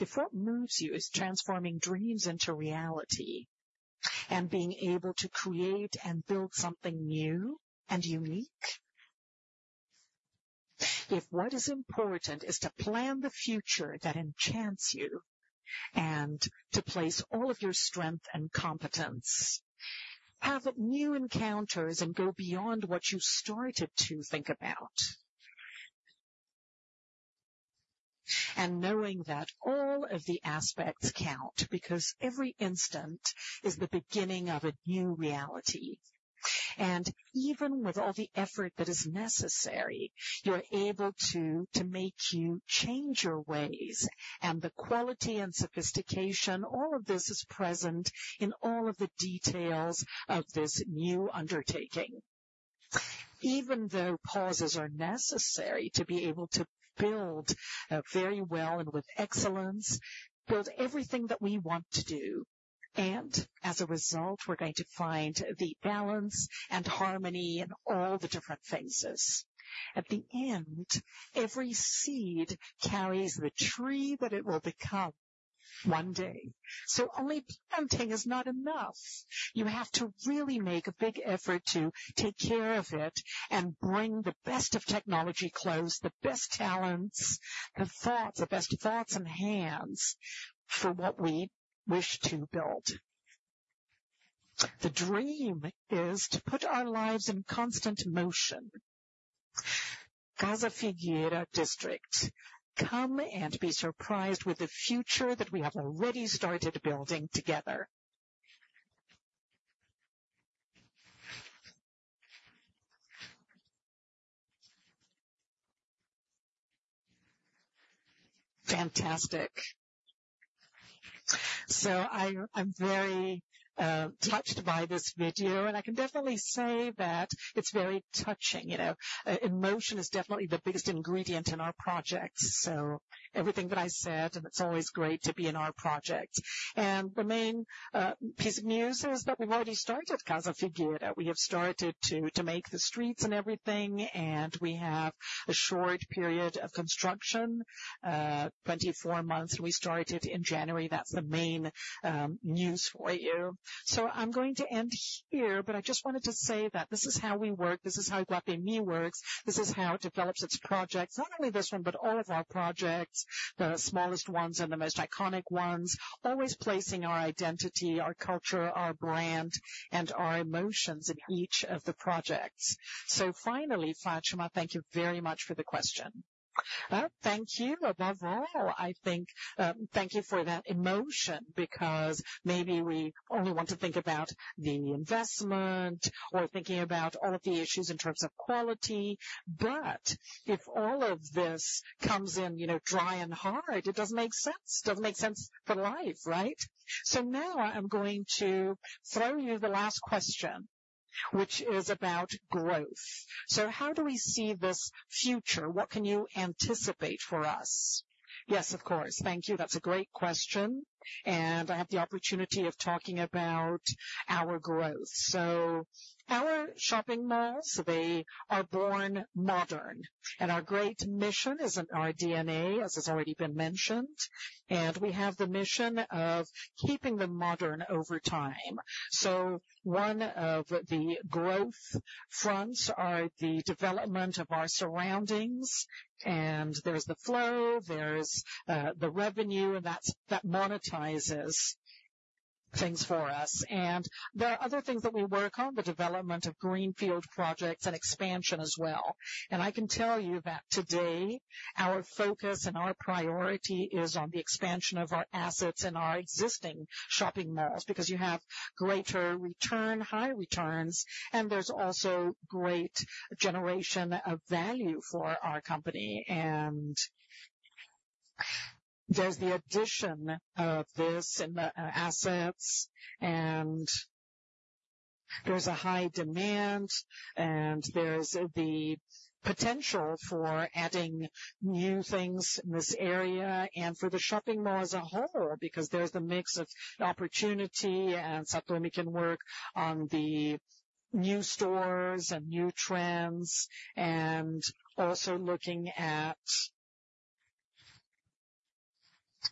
S15: If what moves you is transforming dreams into reality and being able to create and build something new and unique, if what is important is to plan the future that enchants you and to place all of your strength and competence, have new encounters, and go beyond what you started to think about, and knowing that all of the aspects count because every instant is the beginning of a new reality and even with all the effort that is necessary, you're able to make you change your ways and the quality and sophistication, all of this is present in all of the details of this new undertaking, even though pauses are necessary to be able to build very well and with excellence, build everything that we want to do. And as a result, we're going to find the balance and harmony in all the different faces. At the end, every seed carries the tree that it will become one day. So only planting is not enough. You have to really make a big effort to take care of it and bring the best of technology close, the best talents, the best thoughts in hands for what we wish to build. The dream is to put our lives in constant motion. Casa Figueira district, come and be surprised with the future that we have already started building together.
S14: Fantastic. So I'm very touched by this video. And I can definitely say that it's very touching. Emotion is definitely the biggest ingredient in our projects. So everything that I said, and it's always great to be in our project. And the main piece of news is that we've already started Casa Figueira. We have started to make the streets and everything. We have a short period of construction, 24 months. We started in January. That's the main news for you. So I'm going to end here. But I just wanted to say that this is how we work. This is how Iguatemi works. This is how it develops its projects, not only this one but all of our projects, the smallest ones and the most iconic ones, always placing our identity, our culture, our brand, and our emotions in each of the projects. So finally, Fátima, thank you very much for the question.
S2: Thank you above all. Thank you for that emotion because maybe we only want to think about the investment or thinking about all of the issues in terms of quality. But if all of this comes in dry and hard, it doesn't make sense. It doesn't make sense for life, right? So now, I'm going to throw you the last question, which is about growth. So how do we see this future? What can you anticipate for us?
S5: Yes, of course. Thank you. That's a great question. I have the opportunity of talking about our growth. So our shopping malls, they are born modern. Our great mission is in our DNA, as has already been mentioned. We have the mission of keeping them modern over time. So one of the growth fronts are the development of our surroundings. There's the flow. There's the revenue. That monetizes things for us. There are other things that we work on, the development of greenfield projects and expansion as well. I can tell you that today, our focus and our priority is on the expansion of our assets in our existing shopping malls because you have high returns. There's also great generation of value for our company. There's the addition of this in the assets. There's a high demand. There's the potential for adding new things in this area and for the shopping mall as a whole because there's the mix of opportunity. São Paulo can work on the new stores and new trends and also looking at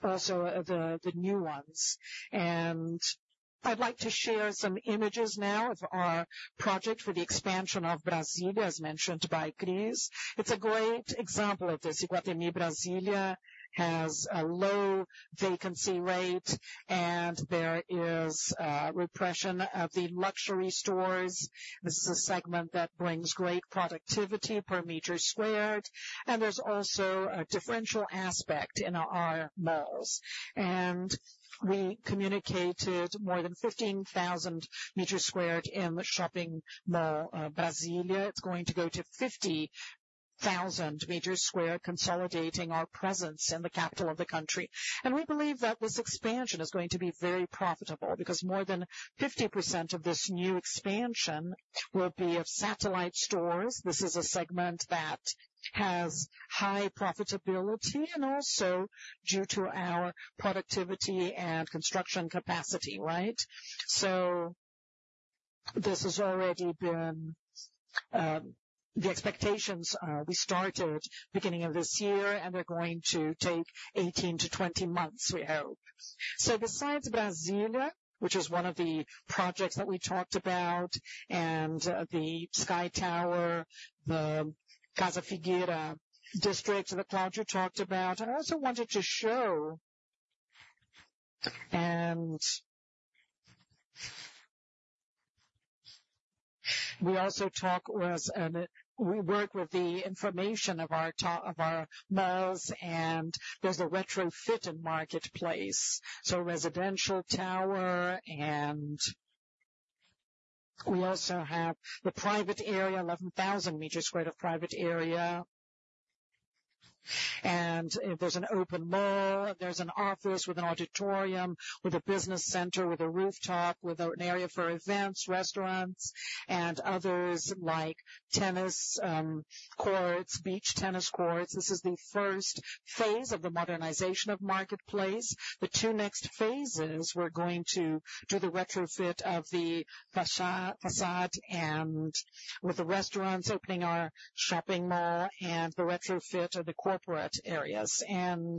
S5: the new ones. I'd like to share some images now of our project for the expansion of Brasília, as mentioned by Cris. It's a great example of this. Iguatemi Brasília has a low vacancy rate. There is representation of the luxury stores. This is a segment that brings great productivity per square meter. There's also a differential aspect in our malls. We communicated more than 15,000 square meters in the Iguatemi Brasília. It's going to go to 50,000 square meters, consolidating our presence in the capital of the country. We believe that this expansion is going to be very profitable because more than 50% of this new expansion will be of satellite stores. This is a segment that has high profitability and also due to our productivity and construction capacity, right? So this has already been the expectations. We started beginning of this year. And they're going to take 18-20 months, we hope. So besides Brasília, which is one of the projects that we talked about, and the Sky Tower, the Casa Figueira district, the Caju you talked about, I also wanted to show and we also talk we work with the information of our malls. And there's a retrofitted Market Place. So residential tower. And we also have the private area, 11,000 square meters of private area. There's an open mall. There's an office with an auditorium with a business center with a rooftop with an area for events, restaurants, and others like tennis courts, beach tennis courts. This is the first phase of the modernization of Market Place. The two next phases, we're going to do the retrofit of the façade with the restaurants, opening our shopping mall, and the retrofit of the corporate areas. Then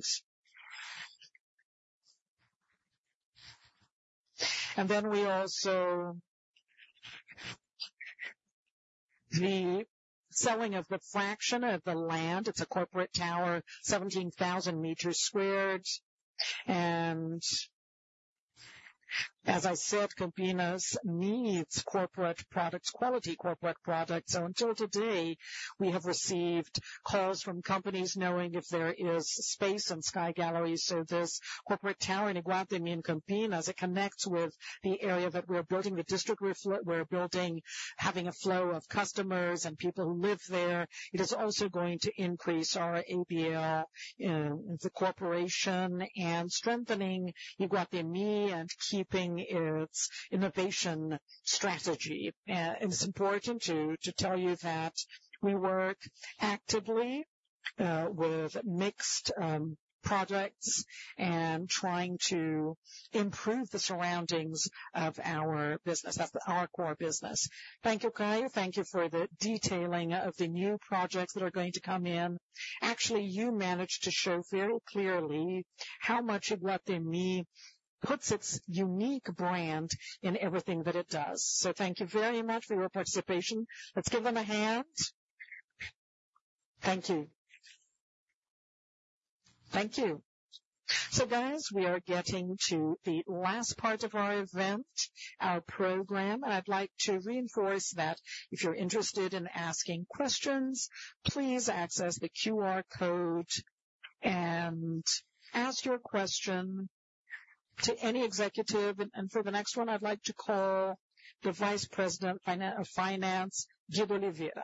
S5: the selling of the fraction of the land. It's a corporate tower, 17,000 square meters. As I said, Campinas needs corporate products, quality corporate products. So until today, we have received calls from companies knowing if there is space in Sky Galleria. So this corporate tower in Iguatemi and Campinas, it connects with the area that we're building, the district we're having a flow of customers and people who live there. It is also going to increase our ABL as a corporation and strengthening Iguatemi and keeping its innovation strategy. It's important to tell you that we work actively with mixed products and trying to improve the surroundings of our business. That's our core business.
S2: Thank you, Caio. Thank you for the detailing of the new projects that are going to come in. Actually, you managed to show very clearly how much Iguatemi puts its unique brand in everything that it does. Thank you very much for your participation. Let's give them a hand. Thank you. Thank you. Guys, we are getting to the last part of our event, our program. I'd like to reinforce that if you're interested in asking questions, please access the QR code and ask your question to any executive. And for the next one, I'd like to call the Vice President of Finance, Guido Oliveira.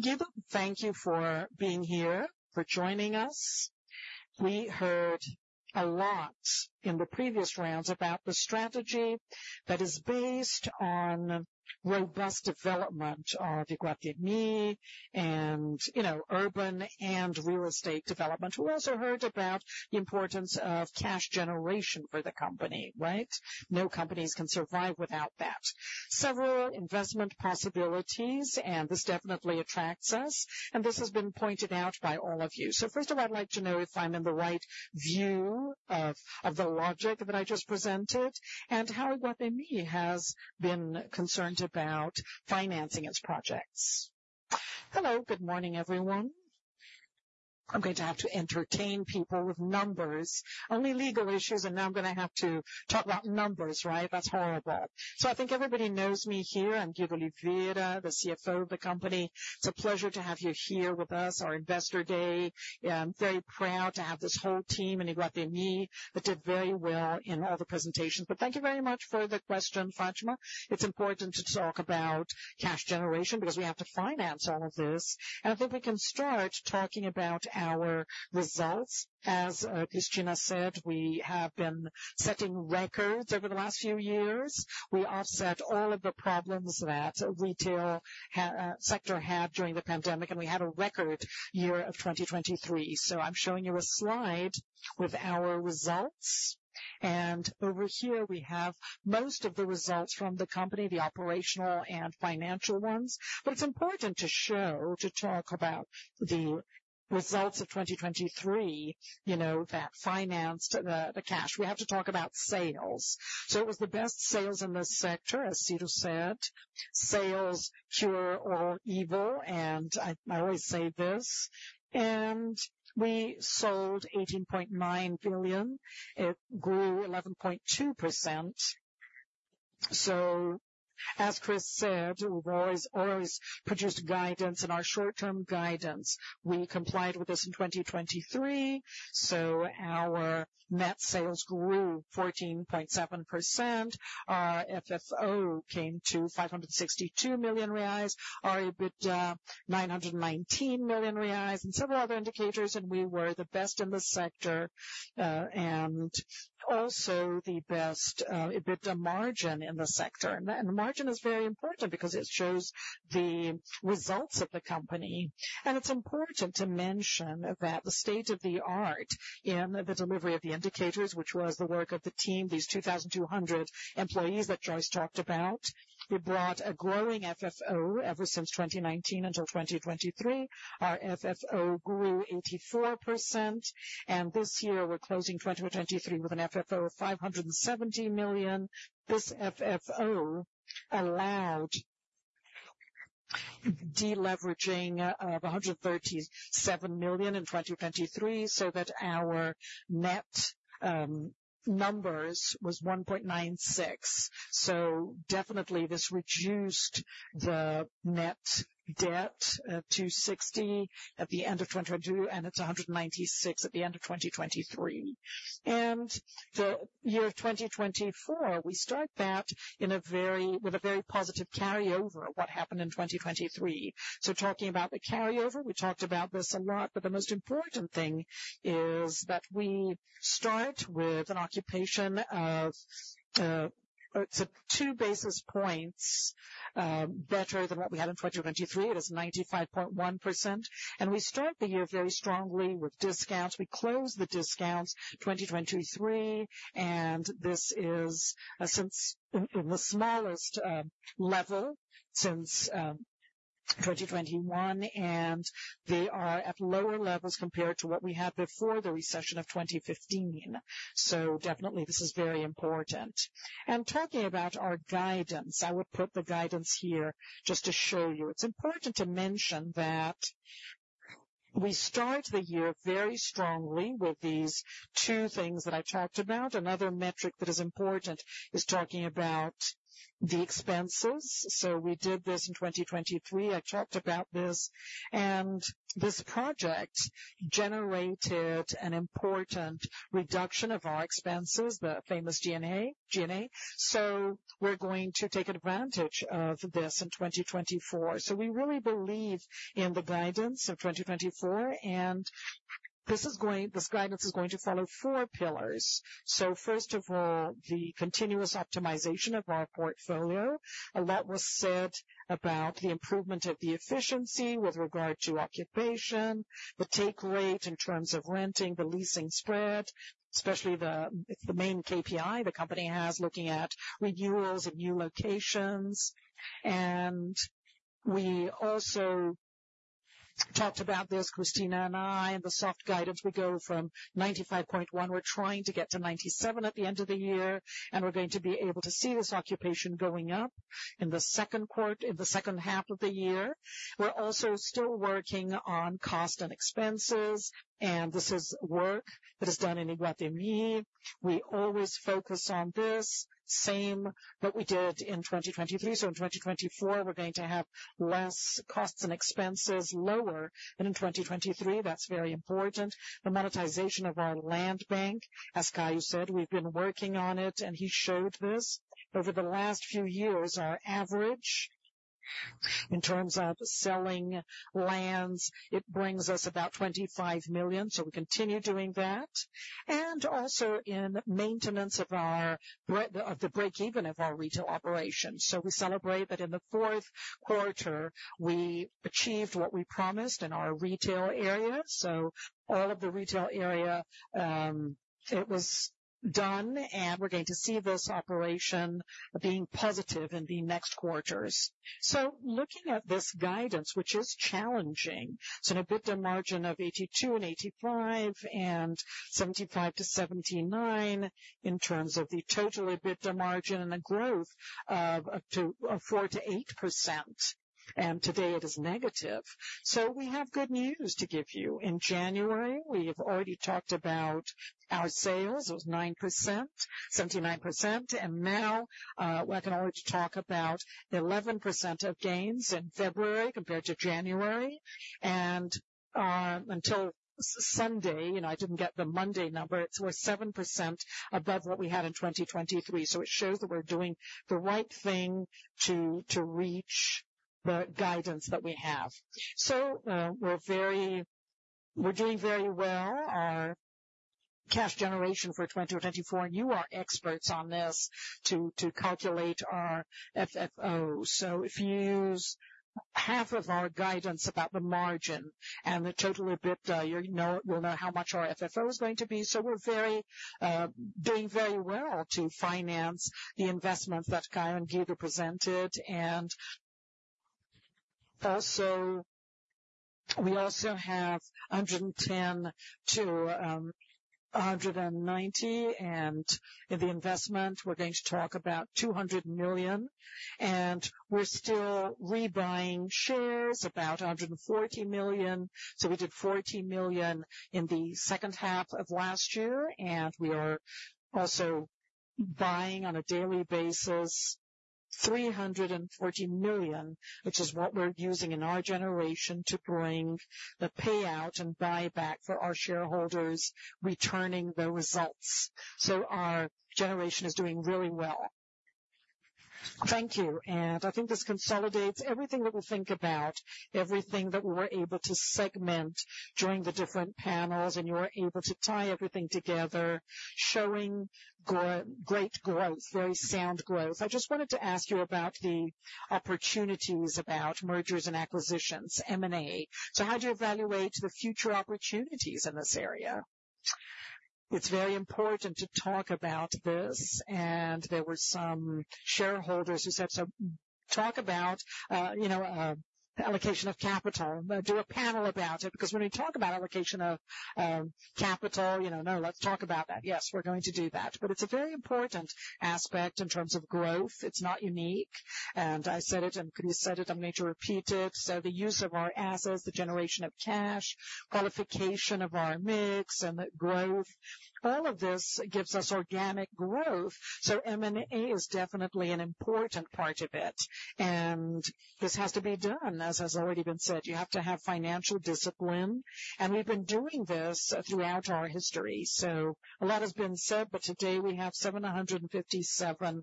S2: Guido, thank you for being here, for joining us. We heard a lot in the previous rounds about the strategy that is based on robust development of Iguatemi and urban and real estate development. We also heard about the importance of cash generation for the company, right? No companies can survive without that. Several investment possibilities. And this definitely attracts us. And this has been pointed out by all of you. So first of all, I'd like to know if I'm in the right view of the logic that I just presented and how Iguatemi has been concerned about financing its projects.
S16: Hello. Good morning, everyone. I'm going to have to entertain people with numbers, only legal issues. And now, I'm going to have to talk about numbers, right? That's horrible. So I think everybody knows me here. I'm Guido Oliveira, the CFO of the company. It's a pleasure to have you here with us, our investor day. I'm very proud to have this whole team in Iguatemi that did very well in all the presentations. But thank you very much for the question, Fátima. It's important to talk about cash generation because we have to finance all of this. I think we can start talking about our results. As Cristina said, we have been setting records over the last few years. We offset all of the problems that the retail sector had during the pandemic. We had a record year of 2023. I'm showing you a slide with our results. Over here, we have most of the results from the company, the operational and financial ones. It's important to show, to talk about the results of 2023, that financed the cash. We have to talk about sales. It was the best sales in the sector, as Ciro said, sales cure all evil. I always say this. We sold 18.9 billion. It grew 11.2%. As Chris said, we've always produced guidance. Our short-term guidance, we complied with this in 2023. Our net sales grew 14.7%. Our FFO came to 562 million reais, our EBITDA 919 million reais, and several other indicators. We were the best in the sector and also the best EBITDA margin in the sector. The margin is very important because it shows the results of the company. It's important to mention that the state of the art in the delivery of the indicators, which was the work of the team, these 2,200 employees that Joyce talked about, it brought a growing FFO ever since 2019 until 2023. Our FFO grew 84%. This year, we're closing 2023 with an FFO of 570 million. This FFO allowed deleveraging of 137 million in 2023 so that our net numbers was 1.96. So definitely, this reduced the net debt to 60 at the end of 2022. It's 196 at the end of 2023. The year 2024, we start that with a very positive carryover of what happened in 2023. Talking about the carryover, we talked about this a lot. But the most important thing is that we start with an occupation of it's at 2 basis points better than what we had in 2023. It is 95.1%. We start the year very strongly with discounts. We close the discounts 2023. This is in the smallest level since 2021. They are at lower levels compared to what we had before the recession of 2015. So definitely, this is very important. Talking about our guidance, I would put the guidance here just to show you. It's important to mention that we start the year very strongly with these two things that I talked about. Another metric that is important is talking about the expenses. We did this in 2023. I talked about this. This project generated an important reduction of our expenses, the famous G&A. We're going to take advantage of this in 2024. We really believe in the guidance of 2024. This guidance is going to follow four pillars. So first of all, the continuous optimization of our portfolio. A lot was said about the improvement of the efficiency with regard to occupation, the take rate in terms of renting, the leasing spread, especially it's the main KPI the company has looking at renewals and new locations. And we also talked about this, Cristina and I, and the soft guidance. We go from 95.1. We're trying to get to 97 at the end of the year. And we're going to be able to see this occupation going up in the second half of the year. We're also still working on cost and expenses. And this is work that is done in Iguatemi. We always focus on this, same what we did in 2023. So in 2024, we're going to have less costs and expenses, lower than in 2023. That's very important. The monetization of our land bank, as Caio said, we've been working on it. He showed this. Over the last few years, our average in terms of selling lands, it brings us about 25 million. We continue doing that. Also in maintenance of the break-even of our retail operations. We celebrate that in the fourth quarter, we achieved what we promised in our retail area. All of the retail area, it was done. We're going to see this operation being positive in the next quarters. Looking at this guidance, which is challenging, it's an EBITDA margin of 82 and 85 and 75-79 in terms of the total EBITDA margin and the growth of 4%-8%. Today, it is negative. We have good news to give you. In January, we have already talked about our sales. It was 79%. Now, we can already talk about 11% of gains in February compared to January. Until Sunday, I didn't get the Monday number. We're 7% above what we had in 2023. It shows that we're doing the right thing to reach the guidance that we have. We're doing very well, our cash generation for 2024. You are experts on this to calculate our FFO. If you use half of our guidance about the margin and the total EBITDA, you'll know how much our FFO is going to be. We're doing very well to finance the investments that Caio and Guido presented. We also have BRL 110-190. In the investment, we're going to talk about 200 million. We're still rebuying shares, about 140 million. We did 14 million in the second half of last year. We are also buying on a daily basis 340 million, which is what we're using in our generation to bring the payout and buyback for our shareholders, returning the results. Our generation is doing really well.
S2: Thank you. I think this consolidates everything that we'll think about, everything that we were able to segment during the different panels. You were able to tie everything together, showing great growth, very sound growth. I just wanted to ask you about the opportunities about mergers and acquisitions, M&A. How do you evaluate the future opportunities in this area? It's very important to talk about this. There were some shareholders who said, "So talk about allocation of capital. Do a panel about it." Because when we talk about allocation of capital, "No, let's talk about that."
S16: Yes, we're going to do that. It's a very important aspect in terms of growth. It's not unique. I said it. Cristina said it. I'm going to have to repeat it. The use of our assets, the generation of cash, qualification of our mix, and the growth, all of this gives us organic growth. M&A is definitely an important part of it. This has to be done. As has already been said, you have to have financial discipline. We've been doing this throughout our history. A lot has been said. Today, we have 757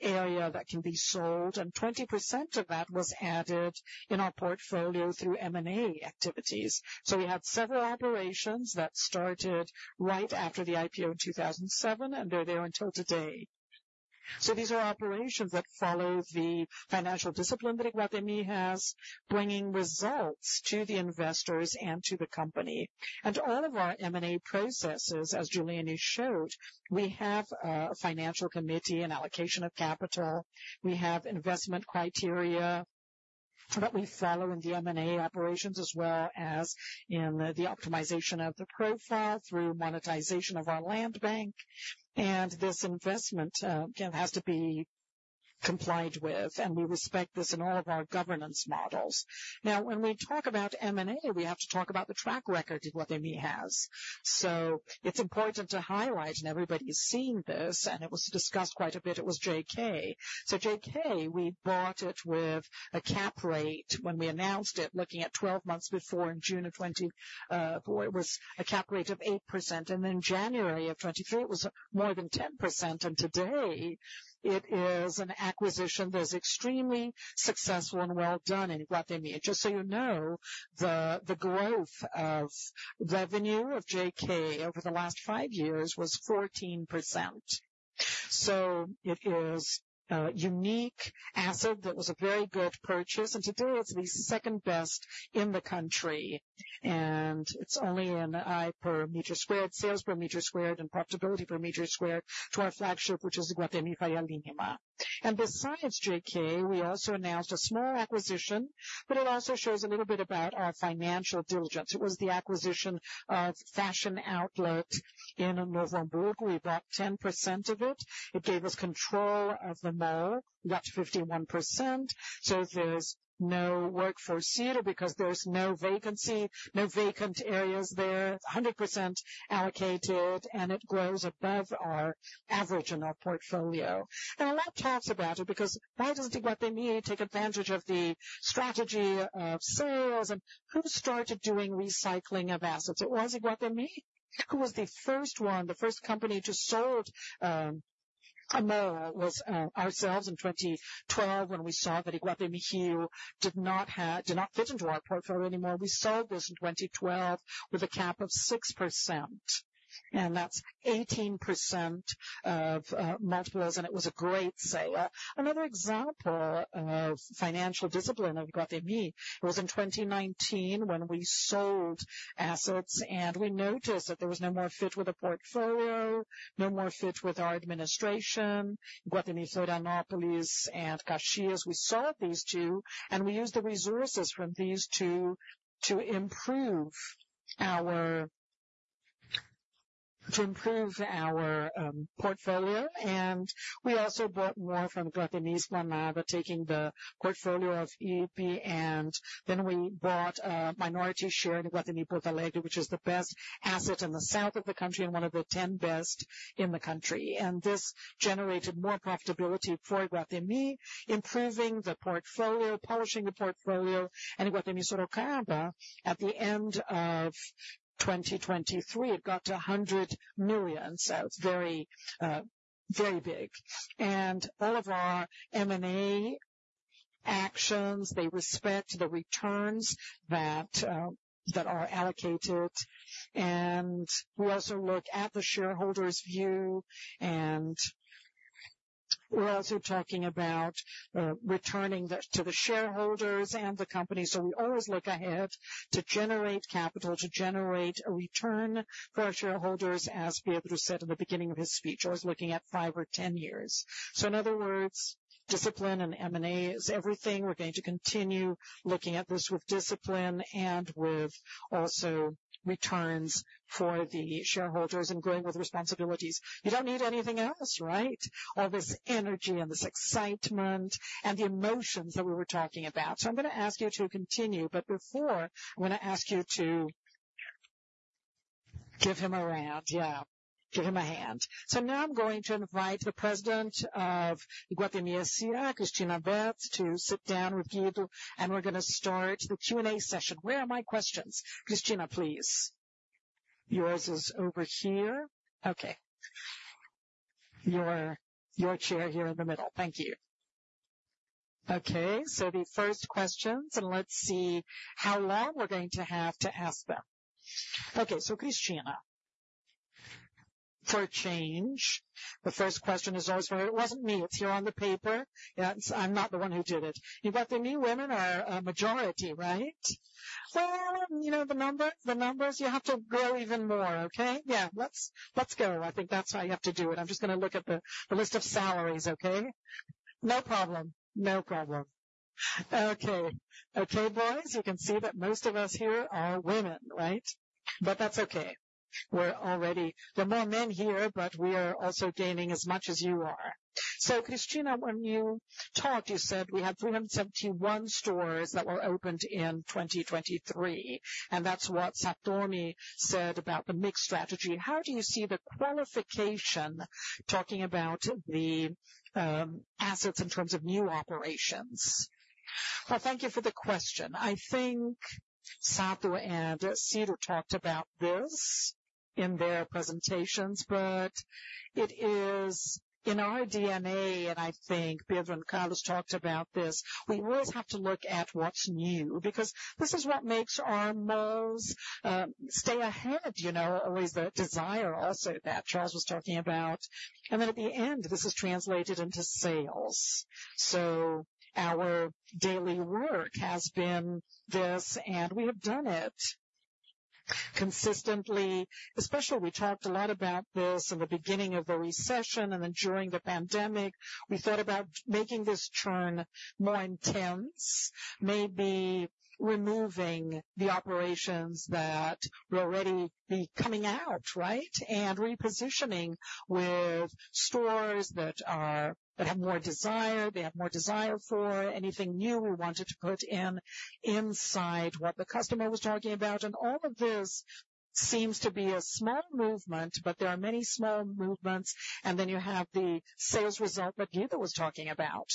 S16: area that can be sold. And 20% of that was added in our portfolio through M&A activities. We had several operations that started right after the IPO in 2007. They're there until today. So these are operations that follow the financial discipline that Iguatemi has, bringing results to the investors and to the company. All of our M&A processes, as Gilene showed, we have a financial committee and allocation of capital. We have investment criteria that we follow in the M&A operations as well as in the optimization of the profile through monetization of our land bank. This investment has to be complied with. We respect this in all of our governance models. Now, when we talk about M&A, we have to talk about the track record Iguatemi has. It's important to highlight. Everybody's seen this. It was discussed quite a bit. It was JK. So JK, we bought it with a cap rate when we announced it, looking at 12 months before in June of 2024. It was a cap rate of 8%. January of 2023, it was more than 10%. Today, it is an acquisition that is extremely successful and well done in Iguatemi. Just so you know, the growth of revenue of JK over the last five years was 14%. It is a unique asset that was a very good purchase. Today, it's the second best in the country. It's only a tie per meter squared, sales per meter squared, and profitability per meter squared to our flagship, which is Iguatemi Faria Lima. Besides JK, we also announced a small acquisition. It also shows a little bit about our financial diligence. It was the acquisition of Fashion Outlet in Novo Hamburgo. We bought 10% of it. It gave us control of the mall, up to 51%. There's no work for Ciro because there's no vacant areas there. It's 100% allocated. It grows above our average in our portfolio. A lot talks about it because why doesn't Iguatemi take advantage of the strategy of sales? And who started doing recycling of assets? It was Iguatemi. Who was the first one, the first company to sell a mall? It was ourselves in 2012 when we saw that Iguatemi Alphaville did not fit into our portfolio anymore. We sold this in 2012 with a cap of 6%. And that's 18x multiples. And it was a great sale. Another example of financial discipline of Iguatemi. It was in 2019 when we sold assets. And we noticed that there was no more fit with the portfolio, no more fit with our administration, Iguatemi Florianópolis and Caxias. We sold these two. And we used the resources from these two to improve our portfolio. We also bought more from Iguatemi Esplanada, taking the portfolio of EIP. Then we bought a minority share in Iguatemi Porto Alegre, which is the best asset in the south of the country and one of the 10 best in the country. This generated more profitability for Iguatemi, improving the portfolio, polishing the portfolio. Iguatemi Sorocaba, at the end of 2023, it got to 100 million. So it's very, very big. All of our M&A actions, they respect the returns that are allocated. We also look at the shareholders' view. We're also talking about returning to the shareholders and the company. We always look ahead to generate capital, to generate a return for our shareholders, as Pietro said in the beginning of his speech, always looking at 5 or 10 years. In other words, discipline and M&A is everything. We're going to continue looking at this with discipline and with also returns for the shareholders and growing with responsibilities.
S2: You don't need anything else, right, all this energy and this excitement and the emotions that we were talking about. So I'm going to ask you to continue. But before, I want to ask you to give him a round. Yeah, give him a hand. So now, I'm going to invite the president of Iguatemi S.A., Cristina Betts, to sit down with Guido. And we're going to start the Q&A session. Where are my questions? Cristina, please. Yours is over here. Okay. Your chair here in the middle. Thank you. Okay. So the first questions. And let's see how long we're going to have to ask them. Okay. So Cristina, for a change, the first question is always for it wasn't me. It's here on the paper. Yeah, I'm not the one who did it. Iguatemi women are a majority, right? Well, the numbers, you have to grow even more, okay? Yeah, let's go. I think that's how you have to do it. I'm just going to look at the list of salaries, okay? No problem. No problem. Okay. Okay, boys, you can see that most of us here are women, right? But that's okay. There are more men here. But we are also gaining as much as you are. So Cristina, when you talked, you said we had 371 stores that were opened in 2023. And that's what Saturni said about the mixed strategy. How do you see the qualification talking about the assets in terms of new operations?
S5: Well, thank you for the question. I think Charles and Ciro talked about this in their presentations. But it is in our DNA. I think Pedro and Carlos talked about this. We always have to look at what's new because this is what makes our malls stay ahead, always the desire also that Charles was talking about. At the end, this is translated into sales. Our daily work has been this. We have done it consistently. Especially, we talked a lot about this in the beginning of the recession. During the pandemic, we thought about making this turn more intense, maybe removing the operations that will already be coming out, right, and repositioning with stores that have more desire. They have more desire for anything new we wanted to put inside what the customer was talking about. All of this seems to be a small movement. But there are many small movements. You have the sales result that Guido was talking about.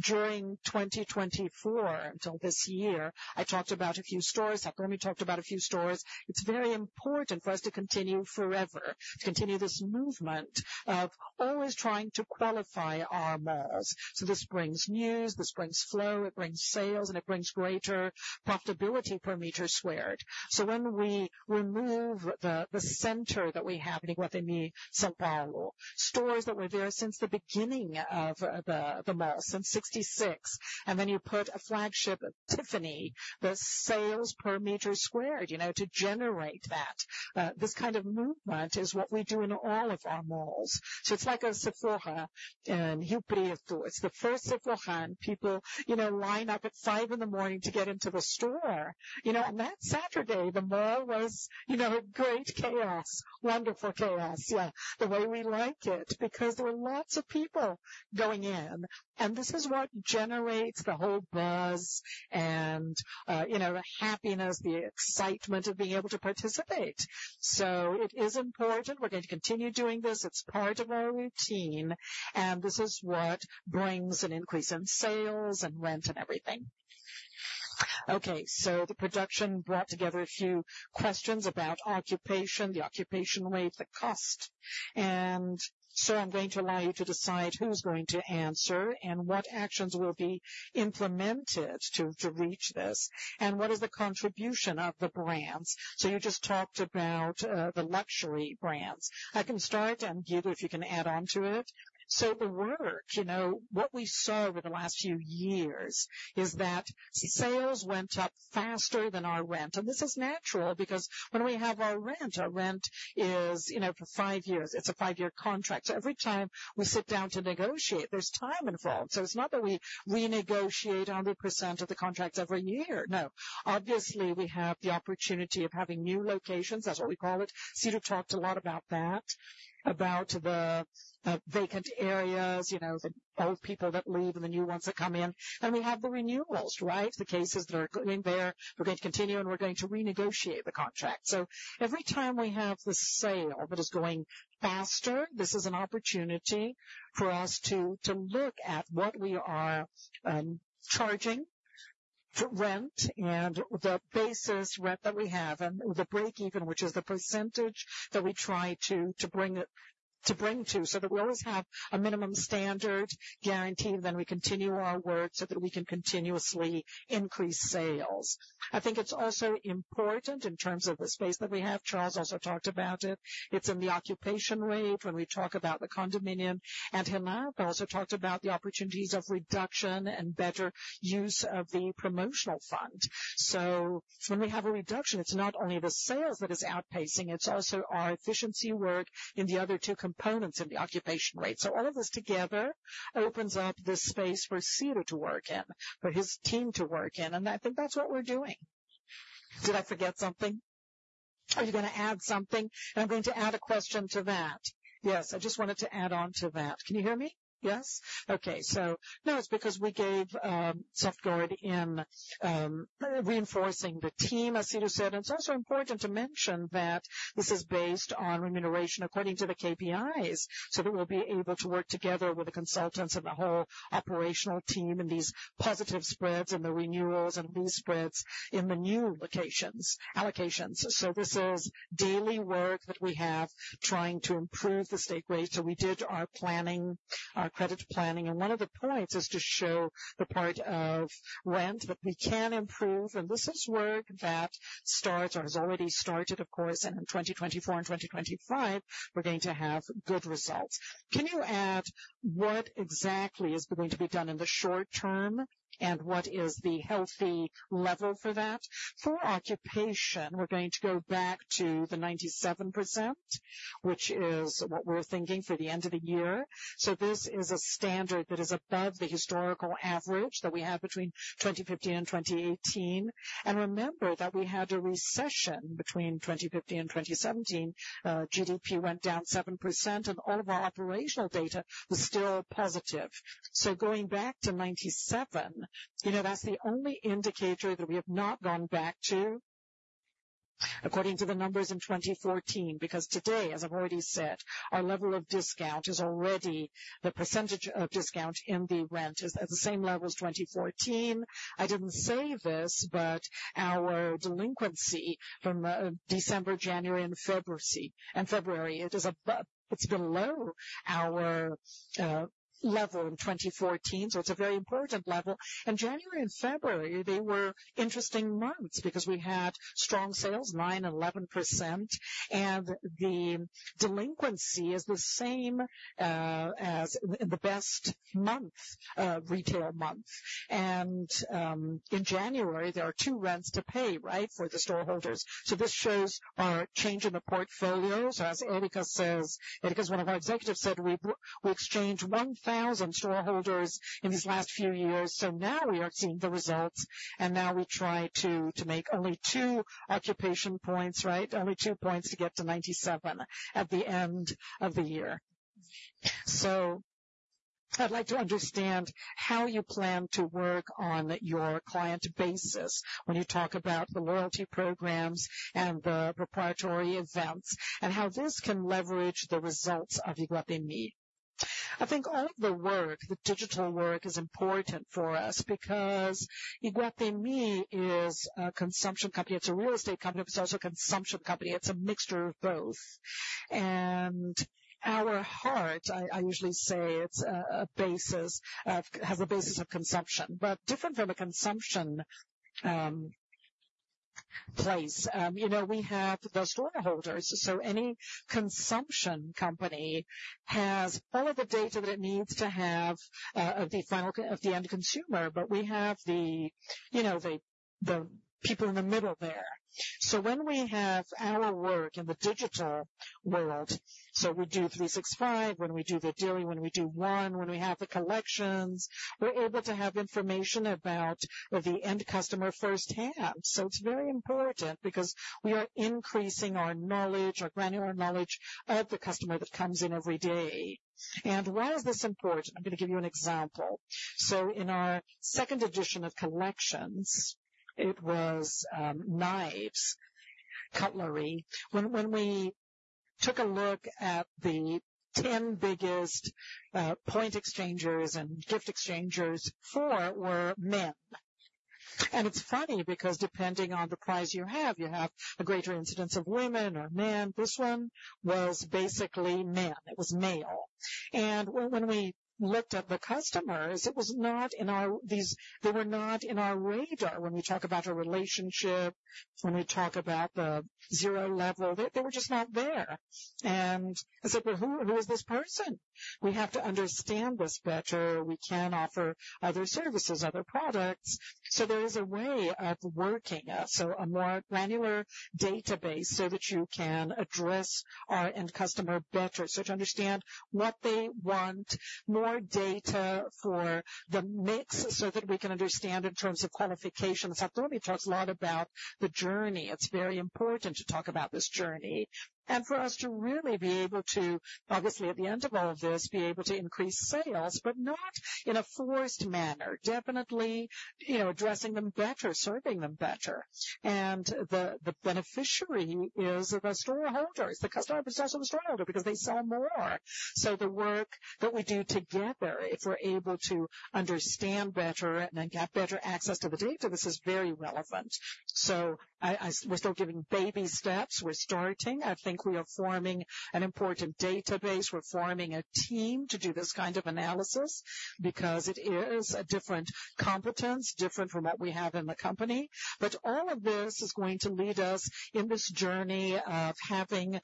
S5: During 2024 until this year, I talked about a few stores. Saturni talked about a few stores. It's very important for us to continue forever, to continue this movement of always trying to qualify our malls. This brings news. This brings flow. It brings sales. It brings greater profitability per meter squared. When we remove the center that we have in Iguatemi São Paulo, stores that were there since the beginning of the mall, since 1966, and then you put a flagship, Tiffany, the sales per meter squared to generate that, this kind of movement is what we do in all of our malls. It's like a Sephora. You put it through. It's the first Sephora. People line up at 5:00 A.M. to get into the store. That Saturday, the mall was great chaos, wonderful chaos, yeah, the way we like it because there were lots of people going in. This is what generates the whole buzz and the happiness, the excitement of being able to participate. It is important. We're going to continue doing this. It's part of our routine. This is what brings an increase in sales and rent and everything.
S2: Okay. The production brought together a few questions about occupancy, the occupancy rate, the cost. So I'm going to allow you to decide who's going to answer and what actions will be implemented to reach this. And what is the contribution of the brands?
S5: You just talked about the luxury brands. I can start. And Guido, if you can add on to it. So the work, what we saw over the last few years is that sales went up faster than our rent. This is natural because when we have our rent, our rent is for five years. It's a five-year contract. So every time we sit down to negotiate, there's time involved. So it's not that we renegotiate 100% of the contract every year. No. Obviously, we have the opportunity of having new locations. That's what we call it. Ciro talked a lot about that, about the vacant areas, the old people that leave and the new ones that come in. And we have the renewals, right, the cases that are going there. We're going to continue. And we're going to renegotiate the contract. So every time we have the sale that is going faster, this is an opportunity for us to look at what we are charging for rent and the basis rent that we have and the break-even, which is the percentage that we try to bring to so that we always have a minimum standard guaranteed. And then we continue our work so that we can continuously increase sales. I think it's also important in terms of the space that we have. Charles also talked about it. It's in the occupation rate when we talk about the condominium. And Renata also talked about the opportunities of reduction and better use of the promotional fund. So when we have a reduction, it's not only the sales that is outpacing. It's also our efficiency work in the other two components in the occupation rate. So all of this together opens up this space for Ciro to work in, for his team to work in. And I think that's what we're doing. Did I forget something? Are you going to add something? And I'm going to add a question to that.
S16: Yes, I just wanted to add on to that. Can you hear me? Yes? Okay. So no, it's because we gave support in reinforcing the team, as Ciro said. And it's also important to mention that this is based on remuneration according to the KPIs so that we'll be able to work together with the consultants and the whole operational team in these positive spreads, the renewals, and lease spreads in the new allocations. So this is daily work that we have trying to improve the take rate. So we did our credit planning. One of the points is to show the part of rent that we can improve. This is work that starts or has already started, of course. In 2024 and 2025, we're going to have good results. Can you add what exactly is going to be done in the short term? What is the healthy level for that? For occupation, we're going to go back to the 97%, which is what we're thinking for the end of the year. This is a standard that is above the historical average that we had between 2015 and 2018. Remember that we had a recession between 2015 and 2017. GDP went down 7%. All of our operational data was still positive. So going back to 1997, that's the only indicator that we have not gone back to according to the numbers in 2014 because today, as I've already said, our level of discount is already the percentage of discount in the rent is at the same level as 2014. I didn't say this. But our delinquency from December, January, and February, it's below our level in 2014. So it's a very important level. And January and February, they were interesting months because we had strong sales, 9% and 11%. And the delinquency is the same as in the best month, retail month. And in January, there are two rents to pay, right, for the storeholders. So this shows our change in the portfolio. So as Erika says, Erika is one of our executives, said we exchanged 1,000 storeholders in these last few years. So now, we are seeing the results. Now, we try to make only two occupation points, right, only two points to get to 97 at the end of the year. So I'd like to understand how you plan to work on your client basis when you talk about the loyalty programs and the proprietary events and how this can leverage the results of Iguatemi. I think all of the work, the digital work, is important for us because Iguatemi is a consumption company. It's a real estate company. But it's also a consumption company. It's a mixture of both. And our heart, I usually say, has a basis of consumption. But different from a consumption place, we have the storeholders. So any consumption company has all of the data that it needs to have of the end consumer. But we have the people in the middle there. So when we have our work in the digital world, so we do 365. When we do the daily. When we do one. When we have the collections, we're able to have information about the end customer firsthand. So it's very important because we are increasing our granular knowledge of the customer that comes in every day. Why is this important? I'm going to give you an example. So in our second edition of collections, it was knives, cutlery. When we took a look at the 10 biggest point exchangers and gift exchangers, four were men. It's funny because depending on the prize you have, you have a greater incidence of women or men. This one was basically men. It was male. When we looked at the customers, they were not in our radar when we talk about our relationship, when we talk about the zero level. They were just not there. And I said, "Well, who is this person? We have to understand this better. We can offer other services, other products." So there is a way of working us, so a more granular database so that you can address our end customer better, so to understand what they want, more data for the mix so that we can understand in terms of qualification. Saturni talks a lot about the journey. It's very important to talk about this journey and for us to really be able to, obviously, at the end of all of this, be able to increase sales but not in a forced manner, definitely addressing them better, serving them better. And the beneficiary is the storeholders. The customer is also the storeholder because they sell more. So the work that we do together, if we're able to understand better and then get better access to the data, this is very relevant. We're still giving baby steps. We're starting. I think we are forming an important database. We're forming a team to do this kind of analysis because it is a different competence, different from what we have in the company. But all of this is going to lead us in this journey of having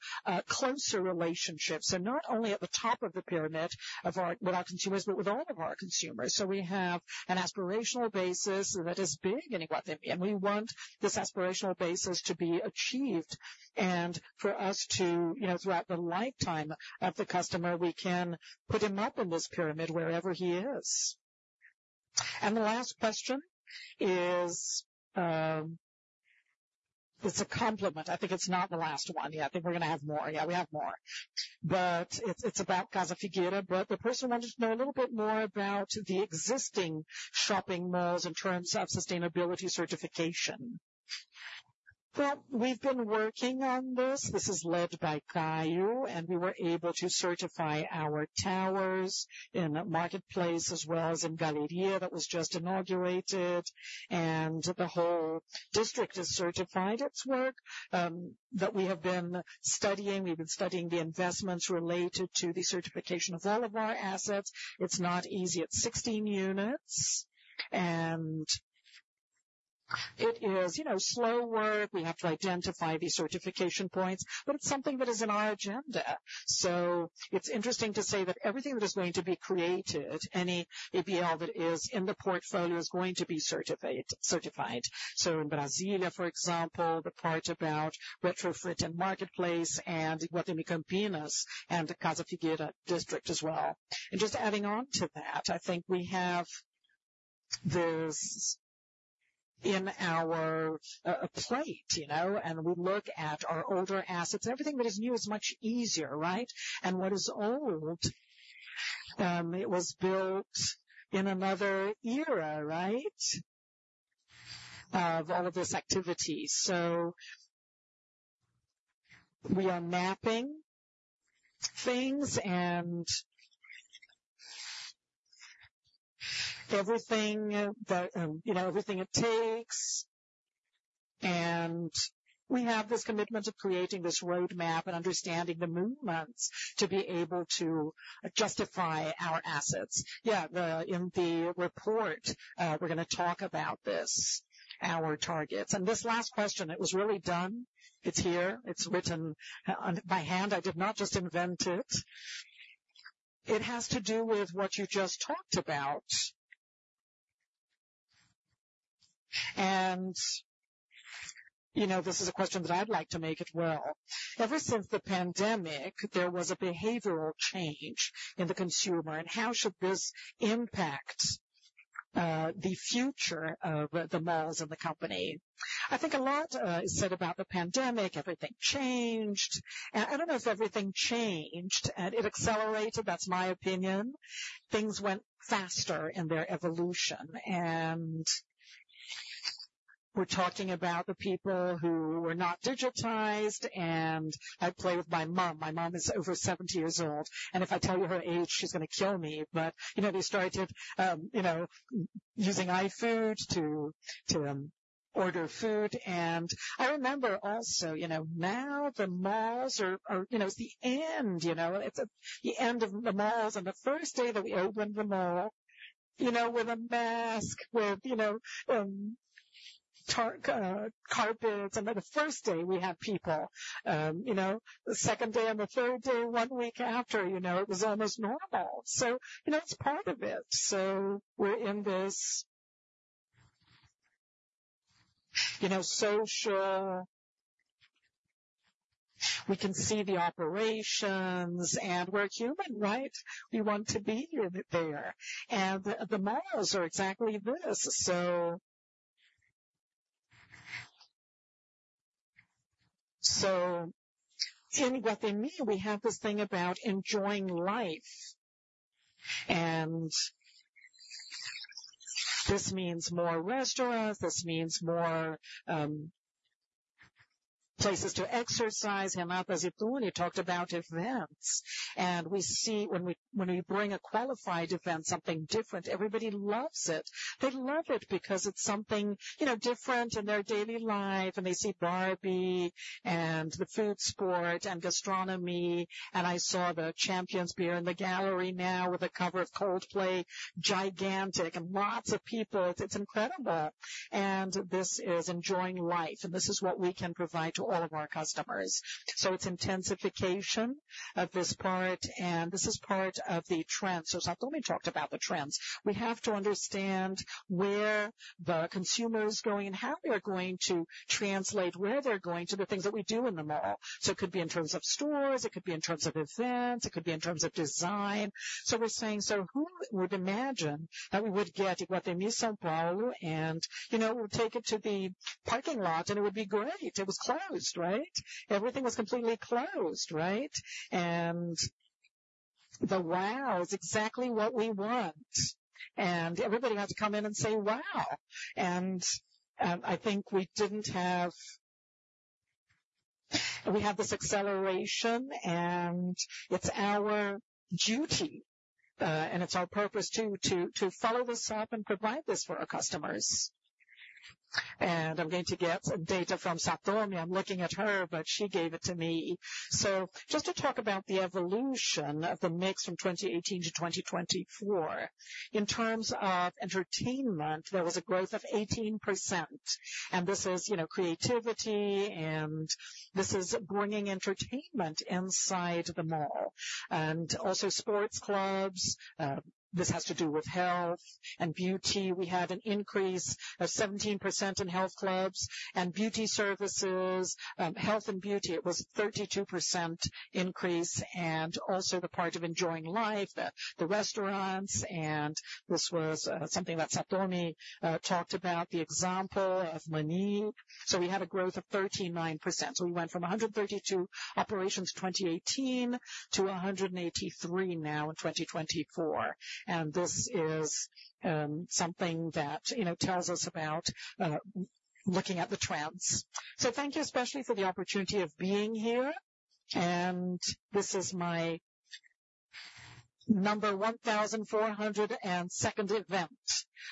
S16: closer relationships, so not only at the top of the pyramid with our consumers but with all of our consumers. We have an aspirational basis that is big in Iguatemi. And we want this aspirational basis to be achieved and for us to, throughout the lifetime of the customer, we can put him up in this pyramid wherever he is.
S2: And the last question is it's a compliment. I think it's not the last one. Yeah, I think we're going to have more. Yeah, we have more. But it's about Casa Figueira. But the person wanted to know a little bit more about the existing shopping malls in terms of sustainability certification.
S16: Well, we've been working on this. This is led by Caio. We were able to certify our towers in Market Place as well as in Galleria that was just inaugurated. The whole district has certified its work that we have been studying. We've been studying the investments related to the certification of all of our assets. It's not easy. It's 16 units. It is slow work. We have to identify the certification points. But it's something that is in our agenda. So it's interesting to say that everything that is going to be created, any ABL that is in the portfolio is going to be certified. So in Brasília, for example, the part about retrofit and Market Place and Iguatemi Campinas and the Casa Figueira district as well. And just adding on to that, I think we have this in our plate. And we look at our older assets. Everything that is new is much easier, right? And what is old, it was built in another era, right, of all of this activity. So we are mapping things. And everything it takes. And we have this commitment to creating this roadmap and understanding the movements to be able to justify our assets. Yeah, in the report, we're going to talk about this, our targets.
S2: And this last question, it was really done. It's here. It's written by hand. I did not just invent it. It has to do with what you just talked about. And this is a question that I'd like to make as well. Ever since the pandemic, there was a behavioral change in the consumer. And how should this impact the future of the malls and the company?
S5: I think a lot is said about the pandemic. Everything changed. I don't know if everything changed. It accelerated. That's my opinion. Things went faster in their evolution. And we're talking about the people who were not digitized. And I play with my mom. My mom is over 70 years old. And if I tell you her age, she's going to kill me. But they started using iFood to order food. And I remember also, now, the malls are it's the end. It's the end of the malls. And the first day that we opened the mall with a mask, with carpets, and the first day, we had people. The second day and the third day, one week after, it was almost normal. So it's part of it. So we're in this social we can see the operations. And we're human, right? We want to be there. And the malls are exactly this. So in Iguatemi, we have this thing about enjoying life. And this means more restaurants. This means more places to exercise, Renata Zitune, talked about events. And when we bring a qualified event, something different, everybody loves it. They love it because it's something different in their daily life. And they see Barbie and the Food Spot and gastronomy. And I saw the Champions Beer in the Galleria now with a cover of Coldplay, gigantic, and lots of people. It's incredible. This is enjoying life. This is what we can provide to all of our customers. It's intensification of this part. This is part of the trends. Saturni talked about the trends. We have to understand where the consumer is going and how they're going to translate where they're going to the things that we do in the mall. It could be in terms of stores. It could be in terms of events. It could be in terms of design. We're saying, "Who would imagine that we would get Iguatemi São Paulo and we'll take it to the parking lot. It would be great." It was closed, right? Everything was completely closed, right? The wow is exactly what we want. Everybody had to come in and say, "Wow." I think we didn't have we have this acceleration. It's our duty. It's our purpose too to follow this up and provide this for our customers. I'm going to get data from Saturni. I'm looking at her. But she gave it to me. So just to talk about the evolution of the mix from 2018 to 2024, in terms of entertainment, there was a growth of 18%. And this is creativity. And this is bringing entertainment inside the mall and also sports clubs. This has to do with health and beauty. We had an increase of 17% in health clubs and beauty services, health and beauty. It was a 32% increase. And also the part of enjoying life, the restaurants. And this was something that Saturni talked about, the example of Mani. So we had a growth of 39%. So we went from 132 operations in 2018 to 183 now in 2024. This is something that tells us about looking at the trends.
S2: So thank you especially for the opportunity of being here. This is my 1,402nd event.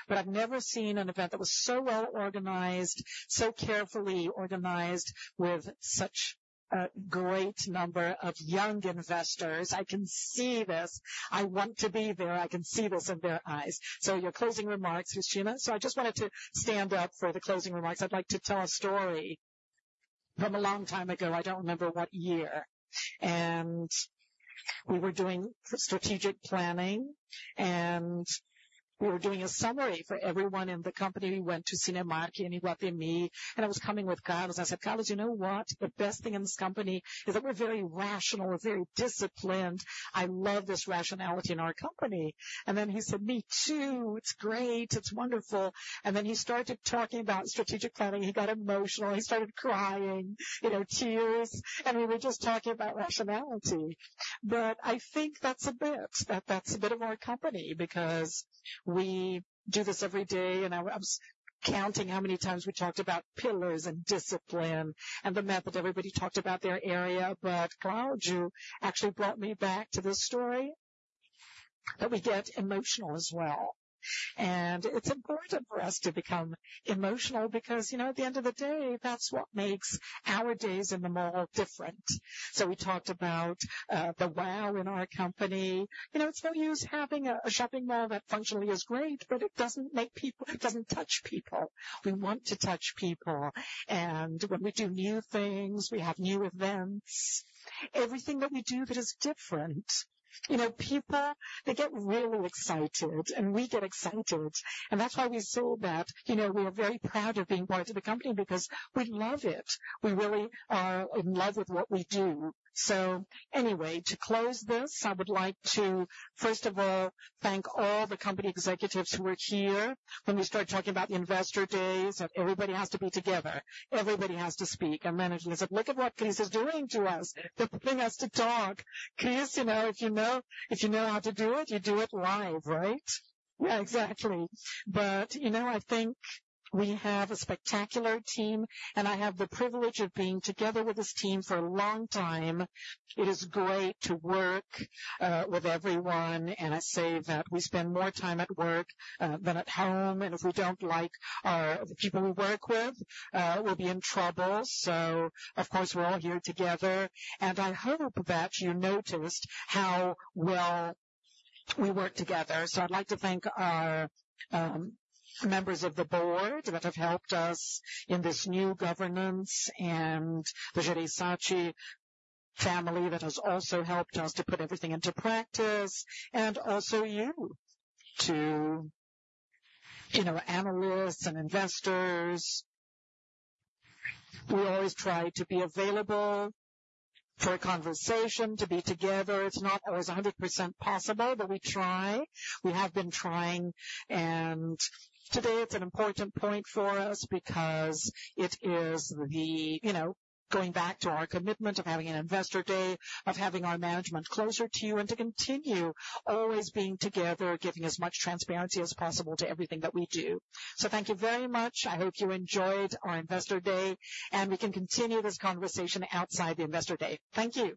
S2: But I've never seen an event that was so well organized, so carefully organized with such a great number of young investors. I can see this. I want to be there. I can see this in their eyes. So your closing remarks, Cristina.
S5: So I just wanted to stand up for the closing remarks. I'd like to tell a story from a long time ago. I don't remember what year. We were doing strategic planning. We were doing a summary for everyone in the company. We went to Cinemark in Iguatemi. I was coming with Carlos. I said, "Carlos, you know what? The best thing in this company is that we're very rational, very disciplined. I love this rationality in our company." Then he said, "Me too. It's great. It's wonderful." Then he started talking about strategic planning. He got emotional. He started crying, tears. We were just talking about rationality. I think that's a bit. That's a bit of our company because we do this every day. I was counting how many times we talked about pillars and discipline and the method. Everybody talked about their area. Claudio, actually, brought me back to this story that we get emotional as well. It's important for us to become emotional because, at the end of the day, that's what makes our days in the mall different. We talked about the wow in our company. It's no use having a shopping mall that functionally is great. It doesn't make people. It doesn't touch people. We want to touch people. When we do new things, we have new events, everything that we do that is different, people, they get really excited. We get excited. That's why we saw that we are very proud of being part of the company because we love it. We really are in love with what we do. So anyway, to close this, I would like to, first of all, thank all the company executives who were here when we started talking about the investor days that everybody has to be together. Everybody has to speak. Management said, "Look at what Cris is doing to us. They're putting us to talk. Cris, if you know how to do it, you do it live, right?" Yeah, exactly. I think we have a spectacular team. I have the privilege of being together with this team for a long time. It is great to work with everyone. I say that we spend more time at work than at home. And if we don't like the people we work with, we'll be in trouble. So, of course, we're all here together. I hope that you noticed how well we work together. So I'd like to thank our members of the board that have helped us in this new governance and the Jereissati family that has also helped us to put everything into practice and also you, to analysts and investors. We always try to be available for a conversation, to be together. It's not always 100% possible. But we try. We have been trying. Today, it's an important point for us because it is going back to our commitment of having an investor day, of having our management closer to you and to continue always being together, giving as much transparency as possible to everything that we do. Thank you very much. I hope you enjoyed our investor day. We can continue this conversation outside the investor day. Thank you.